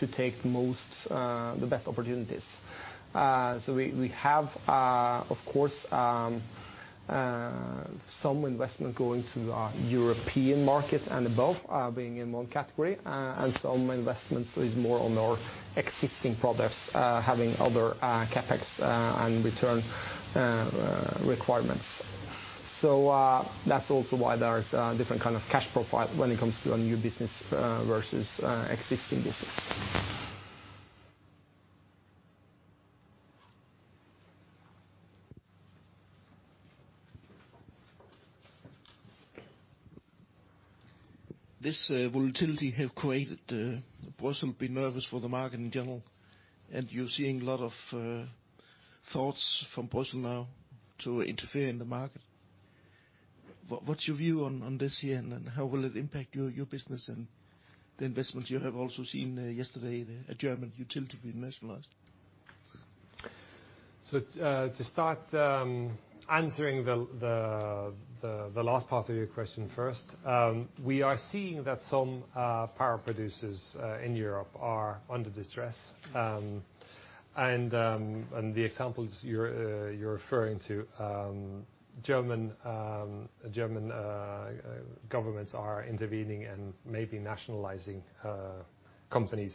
to take the best opportunities. We have, of course, some investment going to European markets and abroad, being in one category, and some investments is more on our existing products, having other CapEx and return requirements. That's also why there's different kind of cash profile when it comes to a new business versus existing business. This volatility have created Brussels be nervous for the market in general, and you're seeing a lot of thoughts from Brussels now to interfere in the market. What's your view on this here, and then how will it impact your business and the investments you have also seen yesterday, the German utility being nationalized? To start answering the last part of your question first, we are seeing that some power producers in Europe are under distress. The examples you're referring to, German governments are intervening and maybe nationalizing companies.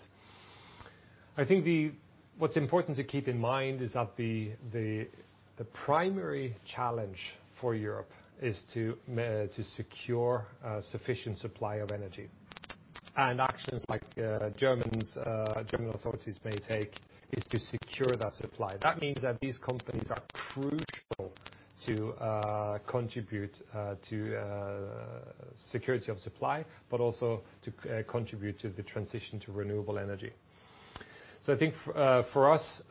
I think what's important to keep in mind is that the primary challenge for Europe is to secure sufficient supply of energy. Actions like German authorities may take is to secure that supply. That means that these companies are crucial to contribute to security of supply, but also to contribute to the transition to renewable energy. I think for us,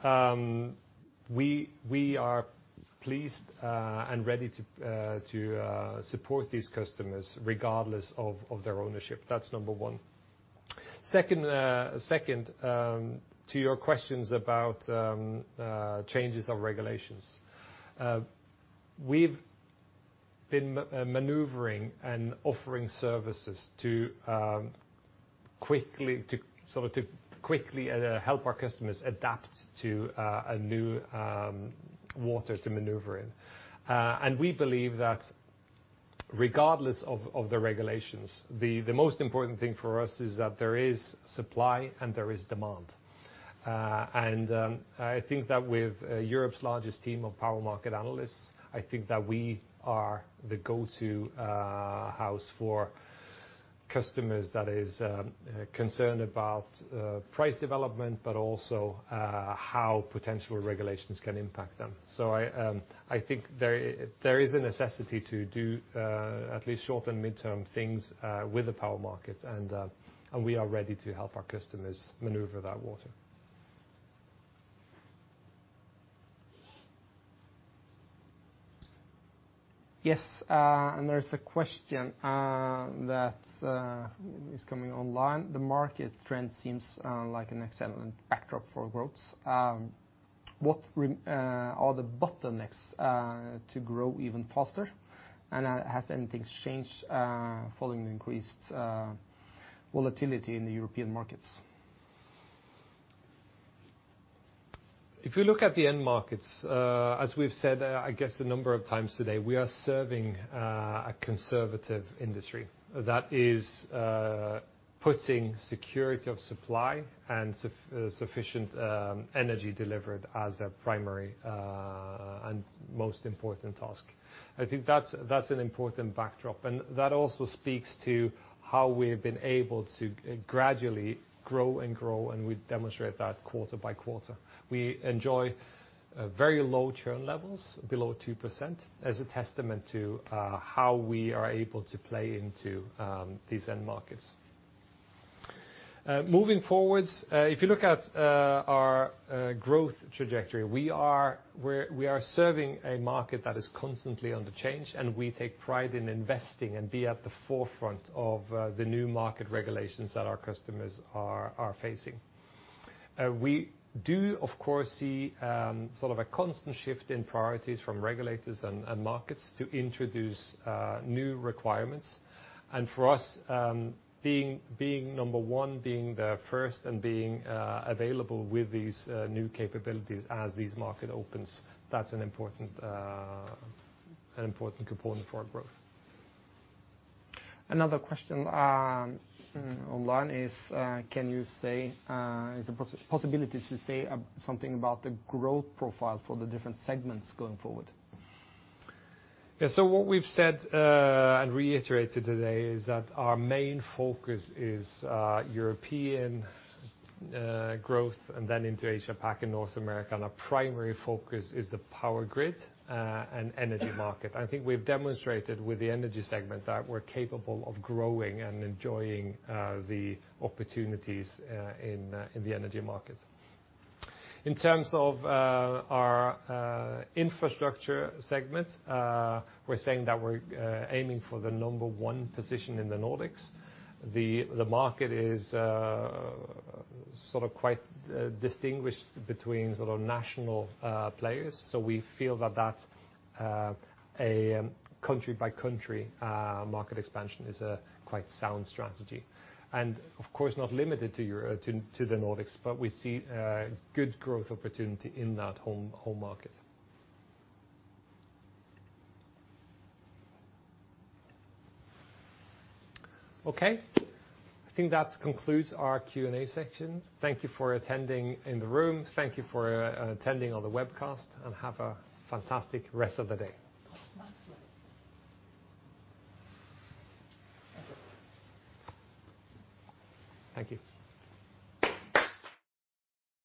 we are pleased and ready to support these customers regardless of their ownership. That's number one. Second, to your questions about changes of regulations. We've been maneuvering and offering services to quickly help our customers adapt to a new way to maneuver in. We believe that regardless of the regulations, the most important thing for us is that there is supply and there is demand. I think that with Europe's largest team of power market analysts, I think that we are the go-to house for customers that is concerned about price development, but also how potential regulations can impact them. I think there is a necessity to do at least short and mid-term things with the power market, and we are ready to help our customers maneuver that water. Yes. There's a question that is coming online. The market trend seems like an excellent backdrop for growth. What are the bottlenecks to grow even faster? Has anything changed following the increased volatility in the European markets? If you look at the end markets, as we've said, I guess a number of times today, we are serving a conservative industry that is putting security of supply and sufficient energy delivered as their primary and most important task. I think that's an important backdrop, and that also speaks to how we've been able to gradually grow, and we demonstrate that quarter by quarter. We enjoy very low churn levels, below 2%, as a testament to how we are able to play into these end markets. Moving forward, if you look at our growth trajectory, we are serving a market that is constantly under change, and we take pride in investing and be at the forefront of the new market regulations that our customers are facing. We do, of course, see sort of a constant shift in priorities from regulators and markets to introduce new requirements. For us, being number one, being the first and being available with these new capabilities as these market opens, that's an important component for our growth. Another question online is, can you say, is it possible to say something about the growth profile for the different segments going forward? Yeah. What we've said and reiterated today is that our main focus is European growth and then into Asia, PAC and North America. Our primary focus is the power grid and energy market. I think we've demonstrated with the energy segment that we're capable of growing and enjoying the opportunities in the energy market. In terms of our infrastructure segment, we're saying that we're aiming for the number one position in the Nordics. The market is sort of quite distinguished between sort of national players. We feel that that's a country by country market expansion is a quite sound strategy. Of course, not limited to the Nordics, but we see good growth opportunity in that home market. Okay. I think that concludes our Q&A section. Thank you for attending in the room. Thank you for attending on the webcast, and have a fantastic rest of the day. Thank you. Thank you.